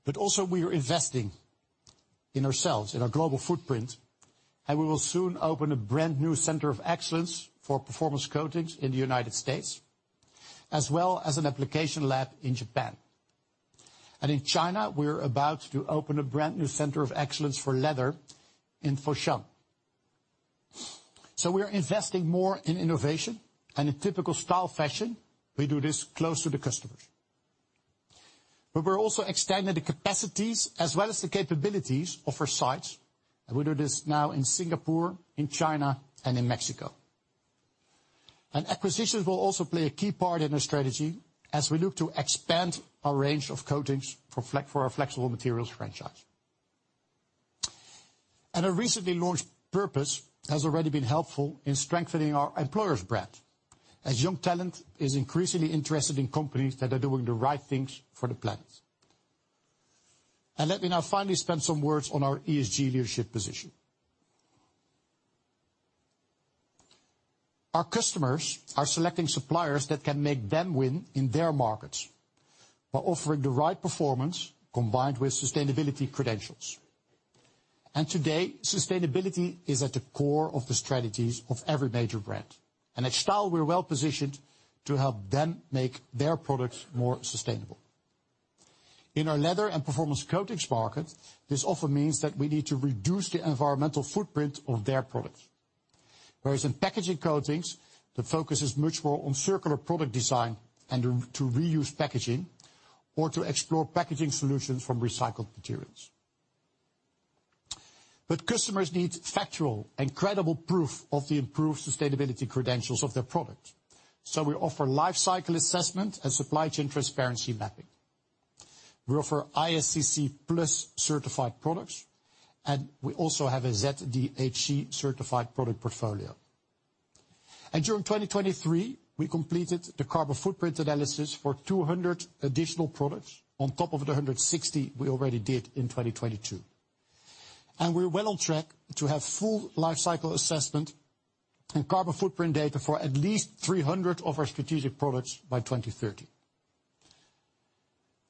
But also, we are investing in ourselves, in our global footprint, and we will soon open a brand-new center of excellence for performance coatings in the United States, as well as an application lab in Japan. In China, we're about to open a brand-new center of excellence for leather in Foshan. So we are investing more in innovation, and in typical Stahl fashion, we do this close to the customers. We're also extending the capacities as well as the capabilities of our sites, and we do this now in Singapore, in China, and in Mexico. Acquisitions will also play a key part in our strategy as we look to expand our range of coatings for our flexible materials franchise. Our recently launched purpose has already been helpful in strengthening our employer brand, as young talent is increasingly interested in companies that are doing the right things for the planet. Let me now finally spend some words on our ESG leadership position. Our customers are selecting suppliers that can make them win in their markets by offering the right performance, combined with sustainability credentials. Today, sustainability is at the core of the strategies of every major brand, and at Stahl, we're well positioned to help them make their products more sustainable. In our leather and performance coatings market, this often means that we need to reduce the environmental footprint of their products. Whereas in packaging coatings, the focus is much more on circular product design and to reuse packaging or to explore packaging solutions from recycled materials. But customers need factual and credible proof of the improved sustainability credentials of their product, so we offer life cycle assessment and supply chain transparency mapping. We offer ISCC PLUS certified products, and we also have a ZDHC-certified product portfolio. And during 2023, we completed the carbon footprint analysis for 200 additional products on top of the 160 we already did in 2022.... We're well on track to have full life cycle assessment and carbon footprint data for at least 300 of our strategic products by 2030.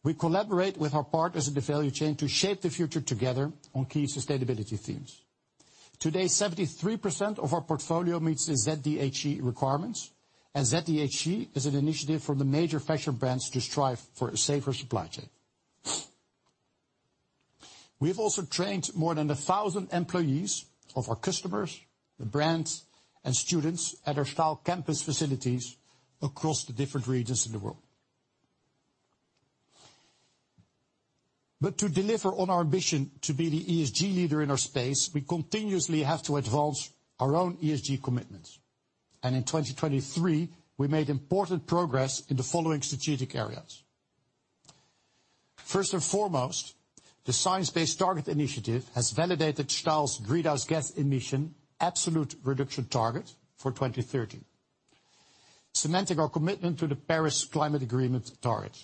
We collaborate with our partners in the value chain to shape the future together on key sustainability themes. Today, 73% of our portfolio meets the ZDHC requirements, and ZDHC is an initiative from the major fashion brands to strive for a safer supply chain. We've also trained more than 1,000 employees of our customers, the brands, and students at our Stahl campus facilities across the different regions in the world. But to deliver on our ambition to be the ESG leader in our space, we continuously have to advance our own ESG commitments, and in 2023, we made important progress in the following strategic areas. First and foremost, the Science-Based Target Initiative has validated Stahl's greenhouse gas emission absolute reduction target for 2030, cementing our commitment to the Paris Climate Agreement target.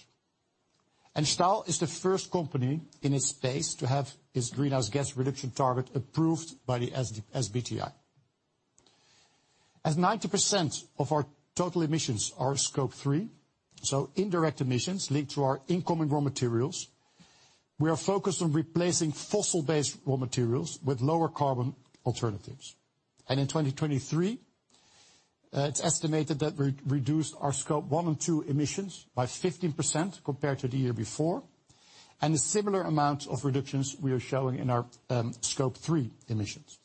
Stahl is the first company in its space to have its greenhouse gas reduction target approved by the SBTI. As 90% of our total emissions are Scope 3, so indirect emissions linked to our incoming raw materials, we are focused on replacing fossil-based raw materials with lower carbon alternatives. In 2023, it's estimated that we reduced our Scope 1 and 2 emissions by 15% compared to the year before, and a similar amount of reductions we are showing in our Scope 3 emissions.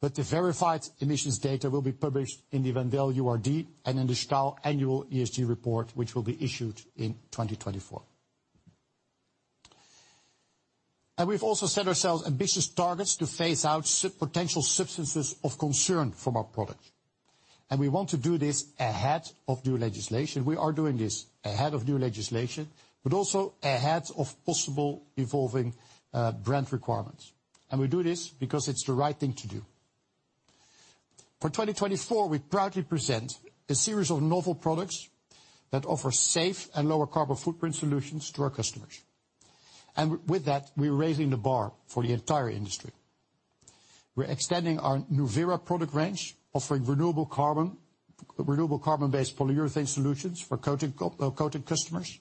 But the verified emissions data will be published in the Wendel URD and in the Stahl annual ESG report, which will be issued in 2024. And we've also set ourselves ambitious targets to phase out potential substances of concern from our product, and we want to do this ahead of new legislation. We are doing this ahead of new legislation, but also ahead of possible evolving brand requirements, and we do this because it's the right thing to do. For 2024, we proudly present a series of novel products that offer safe and lower carbon footprint solutions to our customers, and with that, we're raising the bar for the entire industry. We're extending our new NuVera product range, offering renewable carbon, renewable carbon-based polyurethane solutions for coating coated customers,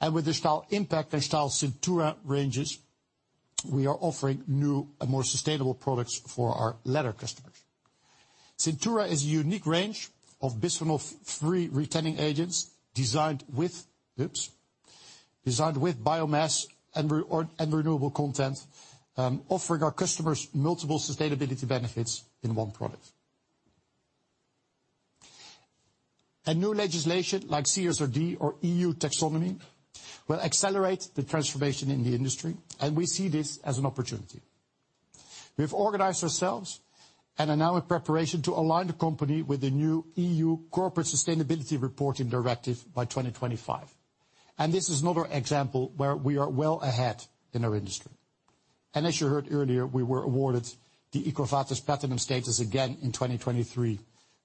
and with the Stahl Ympact and Stahl Cintura ranges, we are offering new and more sustainable products for our leather customers. Cintura is a unique range of bisphenol-free retanning agents designed with biomass and renewable content, offering our customers multiple sustainability benefits in one product. New legislation, like CSRD or EU Taxonomy, will accelerate the transformation in the industry, and we see this as an opportunity. We've organized ourselves and are now in preparation to align the company with the new EU Corporate Sustainability Reporting Directive by 2025, and this is another example where we are well ahead in our industry. As you heard earlier, we were awarded the EcoVadis Platinum status again in 2023,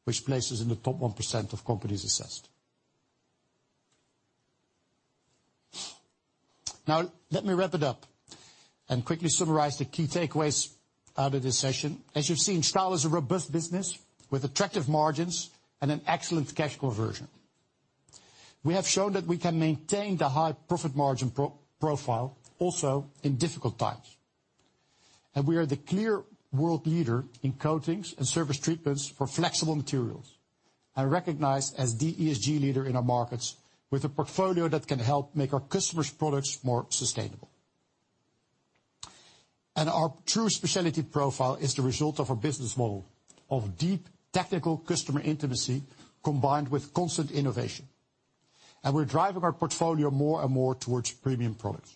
which places in the top 1% of companies assessed. Now, let me wrap it up and quickly summarize the key takeaways out of this session. As you've seen, Stahl is a robust business with attractive margins and an excellent cash conversion. We have shown that we can maintain the high profit margin profile also in difficult times. We are the clear world leader in coatings and surface treatments for flexible materials, and recognized as the ESG leader in our markets, with a portfolio that can help make our customers' products more sustainable. Our true specialty profile is the result of our business model of deep technical customer intimacy, combined with constant innovation, and we're driving our portfolio more and more towards premium products.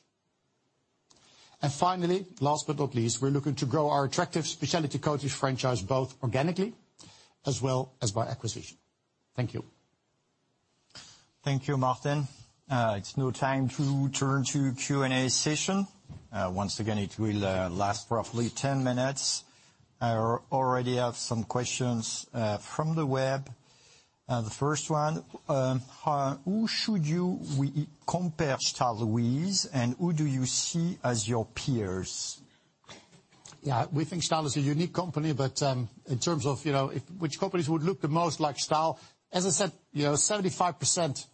Finally, last but not least, we're looking to grow our attractive specialty coatings franchise, both organically as well as by acquisition. Thank you. Thank you, Martin. It's now time to turn to Q&A session. Once again, it will last roughly 10 minutes. I already have some questions from the web. The first one: who should you compare Stahl with, and who do you see as your peers? Yeah, we think Stahl is a unique company, but in terms of, you know, if which companies would look the most like Stahl, as I said, you know, 75%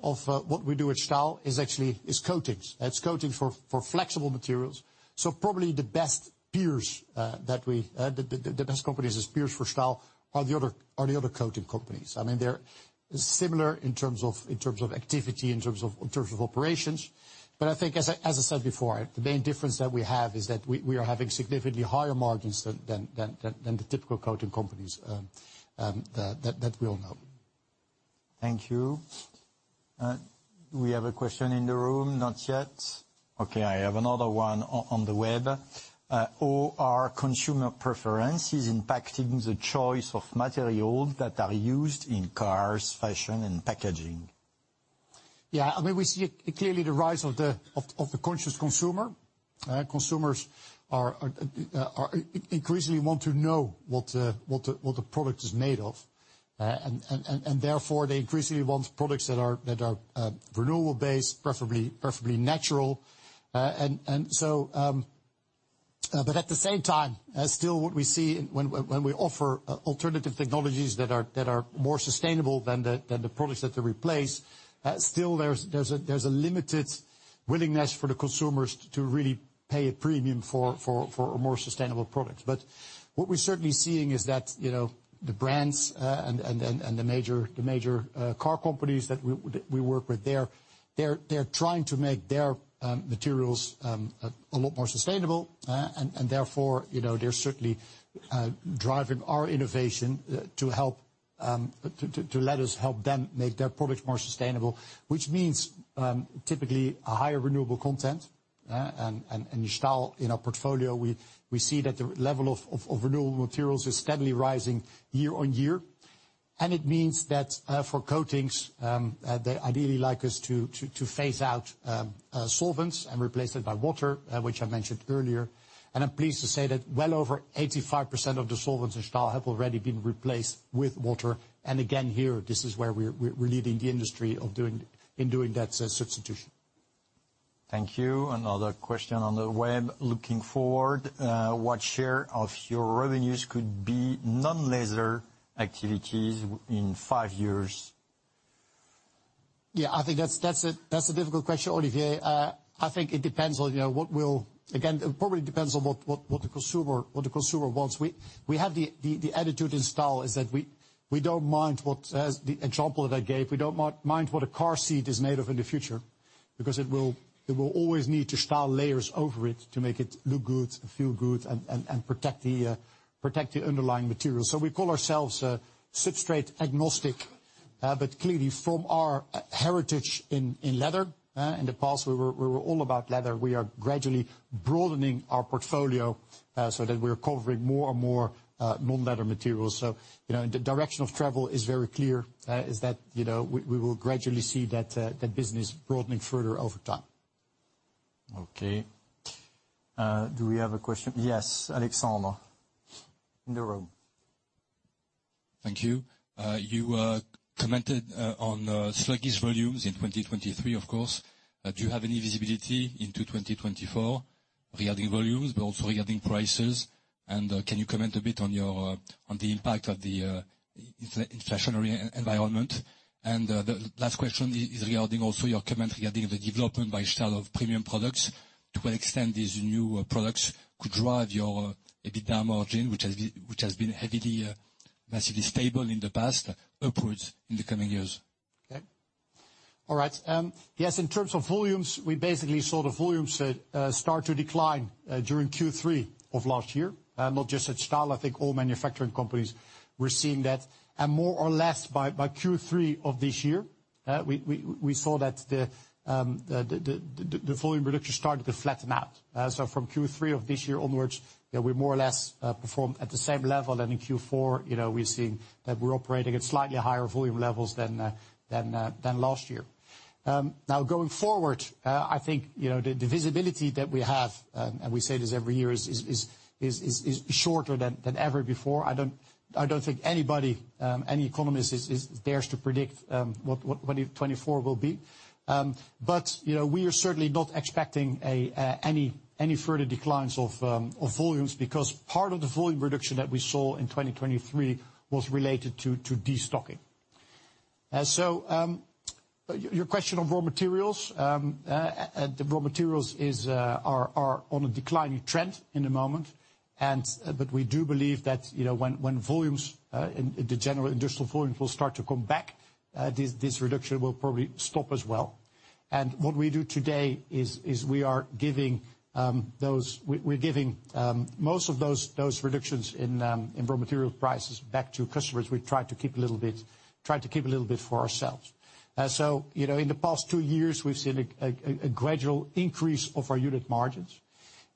of what we do at Stahl is actually coatings. It's coatings for flexible materials, so probably the best peers that we... The best companies as peers for Stahl are the other coating companies. I mean, they're similar in terms of activity, in terms of operations. But I think, as I said before, the main difference that we have is that we are having significantly higher margins than the typical coating companies that we all know. Thank you. We have a question in the room? Not yet. Okay, I have another one on, on the web. How are consumer preferences impacting the choice of materials that are used in cars, fashion, and packaging? Yeah, I mean, we see clearly the rise of the conscious consumer. Consumers are increasingly want to know what the product is made of. And therefore, they increasingly want products that are renewable-based, preferably natural. And so, but at the same time, still what we see when we offer alternative technologies that are more sustainable than the products that they replace, still there's a limited willingness for the consumers to really pay a premium for a more sustainable product. But what we're certainly seeing is that, you know, the brands and the major car companies that we work with, they're trying to make their materials a lot more sustainable. And therefore, you know, they're certainly driving our innovation to help to let us help them make their products more sustainable. Which means, typically a higher renewable content and in Stahl, in our portfolio, we see that the level of renewable materials is steadily rising year on year. And it means that, for coatings, they ideally like us to phase out solvents and replace it by water, which I mentioned earlier. I'm pleased to say that well over 85% of the solvents in Stahl have already been replaced with water, and again, here, this is where we're leading the industry in doing that substitution. Thank you. Another question on the web: Looking forward, what share of your revenues could be non-leather activities in five years? Yeah, I think that's a difficult question, Olivier. I think it depends on, you know, what will. Again, it probably depends on what the consumer wants. We have the attitude in Stahl is that we don't mind what, as the example that I gave, we don't mind what a car seat is made of in the future, because it will always need the Stahl layers over it to make it look good and feel good and protect the underlying materials. So we call ourselves a substrate agnostic. But clearly from our heritage in leather, in the past, we were all about leather. We are gradually broadening our portfolio, so that we're covering more and more non-leather materials. You know, the direction of travel is very clear, is that, you know, we will gradually see that business broadening further over time. Okay. Do we have a question? Yes, Alexandre, in the room. Thank you. You commented on sluggish volumes in 2023, of course. Do you have any visibility into 2024 regarding volumes, but also regarding prices? And, can you comment a bit on your, on the impact of the inflationary environment? And, the last question is regarding also your comment regarding the development by sale of premium products. To what extent these new products could drive your EBITDA margin, which has been, which has been heavily, massively stable in the past, upwards in the coming years? Okay. All right, yes, in terms of volumes, we basically saw the volumes start to decline during Q3 of last year. Not just at Stahl, I think all manufacturing companies were seeing that. And more or less by Q3 of this year, we saw that the volume reduction started to flatten out. So from Q3 of this year onwards, yeah, we more or less performed at the same level. And in Q4, you know, we've seen that we're operating at slightly higher volume levels than last year. Now, going forward, I think, you know, the visibility that we have, and we say this every year, is shorter than ever before. I don't think anybody, any economist dares to predict what 2024 will be. But, you know, we are certainly not expecting any further declines of volumes, because part of the volume reduction that we saw in 2023 was related to destocking. So, your question on raw materials, the raw materials are on a declining trend in the moment, and but we do believe that, you know, when the general industrial volumes will start to come back, this reduction will probably stop as well. And what we do today is we are giving those- we're giving most of those reductions in raw material prices back to customers. We try to keep a little bit, try to keep a little bit for ourselves. So, you know, in the past two years, we've seen a gradual increase of our unit margins.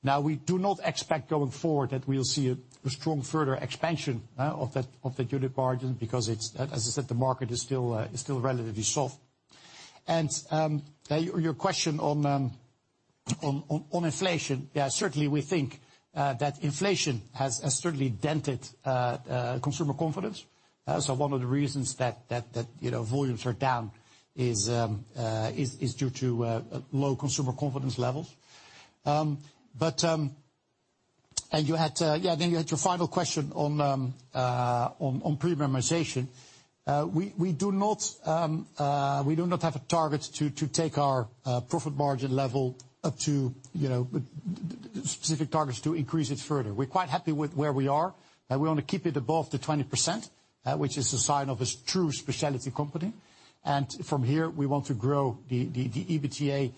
Now, we do not expect going forward that we will see a strong further expansion of that unit margin, because it's... As I said, the market is still relatively soft. And your question on inflation, yeah, certainly we think that inflation has certainly dented consumer confidence. So one of the reasons that you know, volumes are down is due to low consumer confidence levels. But, and you had, yeah, then you had your final question on premiumization. We do not have a target to take our profit margin level up to, you know, specific targets to increase it further. We're quite happy with where we are, and we want to keep it above the 20%, which is a sign of a true specialty company. From here, we want to grow the EBITDA,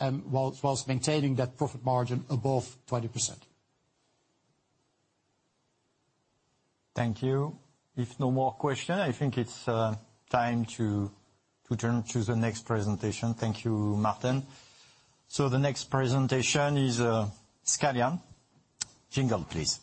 and while maintaining that profit margin above 20%. Thank you. If no more question, I think it's time to turn to the next presentation. Thank you, Maarten. So the next presentation is Scalian. Jingle, please.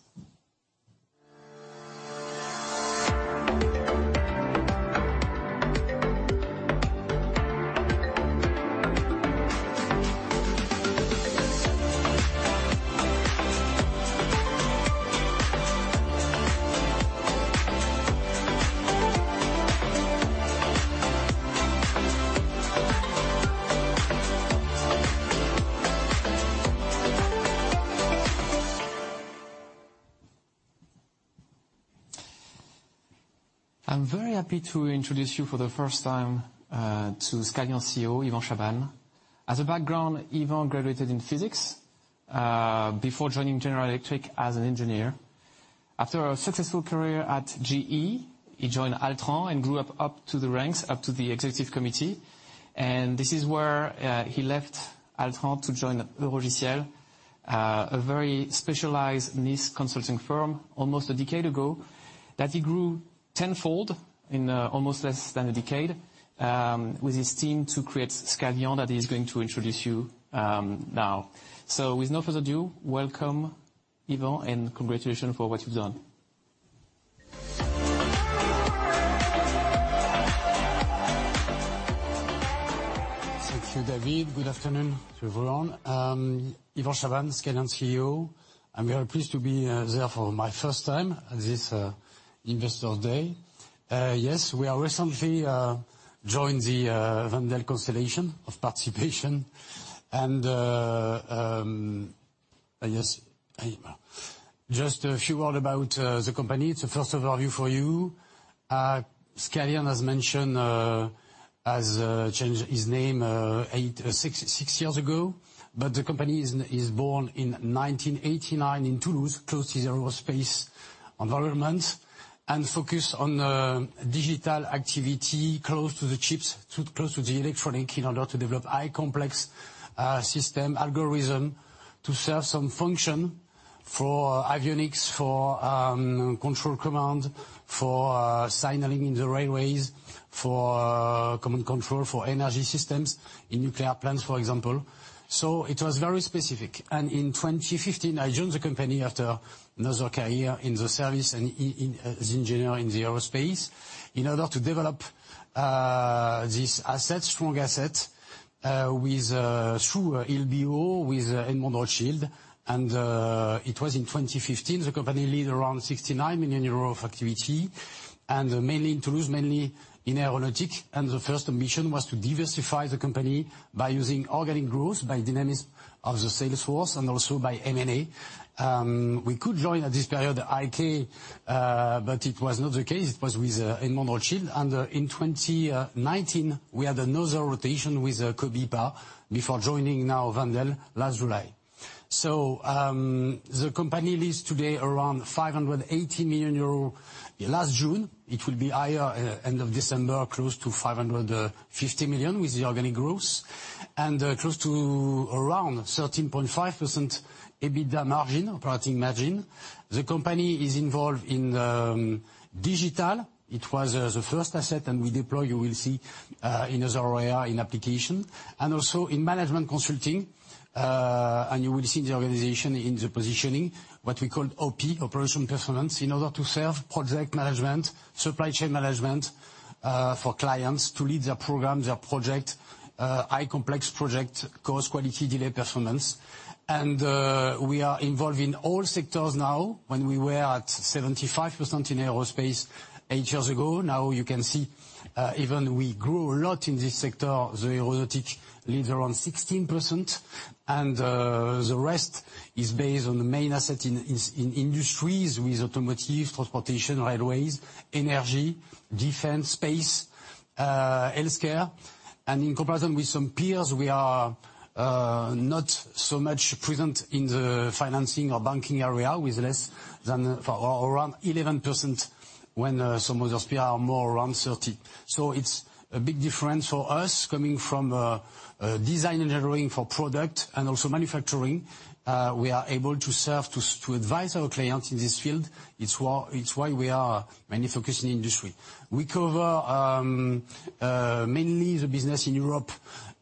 I'm very happy to introduce you for the first time to Scalian CEO Yvan Chabanne. As a background, Yvan graduated in physics before joining General Electric as an engineer. After a successful career at GE, he joined Altran and grew up to the ranks up to the Executive Committee, and this is where he left Altran to join Eurogiciel, a very specialized niche consulting firm almost a decade ago, that he grew tenfold in almost less than a decade with his team to create Scalian, that he's going to introduce you now. So with no further ado, welcome, Yvan, and congratulations for what you've done. Thank you, David. Good afternoon to everyone. Yvan Chabanne, Scalian CEO. I'm very pleased to be there for my first time at this Investor Day. Yes, we have recently joined the Wendel constellation of participation, and yes. Just a few words about the company. It's a first overview for you. Scalian, as mentioned, has changed his name six years ago, but the company is born in 1989 in Toulouse, close to the aerospace environment, and focused on digital activity, close to the chips, close to the electronic in order to develop high complex system algorithm to serve some function for avionics, for control command, for signaling in the railways, for common control, for energy systems in nuclear plants, for example. So it was very specific. In 2015, I joined the company after another career in the service and in, as engineer in the aerospace, in order to develop, this asset, strong asset, with, through LBO, with Edmond de Rothschild. And, it was in 2015, the company lead around 69 million euros of activity, and mainly in Toulouse, mainly in aerospace. And the first mission was to diversify the company by using organic growth, by dynamics of the sales force, and also by M&A. We could join at this period, IT, but it was not the case. It was with, Edmond de Rothschild, and in 2019, we had another rotation with Cobepa, before joining now Wendel last July. So, the company leads today around 580 million euro last June. It will be higher end of December, close to 550 million with the organic growth. And, close to around 13.5% EBITDA margin, operating margin. The company is involved in, digital. It was, the first asset, and we deploy, you will see, in other area in application, and also in management consulting. And you will see the organization in the positioning, what we call OP, Operation Performance, in order to serve project management, supply chain management, for clients to lead their program, their project, high complex project, cost, quality, delay, performance. And, we are involved in all sectors now. When we were at 75% in aerospace eight years ago, now you can see, even we grew a lot in this sector, the aerospace leads around 16%, and, the rest is based on the main asset in, in, in industries with automotive, transportation, railways, energy, defense, space, healthcare. And in comparison with some peers, we are, not so much present in the financing or banking area, with less than or around 11%, when, some other peer are more around 30%. So it's a big difference for us coming from, design engineering for product and also manufacturing. We are able to serve, to, to advise our clients in this field. It's why, it's why we are mainly focused in industry. We cover, mainly the business in Europe,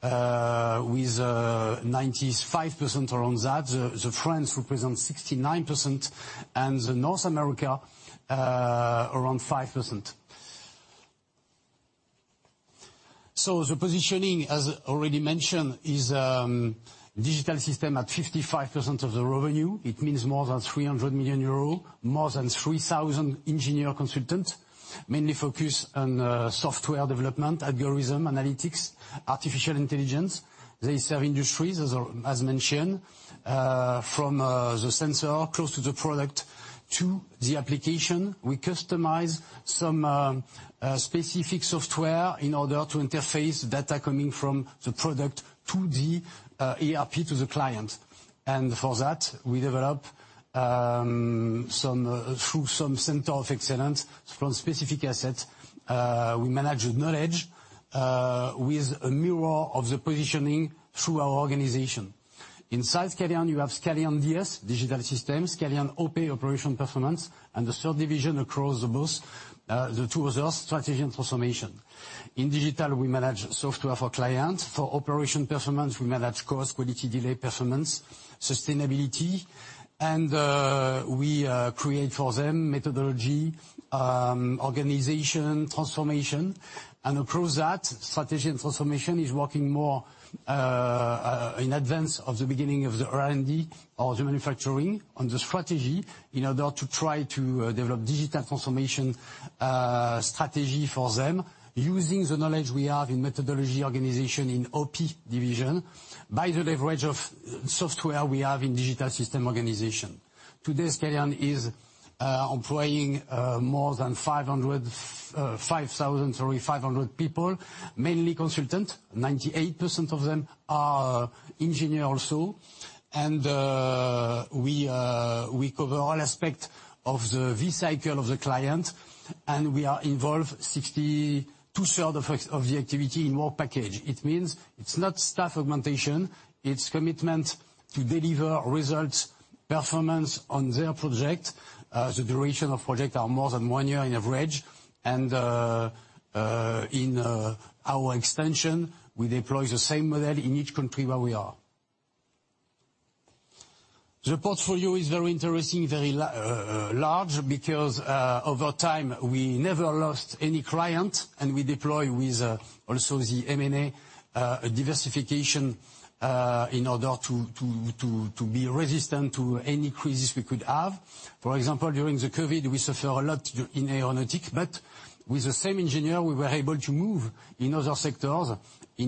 with, 95% around that. The France represents 69%, and the North America around 5%. So the positioning, as already mentioned, is digital system at 55% of the revenue. It means more than 300 million euros, more than 3,000 engineer consultants, mainly focused on software development, algorithm, analytics, artificial intelligence. They serve industries, as I mentioned, from the sensor, close to the product, to the application. We customize some specific software in order to interface data coming from the product to the ERP to the client. And for that, we develop some through some center of excellence from specific assets. We manage the knowledge with a mirror of the positioning through our organization. Inside Scalian, you have Scalian DS, Digital Systems, Scalian OP, Operation Performance, and the third division across both the two other, strategy and transformation. In digital, we manage software for clients. For operation performance, we manage cost, quality, delay, performance, sustainability, and we create for them methodology, organization, transformation. And across that, strategy and transformation is working more in advance of the beginning of the R&D or the manufacturing on the strategy, in order to try to develop digital transformation, strategy for them. Using the knowledge we have in methodology organization in OP division, by the leverage of software we have in digital system organization. Today, Scalian is employing more than 500 people, mainly consultant. 98% of them are engineer also. We cover all aspects of the V-Cycle of the client, and we are involved 2/3 of the activity in work package. It means it's not staff augmentation, it's commitment to deliver results, performance on their project. The duration of projects are more than one year in average. In our extension, we deploy the same model in each country where we are. The portfolio is very interesting, very large, because over time, we never lost any client, and we deploy with also the M&A diversification in order to be resistant to any crisis we could have. For example, during the COVID, we suffer a lot in aeronautics, but with the same engineer, we were able to move in other sectors,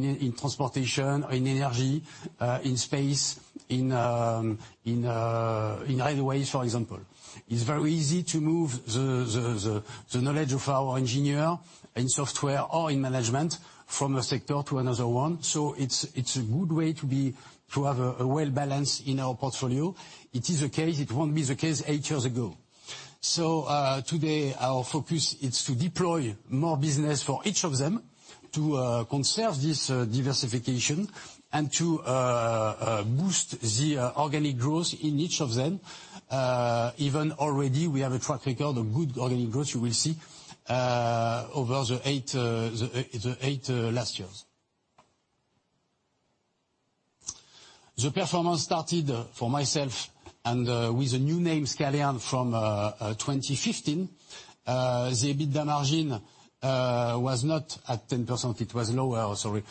in transportation, in energy, in space, in railways, for example. It's very easy to move the knowledge of our engineer in software or in management from a sector to another one. So it's a good way to have a well balance in our portfolio. It is the case. It won't be the case eight years ago. So today our focus is to deploy more business for each of them, to conserve this diversification and to boost the organic growth in each of them. Even already, we have a track record of good organic growth, you will see, over the 8 last years. The performance started for myself, and with a new name, Scalian, from 2015. The EBITDA margin was not at 10%, it was lower. Sorry,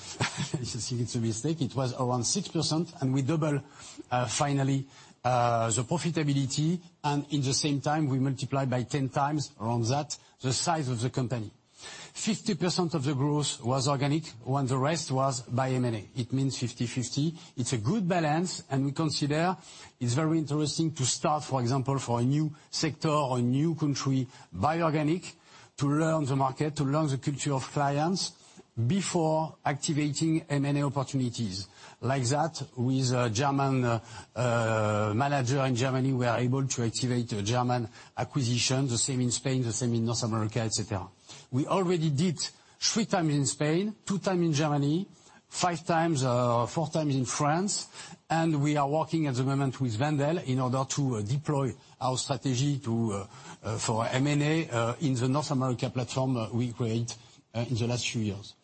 it's a mistake. It was around 6%, and we double finally the profitability, and in the same time, we multiplied by 10x around that, the size of the company. 50% of the growth was organic, and the rest was by M&A. It means 50/50. It's a good balance, and we consider it's very interesting to start, for example, for a new sector or a new country, by organic, to learn the market, to learn the culture of clients before activating M&A opportunities. Like that, with a German manager in Germany, we are able to activate a German acquisition. The same in Spain, the same in North America, et cetera. We already did 3x in Spain, 2x in Germany, 5x, 4x in France, and we are working at the moment with Wendel in order to deploy our strategy to for M&A in the North America platform we create in the last few years.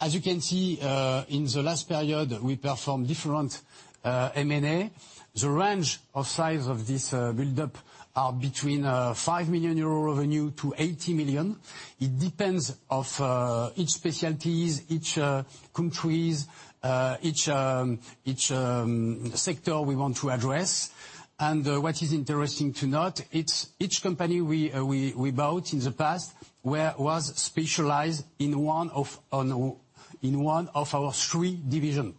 As you can see in the last period, we performed different M&A. The range of size of this build-up are between 5 million euro revenue to 80 million. It depends of each specialties, each countries, each sector we want to address. What is interesting to note, it's each company we bought in the past was specialized in one of our three divisions.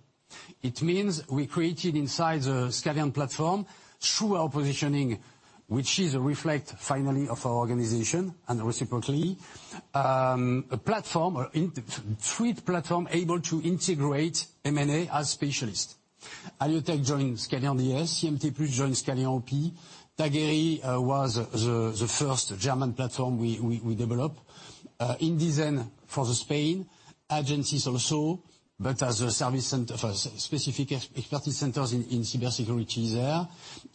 It means we created inside the Scalian platform, through our positioning, which is a reflection, finally, of our organization and reciprocally, a platform, three platforms able to integrate M&A as specialists. Alyotech joined Scalian DS, CMT+ joined Scalian OP. Tagueri was the first German platform we develop. Indizen for Spain, agencies also, but as a service center for specific expertise centers in cybersecurity there.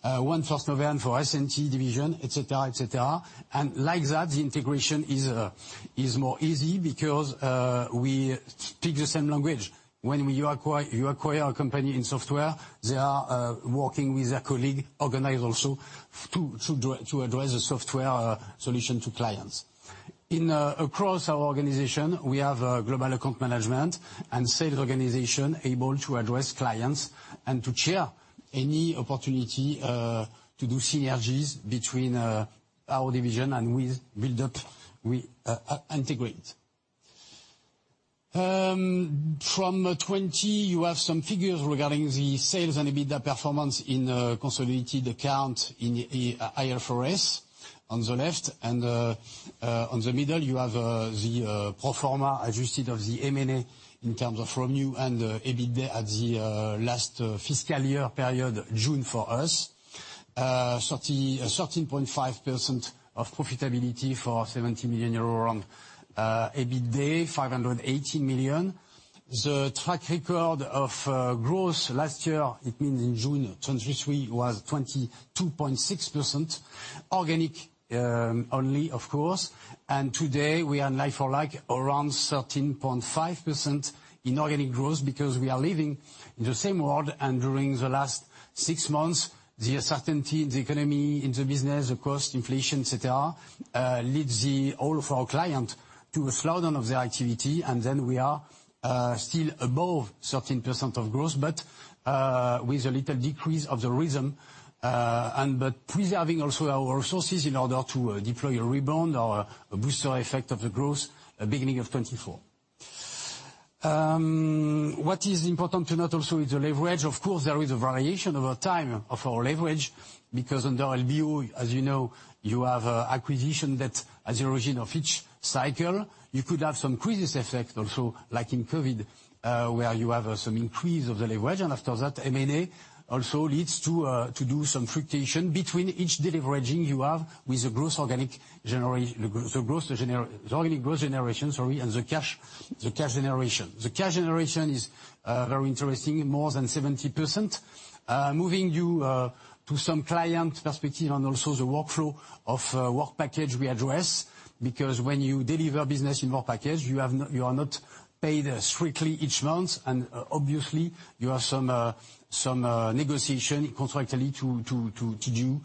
OneFirst for S&T division, et cetera, et cetera. And like that, the integration is more easy because we speak the same language. When you acquire, you acquire a company in software, they are working with their colleague, organized also to address the software solution to clients. Across our organization, we have a global account management and sales organization able to address clients and to share any opportunity to do synergies between our division and with build-up we integrate. From 2020, you have some figures regarding the sales and EBITDA performance in consolidated account in IFRS on the left, and on the middle, you have the pro forma adjusted of the M&A in terms of revenue and EBITDA at the last fiscal year period, June for us. 13.5% of profitability for 70 million euro around EBITDA, 580 million. The track record of growth last year, it means in June 2023, was 22.6%. Organic only, of course. And today we are like for like around 13.5% in organic growth because we are living in the same world, and during the last six months, the uncertainty in the economy, in the business, the cost, inflation, et cetera, lead the all of our client to a slowdown of their activity, and then we are still above 13% of growth, but with a little decrease of the rhythm, and but preserving also our resources in order to deploy a rebound or a booster effect of the growth at beginning of 2024. What is important to note also is the leverage. Of course, there is a variation over time of our leverage, because under LBO, as you know, you have acquisition that at the origin of each cycle, you could have some crisis effect also, like in COVID, where you have some increase of the leverage. And after that, M&A also leads to do some fluctuation between each deleveraging you have with the organic growth generation, sorry, and the cash generation. The cash generation is very interesting, more than 70%. Moving to some client perspective and also the workflow of work package we address, because when you deliver business in work package, you are not paid strictly each month, and obviously, you have some negotiation contractually to do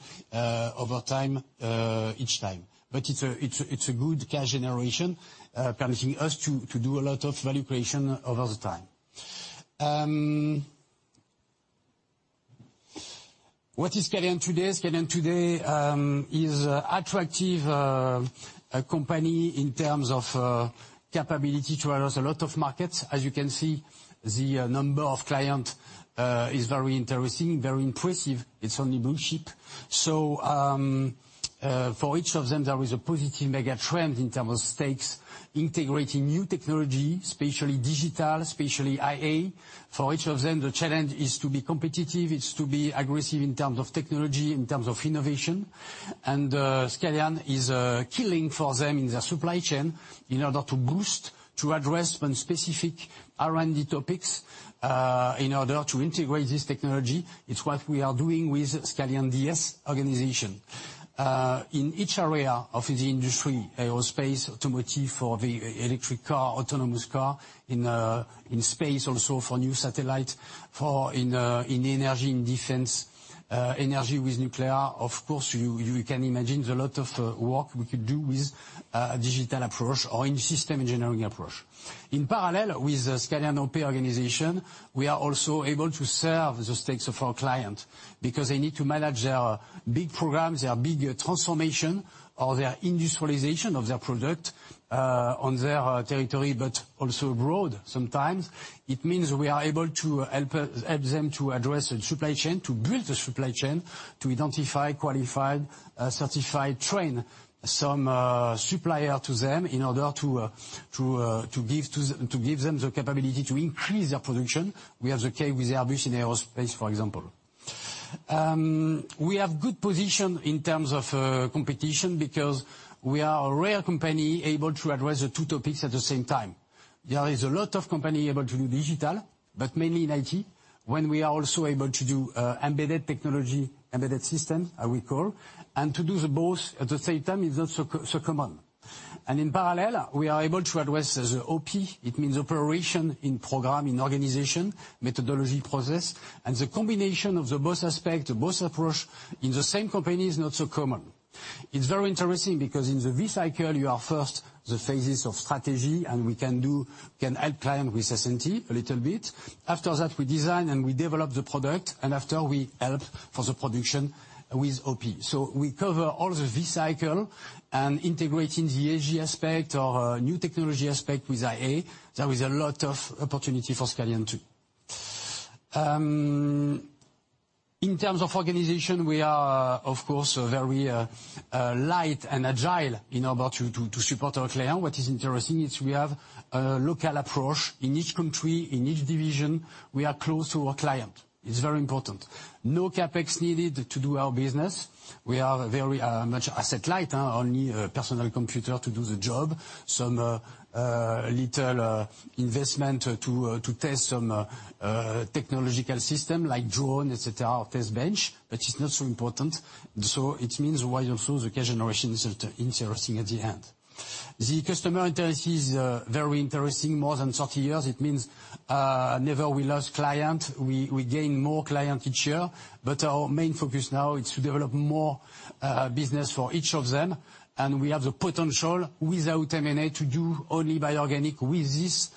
over time each time. But it's a good cash generation permitting us to do a lot of value creation over the time. What is Scalian today? Scalian today is attractive company in terms of capability to address a lot of markets. As you can see, the number of client is very interesting, very impressive. It's only blue chip. So, for each of them, there is a positive megatrend in terms of stakes, integrating new technology, especially digital, especially AI. For each of them, the challenge is to be competitive. It's to be aggressive in terms of technology, in terms of innovation. Scalian is key link for them in their supply chain in order to boost, to address some specific R&D topics, in order to integrate this technology. It's what we are doing with Scalian DS organization. In each area of the industry, aerospace, automotive, for the electric car, autonomous car, in space, also for new satellite, in energy, in defense, energy with nuclear, of course, you can imagine the lot of work we could do with digital approach or in system engineering approach. In parallel with the Scalian OP organization, we are also able to serve the stakes of our client, because they need to manage their big programs, their big transformation, or their industrialization of their product on their territory, but also abroad sometimes. It means we are able to help them to address the supply chain, to build the supply chain, to identify, qualify, certify, train some suppliers to them in order to give them the capability to increase their production. We have the case with Airbus in aerospace, for example. We have good position in terms of competition because we are a rare company able to address the two topics at the same time. There is a lot of company able to do digital, but mainly in IT, when we are also able to do embedded technology, embedded system, I will call, and to do the both at the same time is not so, so common. In parallel, we are able to address the OP. It means operation in program, in organization, methodology, process. The combination of the both aspect, both approach in the same company is not so common. It's very interesting because in the V-Cycle, you are first the phases of strategy, and we can help client with S&T a little bit. After that, we design and we develop the product, and after we help for the production with OP. So we cover all the V-Cycle and integrating the AG aspect or new technology aspect with IA, there is a lot of opportunity for Scalian, too. In terms of organization, we are, of course, very light and agile in order to support our client. What is interesting is we have a local approach. In each country, in each division, we are close to our client. It's very important. No CapEx needed to do our business. We are very much asset light, only personal computer to do the job, some little investment to test some technological system like drone, et cetera, or test bench, but it's not so important. So it means why also the cash generation is interesting at the end. The customer interest is very interesting, more than 30 years. It means never we lost client. We, we gain more client each year, but our main focus now is to develop more business for each of them, and we have the potential, without M&A, to do only by organic with this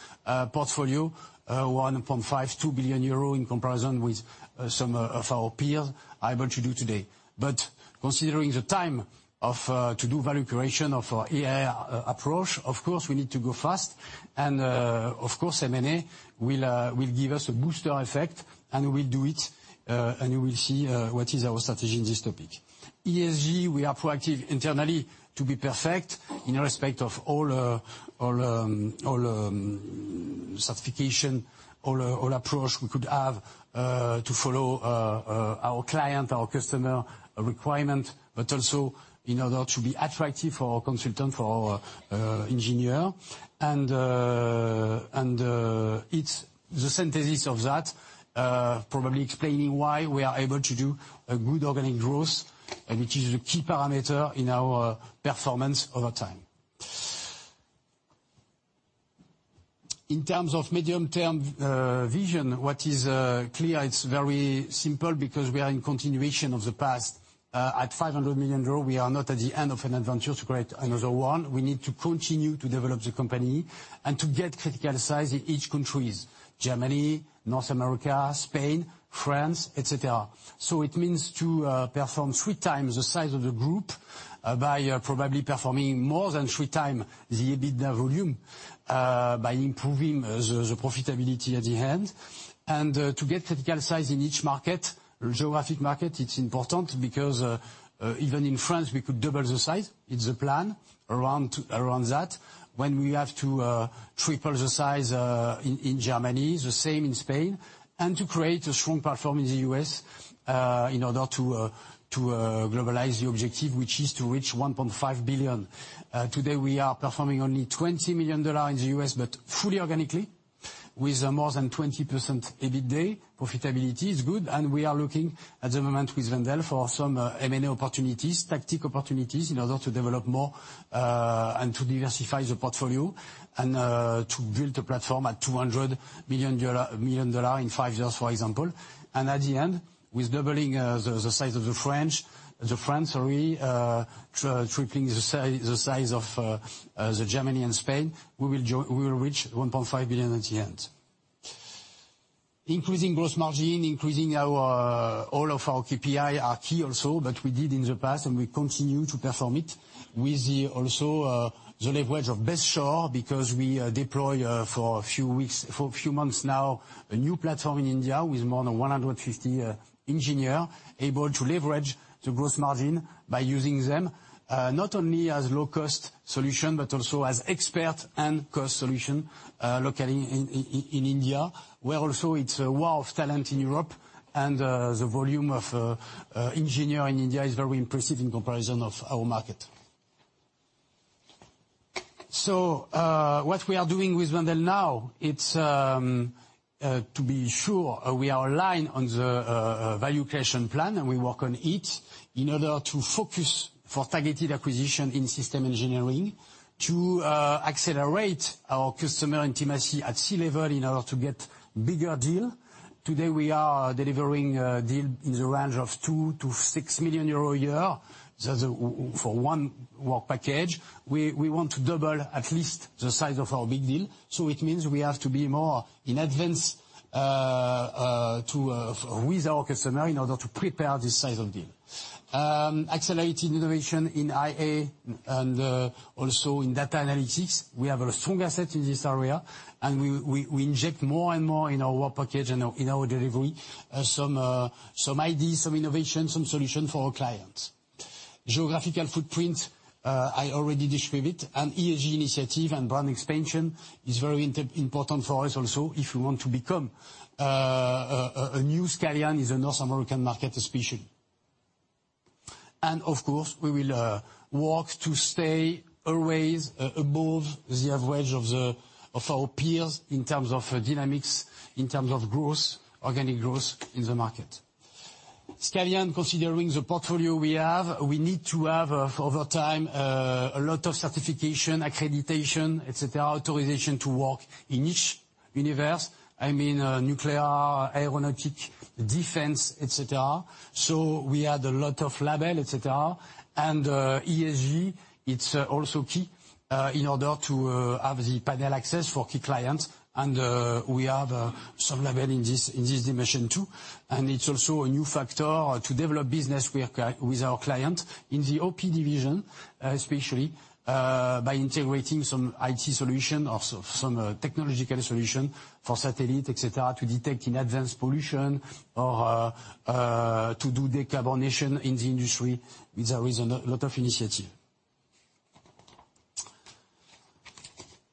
portfolio, 1.5- 2 billion euro in comparison with some of our peers able to do today. But considering the time of to do value creation of our AI approach, of course, we need to go fast, and of course, M&A will give us a booster effect, and we will do it, and you will see what is our strategy in this topic. ESG, we are proactive internally to be perfect in respect of all certification, all approach we could have to follow our client, our customer requirement, but also in order to be attractive for our consultant, for our engineer. And it's the synthesis of that probably explaining why we are able to do a good organic growth, and which is the key parameter in our performance over time. In terms of medium-term vision, what is clear, it's very simple because we are in continuation of the past. At 500 million euros, we are not at the end of an adventure to create another one. We need to continue to develop the company and to get critical size in each countries, Germany, North America, Spain, France, et cetera. So it means to perform three times the size of the group by probably performing more than three times the EBITDA volume by improving the profitability at the end. To get critical size in each market, geographic market, it's important because even in France, we could double the size. It's a plan around that. When we have to triple the size in Germany, the same in Spain, and to create a strong platform in the U.S. in order to globalize the objective, which is to reach 1.5 billion. Today, we are performing only $20 million in the U.S., but fully organically, with more than 20% EBITDA. Profitability is good, and we are looking at the moment with Wendel for some M&A opportunities, tactic opportunities, in order to develop more, and to diversify the portfolio and, to build a platform at $200 million in five years, for example. And at the end, with doubling, the, the size of the French, the France, sorry, tripling the size, the size of, the Germany and Spain, we will reach $1.5 billion at the end. Increasing gross margin, increasing our, all of our KPI are key also, but we did in the past, and we continue to perform it. With the also the leverage of Best Shore, because we deploy for a few weeks, for a few months now, a new platform in India with more than 150 engineer able to leverage the growth margin by using them not only as low-cost solution, but also as expert and cost solution locally in India, where also it's a wall of talent in Europe, and the volume of engineer in India is very impressive in comparison of our market. So what we are doing with Wendel now, it's to be sure we are aligned on the value creation plan, and we work on it in order to focus for targeted acquisition in system engineering to accelerate our customer intimacy at C-level in order to get bigger deal. Today, we are delivering a deal in the range of 2- 6 million euro a year. That's for one work package. We want to double at least the size of our big deal, so it means we have to be more in advance with our customer in order to prepare this size of deal. Accelerating innovation in AI and also in data analytics. We have a strong asset in this area, and we inject more and more in our work package and in our delivery some ideas, some innovations, some solutions for our clients. Geographical footprint, I already discussed, and ESG initiative and brand expansion is very important for us also, if you want to become a new Scalian in the North American market especially. Of course, we will work to stay always above the average of our peers in terms of dynamics, in terms of growth, organic growth in the market. Scalian, considering the portfolio we have, we need to have, over time, a lot of certification, accreditation, et cetera, authorization to work in each universe. I mean, nuclear, aeronautic, defense, et cetera. So we add a lot of label, et cetera. And, ESG, it's also key in order to have the panel access for key clients, and we have some level in this, in this dimension, too. It's also a new factor to develop business with our, with our clients in the OP division, especially, by integrating some IT solution, or some technological solution for satellite, et cetera, to detect in advance pollution or to do decarbonization in the industry. There is a lot of initiative.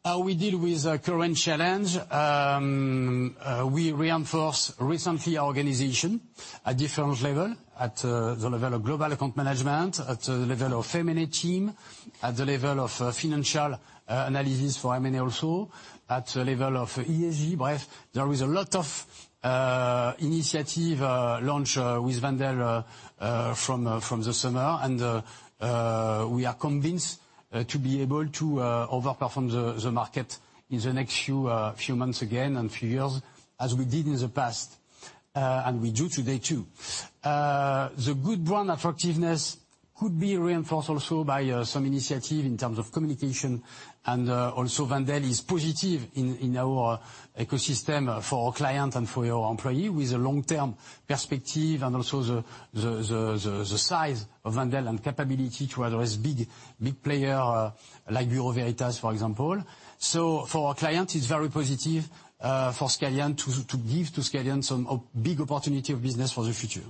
How we deal with current challenge? We reinforce recently our organization at different level, at the level of global account management, at the level of M&A team, at the level of financial analysis for M&A also, at the level of ESG. But there is a lot of initiative launch with Wendel from the summer. We are convinced to be able to overperform the market in the next few months again and few years, as we did in the past, and we do today, too. The good brand attractiveness could be reinforced also by some initiative in terms of communication, and also Wendel is positive in our ecosystem for our client and for our employee, with a long-term perspective and also the size of Wendel and capability to address big player, like Bureau Veritas, for example. So for our client, it's very positive for Scalian to give to Scalian some big opportunity of business for the future.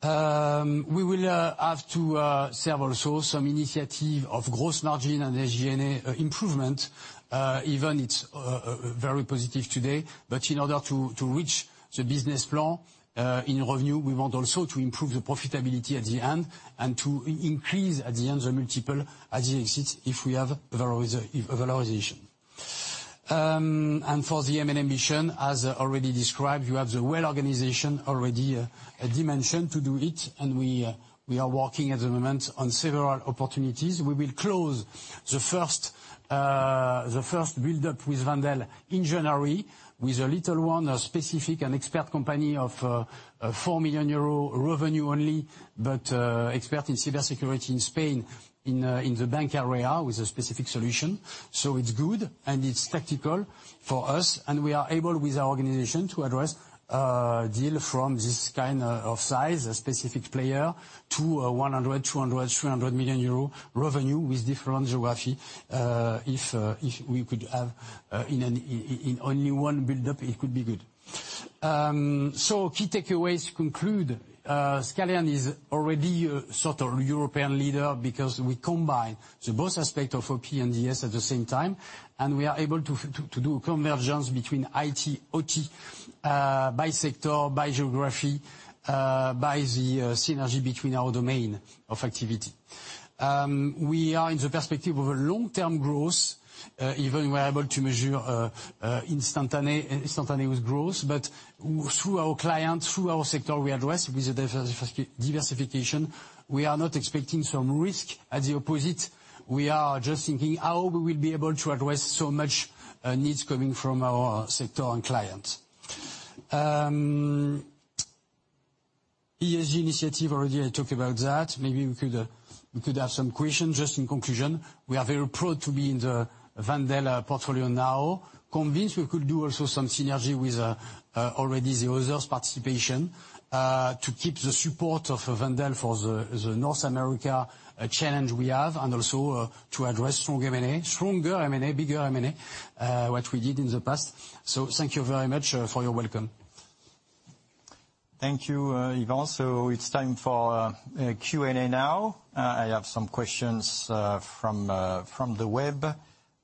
We will have to serve also some initiative of gross margin and SG&A improvement. Even it's very positive today, but in order to reach the business plan in revenue, we want also to improve the profitability at the end, and to increase, at the end, the multiple at the exit if we have valorization. And for the M&A mission, as already described, you have the well organization already, a dimension to do it, and we are working at the moment on several opportunities. We will close the first build-up with Wendel in January, with a little one, a specific and expert company of 4 million euros revenue only, but expert in cybersecurity in Spain, in the bank area with a specific solution. So it's good, and it's tactical for us, and we are able, with our organization, to address deals from this kind of size, a specific player to a 100 million, 200 million, 300 million euro revenue with different geography. If we could have in only one build-up, it could be good. So key takeaways to conclude, Scalian is already a sort of European leader because we combine both aspects of OP and ES at the same time, and we are able to do a convergence between IT, OT, by sector, by geography, by the synergy between our domains of activity. We are in the perspective of a long-term growth, even we are able to measure instantaneous growth. But through our clients, through our sector, we address with the diversification. We are not expecting some risk. At the opposite, we are just thinking how we will be able to address so much needs coming from our sector and clients. ESG initiative, already I talked about that. Maybe we could have some questions. Just in conclusion, we are very proud to be in the Wendel portfolio now, convinced we could do also some synergy with already the others' participation, to keep the support of Wendel for the North America challenge we have, and also to address strong M&A, stronger M&A, bigger M&A what we did in the past. So thank you very much for your welcome. Thank you, Yvan. So it's time for Q&A now. I have some questions from the web.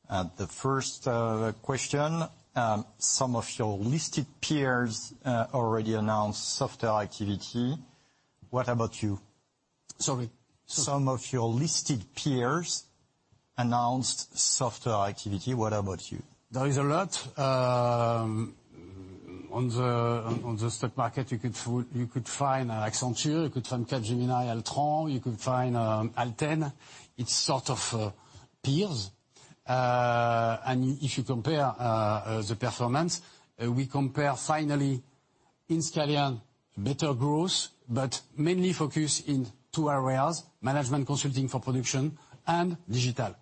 The first question: some of your listed peers already announced softer activity. What about you? Sorry? Some of your listed peers announced softer activity. What about you? There is a lot on the stock market. You could find Accenture, you could find Capgemini, Altran, you could find Alten. It's sort of peers. And if you compare the performance, we compare finally in Scalian better growth, but mainly focused in two areas: management consulting for production and digital.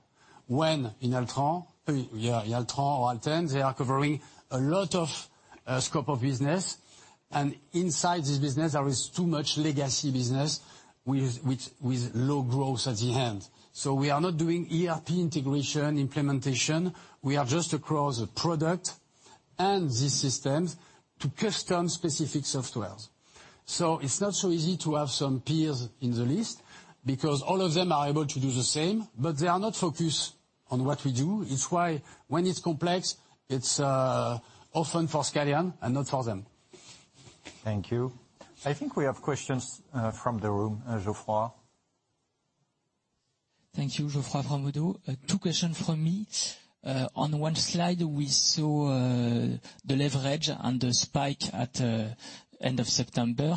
When in Altran, yeah, in Altran or Alten, they are covering a lot of scope of business, and inside this business, there is too much legacy business with low growth at the end. So we are not doing ERP integration, implementation. We are just across the product and the systems to custom specific software. So it's not so easy to have some peers in the list, because all of them are able to do the same, but they are not focused on what we do. It's why when it's complex, it's often for Scalian and not for them. Thank you. I think we have questions from the room. Geoffroy? Thank you. Geoffroy from ODDO. Two questions from me. On one slide, we saw the leverage and the spike at end of September.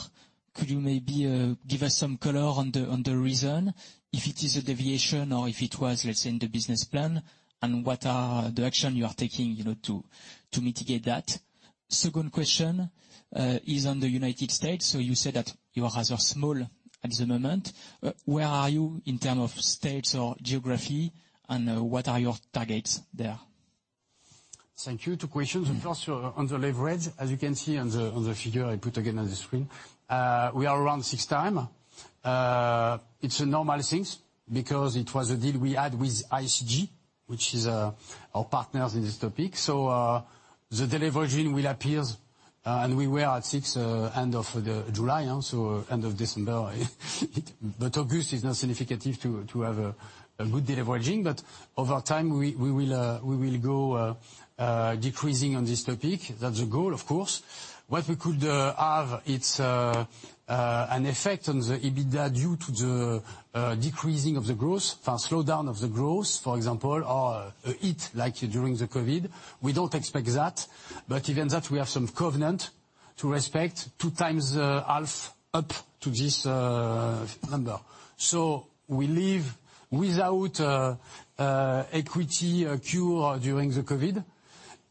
Could you maybe give us some color on the reason, if it is a deviation or if it was, let's say, in the business plan? And what are the actions you are taking, you know, to mitigate that? Second question is on the United States. So you said that you are rather small at the moment. Where are you in terms of states or geography, and what are your targets there? Thank you. Two questions. The first on the leverage. As you can see on the figure I put again on the screen, we are around 6x. It's a normal things, because it was a deal we had with ICG, which is our partners in this topic. So, the deleveraging will appears, and we were at 6x end of July, so end of December. But August is not significative to have a good deleveraging. But over time, we will go decreasing on this topic. That's the goal, of course. What we could have, it's an effect on the EBITDA due to the decreasing of the growth, slowdown of the growth, for example, or a hit, like during the COVID. We don't expect that, but even that, we have some covenant to respect, 2 times the half up to this number. So we live without equity cure during the COVID.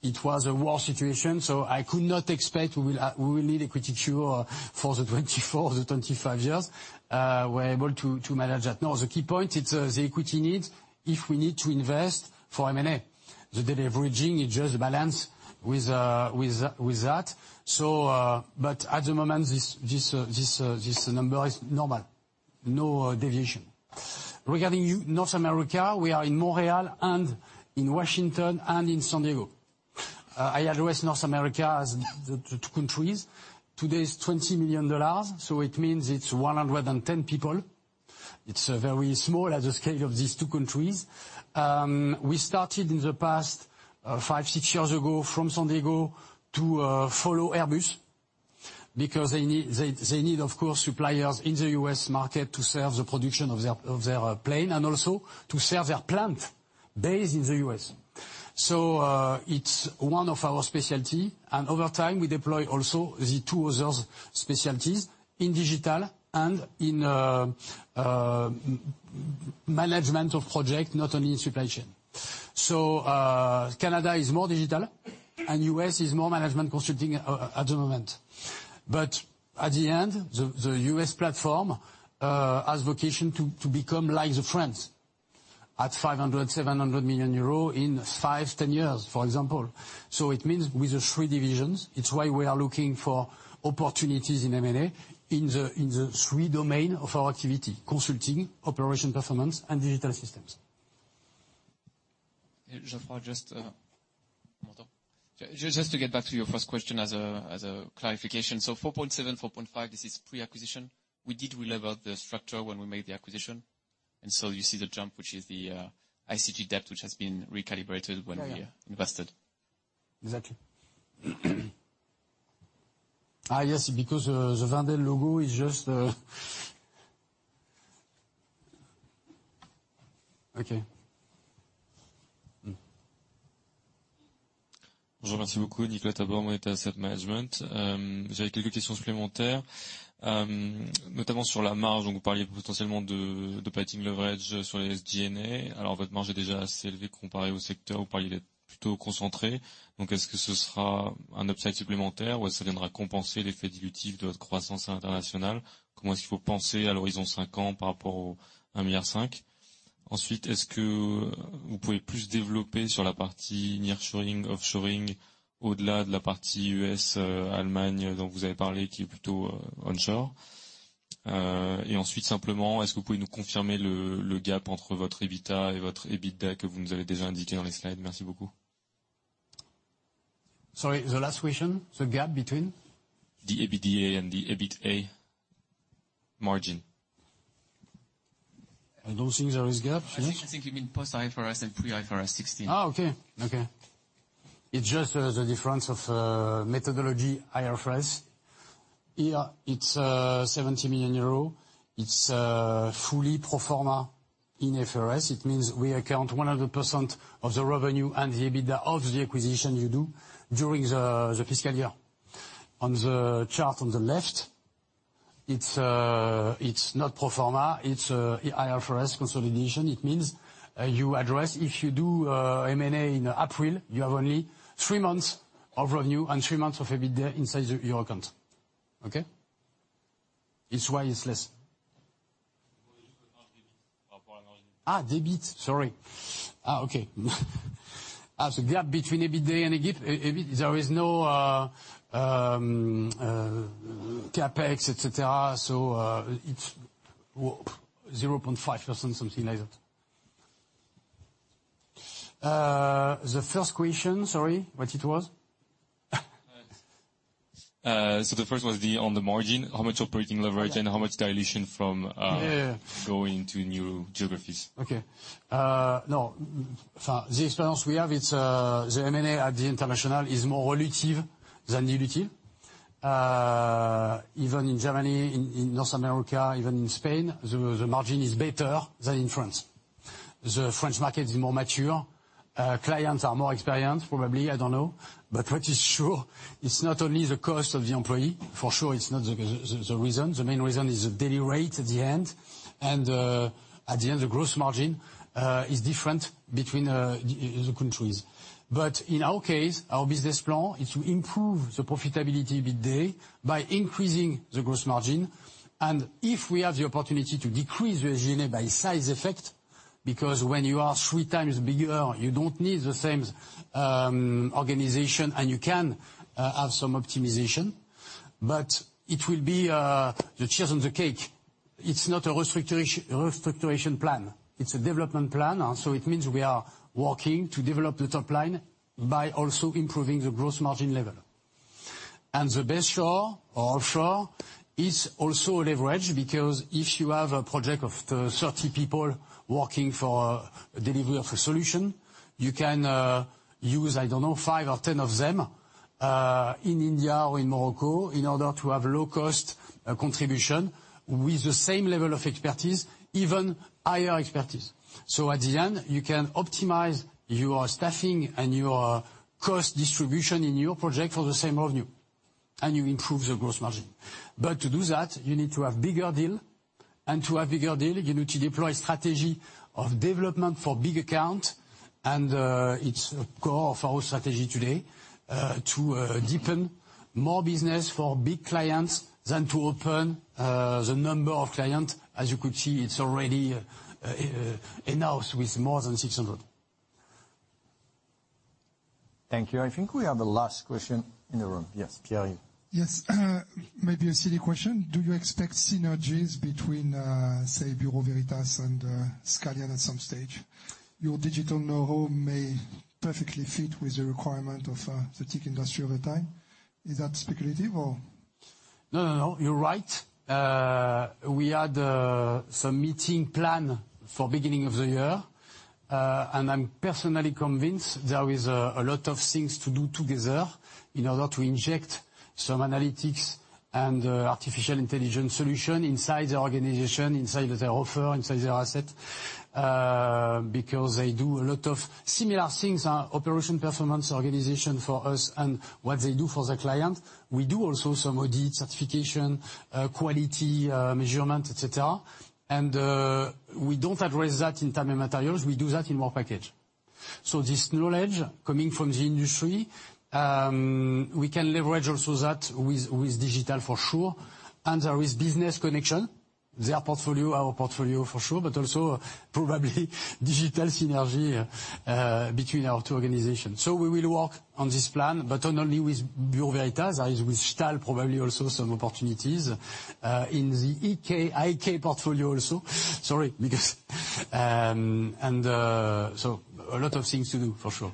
It was a war situation, so I could not expect we will need equity cure for the 2024 or the 2025 years. We're able to manage that. Now, the key point, it's the equity needs, if we need to invest for M&A. The deleveraging is just balance with that, so... But at the moment, this number is normal. No deviation. Regarding North America, we are in Montreal and in Washington and in San Diego. I address North America as the two countries. Today, it's $20 million, so it means it's 110 people. It's very small as a scale of these two countries. We started in the past 5-6 years ago from San Diego to follow Airbus, because they need, they need, of course, suppliers in the U.S. market to serve the production of their, of their plane and also to serve their plant based in the U.S. So, it's one of our specialty, and over time, we deploy also the two other specialties in digital and in management of project, not only in supply chain. So, Canada is more digital, and U.S. is more management consulting at the moment. But at the end, the U.S. platform has vocation to become like the France, at 500 million-700 million euros in 5-10 years, for example. It means with the three divisions, it's why we are looking for opportunities in M&A in the three domain of our activity: consulting, operation performance, and digital systems. Geoffroy, just to get back to your first question as a clarification. So 4.7x, 4.5x, this is pre-acquisition. We did relever the structure when we made the acquisition, and so you see the jump, which is the ICG debt, which has been recalibrated when we invested. Exactly. Yes, because the Wendel logo is just... Okay. Bonjour, merci beaucoup. Nicolas Tabor, Moneta Asset Management. J'avais quelques questions supplémentaires, notamment sur la marge. Donc vous parliez potentiellement de operating leverage sur les G&A. Alors, votre marge est déjà assez élevée comparée au secteur. Vous parliez d'être plutôt concentré. Donc est-ce que ce sera un upside supplémentaire ou est-ce que ça viendra compenser l'effet dilutif de votre croissance à l'international? Comment est-ce qu'il faut penser à l'horizon 5 ans par rapport au 1.5 billion? Ensuite, est-ce que vous pouvez plus développer sur la partie nearshoring, offshoring, au-delà de la partie US, Allemagne, dont vous avez parlé, qui est plutôt onshore? And ensuite, simplement, est-ce que vous pouvez nous confirmer le gap entre votre EBITDA et votre EBITDA, que vous nous avez déjà indiqué dans les slides? Merci beaucoup. Sorry, the last question, the gap between? The EBITDA and the EBITDA margin. I don't think there is a gap. I think you mean post-IFRS and pre-IFRS 16. Ah, okay. Okay. It's just the difference of methodology IFRS. Here, it's 70 million euro. It's fully pro forma in IFRS. It means we account 100% of the revenue and the EBITDA of the acquisition you do during the, the fiscal year. On the chart on the left, it's not pro forma, it's IFRS consolidation. It means you address, if you do M&A in April, you have only three months of revenue and three months of EBITDA inside your account. Okay? It's why it's less. peu par rapport à la marge- Debt. Sorry. Okay. The gap between EBITDA and EBIT, there is no CapEx, et cetera, so it's 0.5%, something like that. The first question, sorry, what it was? So the first was, on the margin, how much operating leverage- Okay. and how much dilution from, Yeah, yeah... going to new geographies? Okay. No, for the experience we have, it's the M&A internationally is more accretive than dilutive. Even in Germany, in North America, even in Spain, the margin is better than in France. The French market is more mature. Clients are more experienced, probably. I don't know. But what is sure, it's not only the cost of the employee. For sure, it's not the reason. The main reason is the daily rate at the end, and at the end, the gross margin is different between the countries. But in our case, our business plan is to improve the profitability, EBITDA, by increasing the gross margin. And if we have the opportunity to decrease the G&A by size effect, because when you are 3 times bigger, you don't need the same organization, and you can have some optimization, but it will be the cherry on the cake. It's not a restructuring plan, it's a development plan. So it means we are working to develop the top line by also improving the gross margin level. And the Best Shore or offshore is also a leverage, because if you have a project of 30 people working for delivery of a solution, you can use, I don't know, five or 10 of them in India or in Morocco, in order to have low-cost contribution with the same level of expertise, even higher expertise. At the end, you can optimize your staffing and your cost distribution in your project for the same revenue, and you improve the gross margin. But to do that, you need to have bigger deal, and to have bigger deal, you need to deploy strategy of development for big account. It's a core of our strategy today, to deepen more business for big clients than to open the number of clients. As you could see, it's already enough with more than 600. Thank you. I think we have the last question in the room. Yes, Pierre? Yes. Maybe a silly question: Do you expect synergies between, say, Bureau Veritas and Scalian at some stage? Your digital know-how may perfectly fit with the requirement of the tech industry over time. Is that speculative or? No, no, no, you're right. We had some meeting plan for beginning of the year. And I'm personally convinced there is a lot of things to do together in order to inject some analytics and artificial intelligence solution inside the organization, inside their offer, inside their asset. Because they do a lot of similar things, operation, performance, organization for us and what they do for the client. We do also some audit, certification, quality, measurement, et cetera. And we don't address that in time and materials. We do that in more package. So this knowledge coming from the industry, we can leverage also that with digital for sure. And there is business connection, their portfolio, our portfolio for sure, but also probably digital synergy between our two organizations. So we will work on this plan, but not only with Bureau Veritas, with Stahl, probably also some opportunities in the IK portfolio also. And so a lot of things to do, for sure.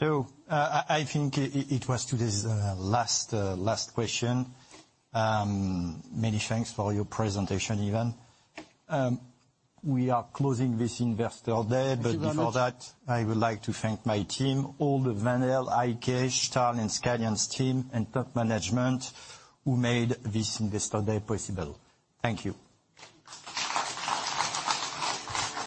So, I think it was today's last question. Many thanks for your presentation, Yvan. We are closing this Investor Day. Merci beaucoup. But before that, I would like to thank my team, all the Wendel, IK, Stahl, and Scalian's team, and top management, who made this Investor Day possible. Thank you.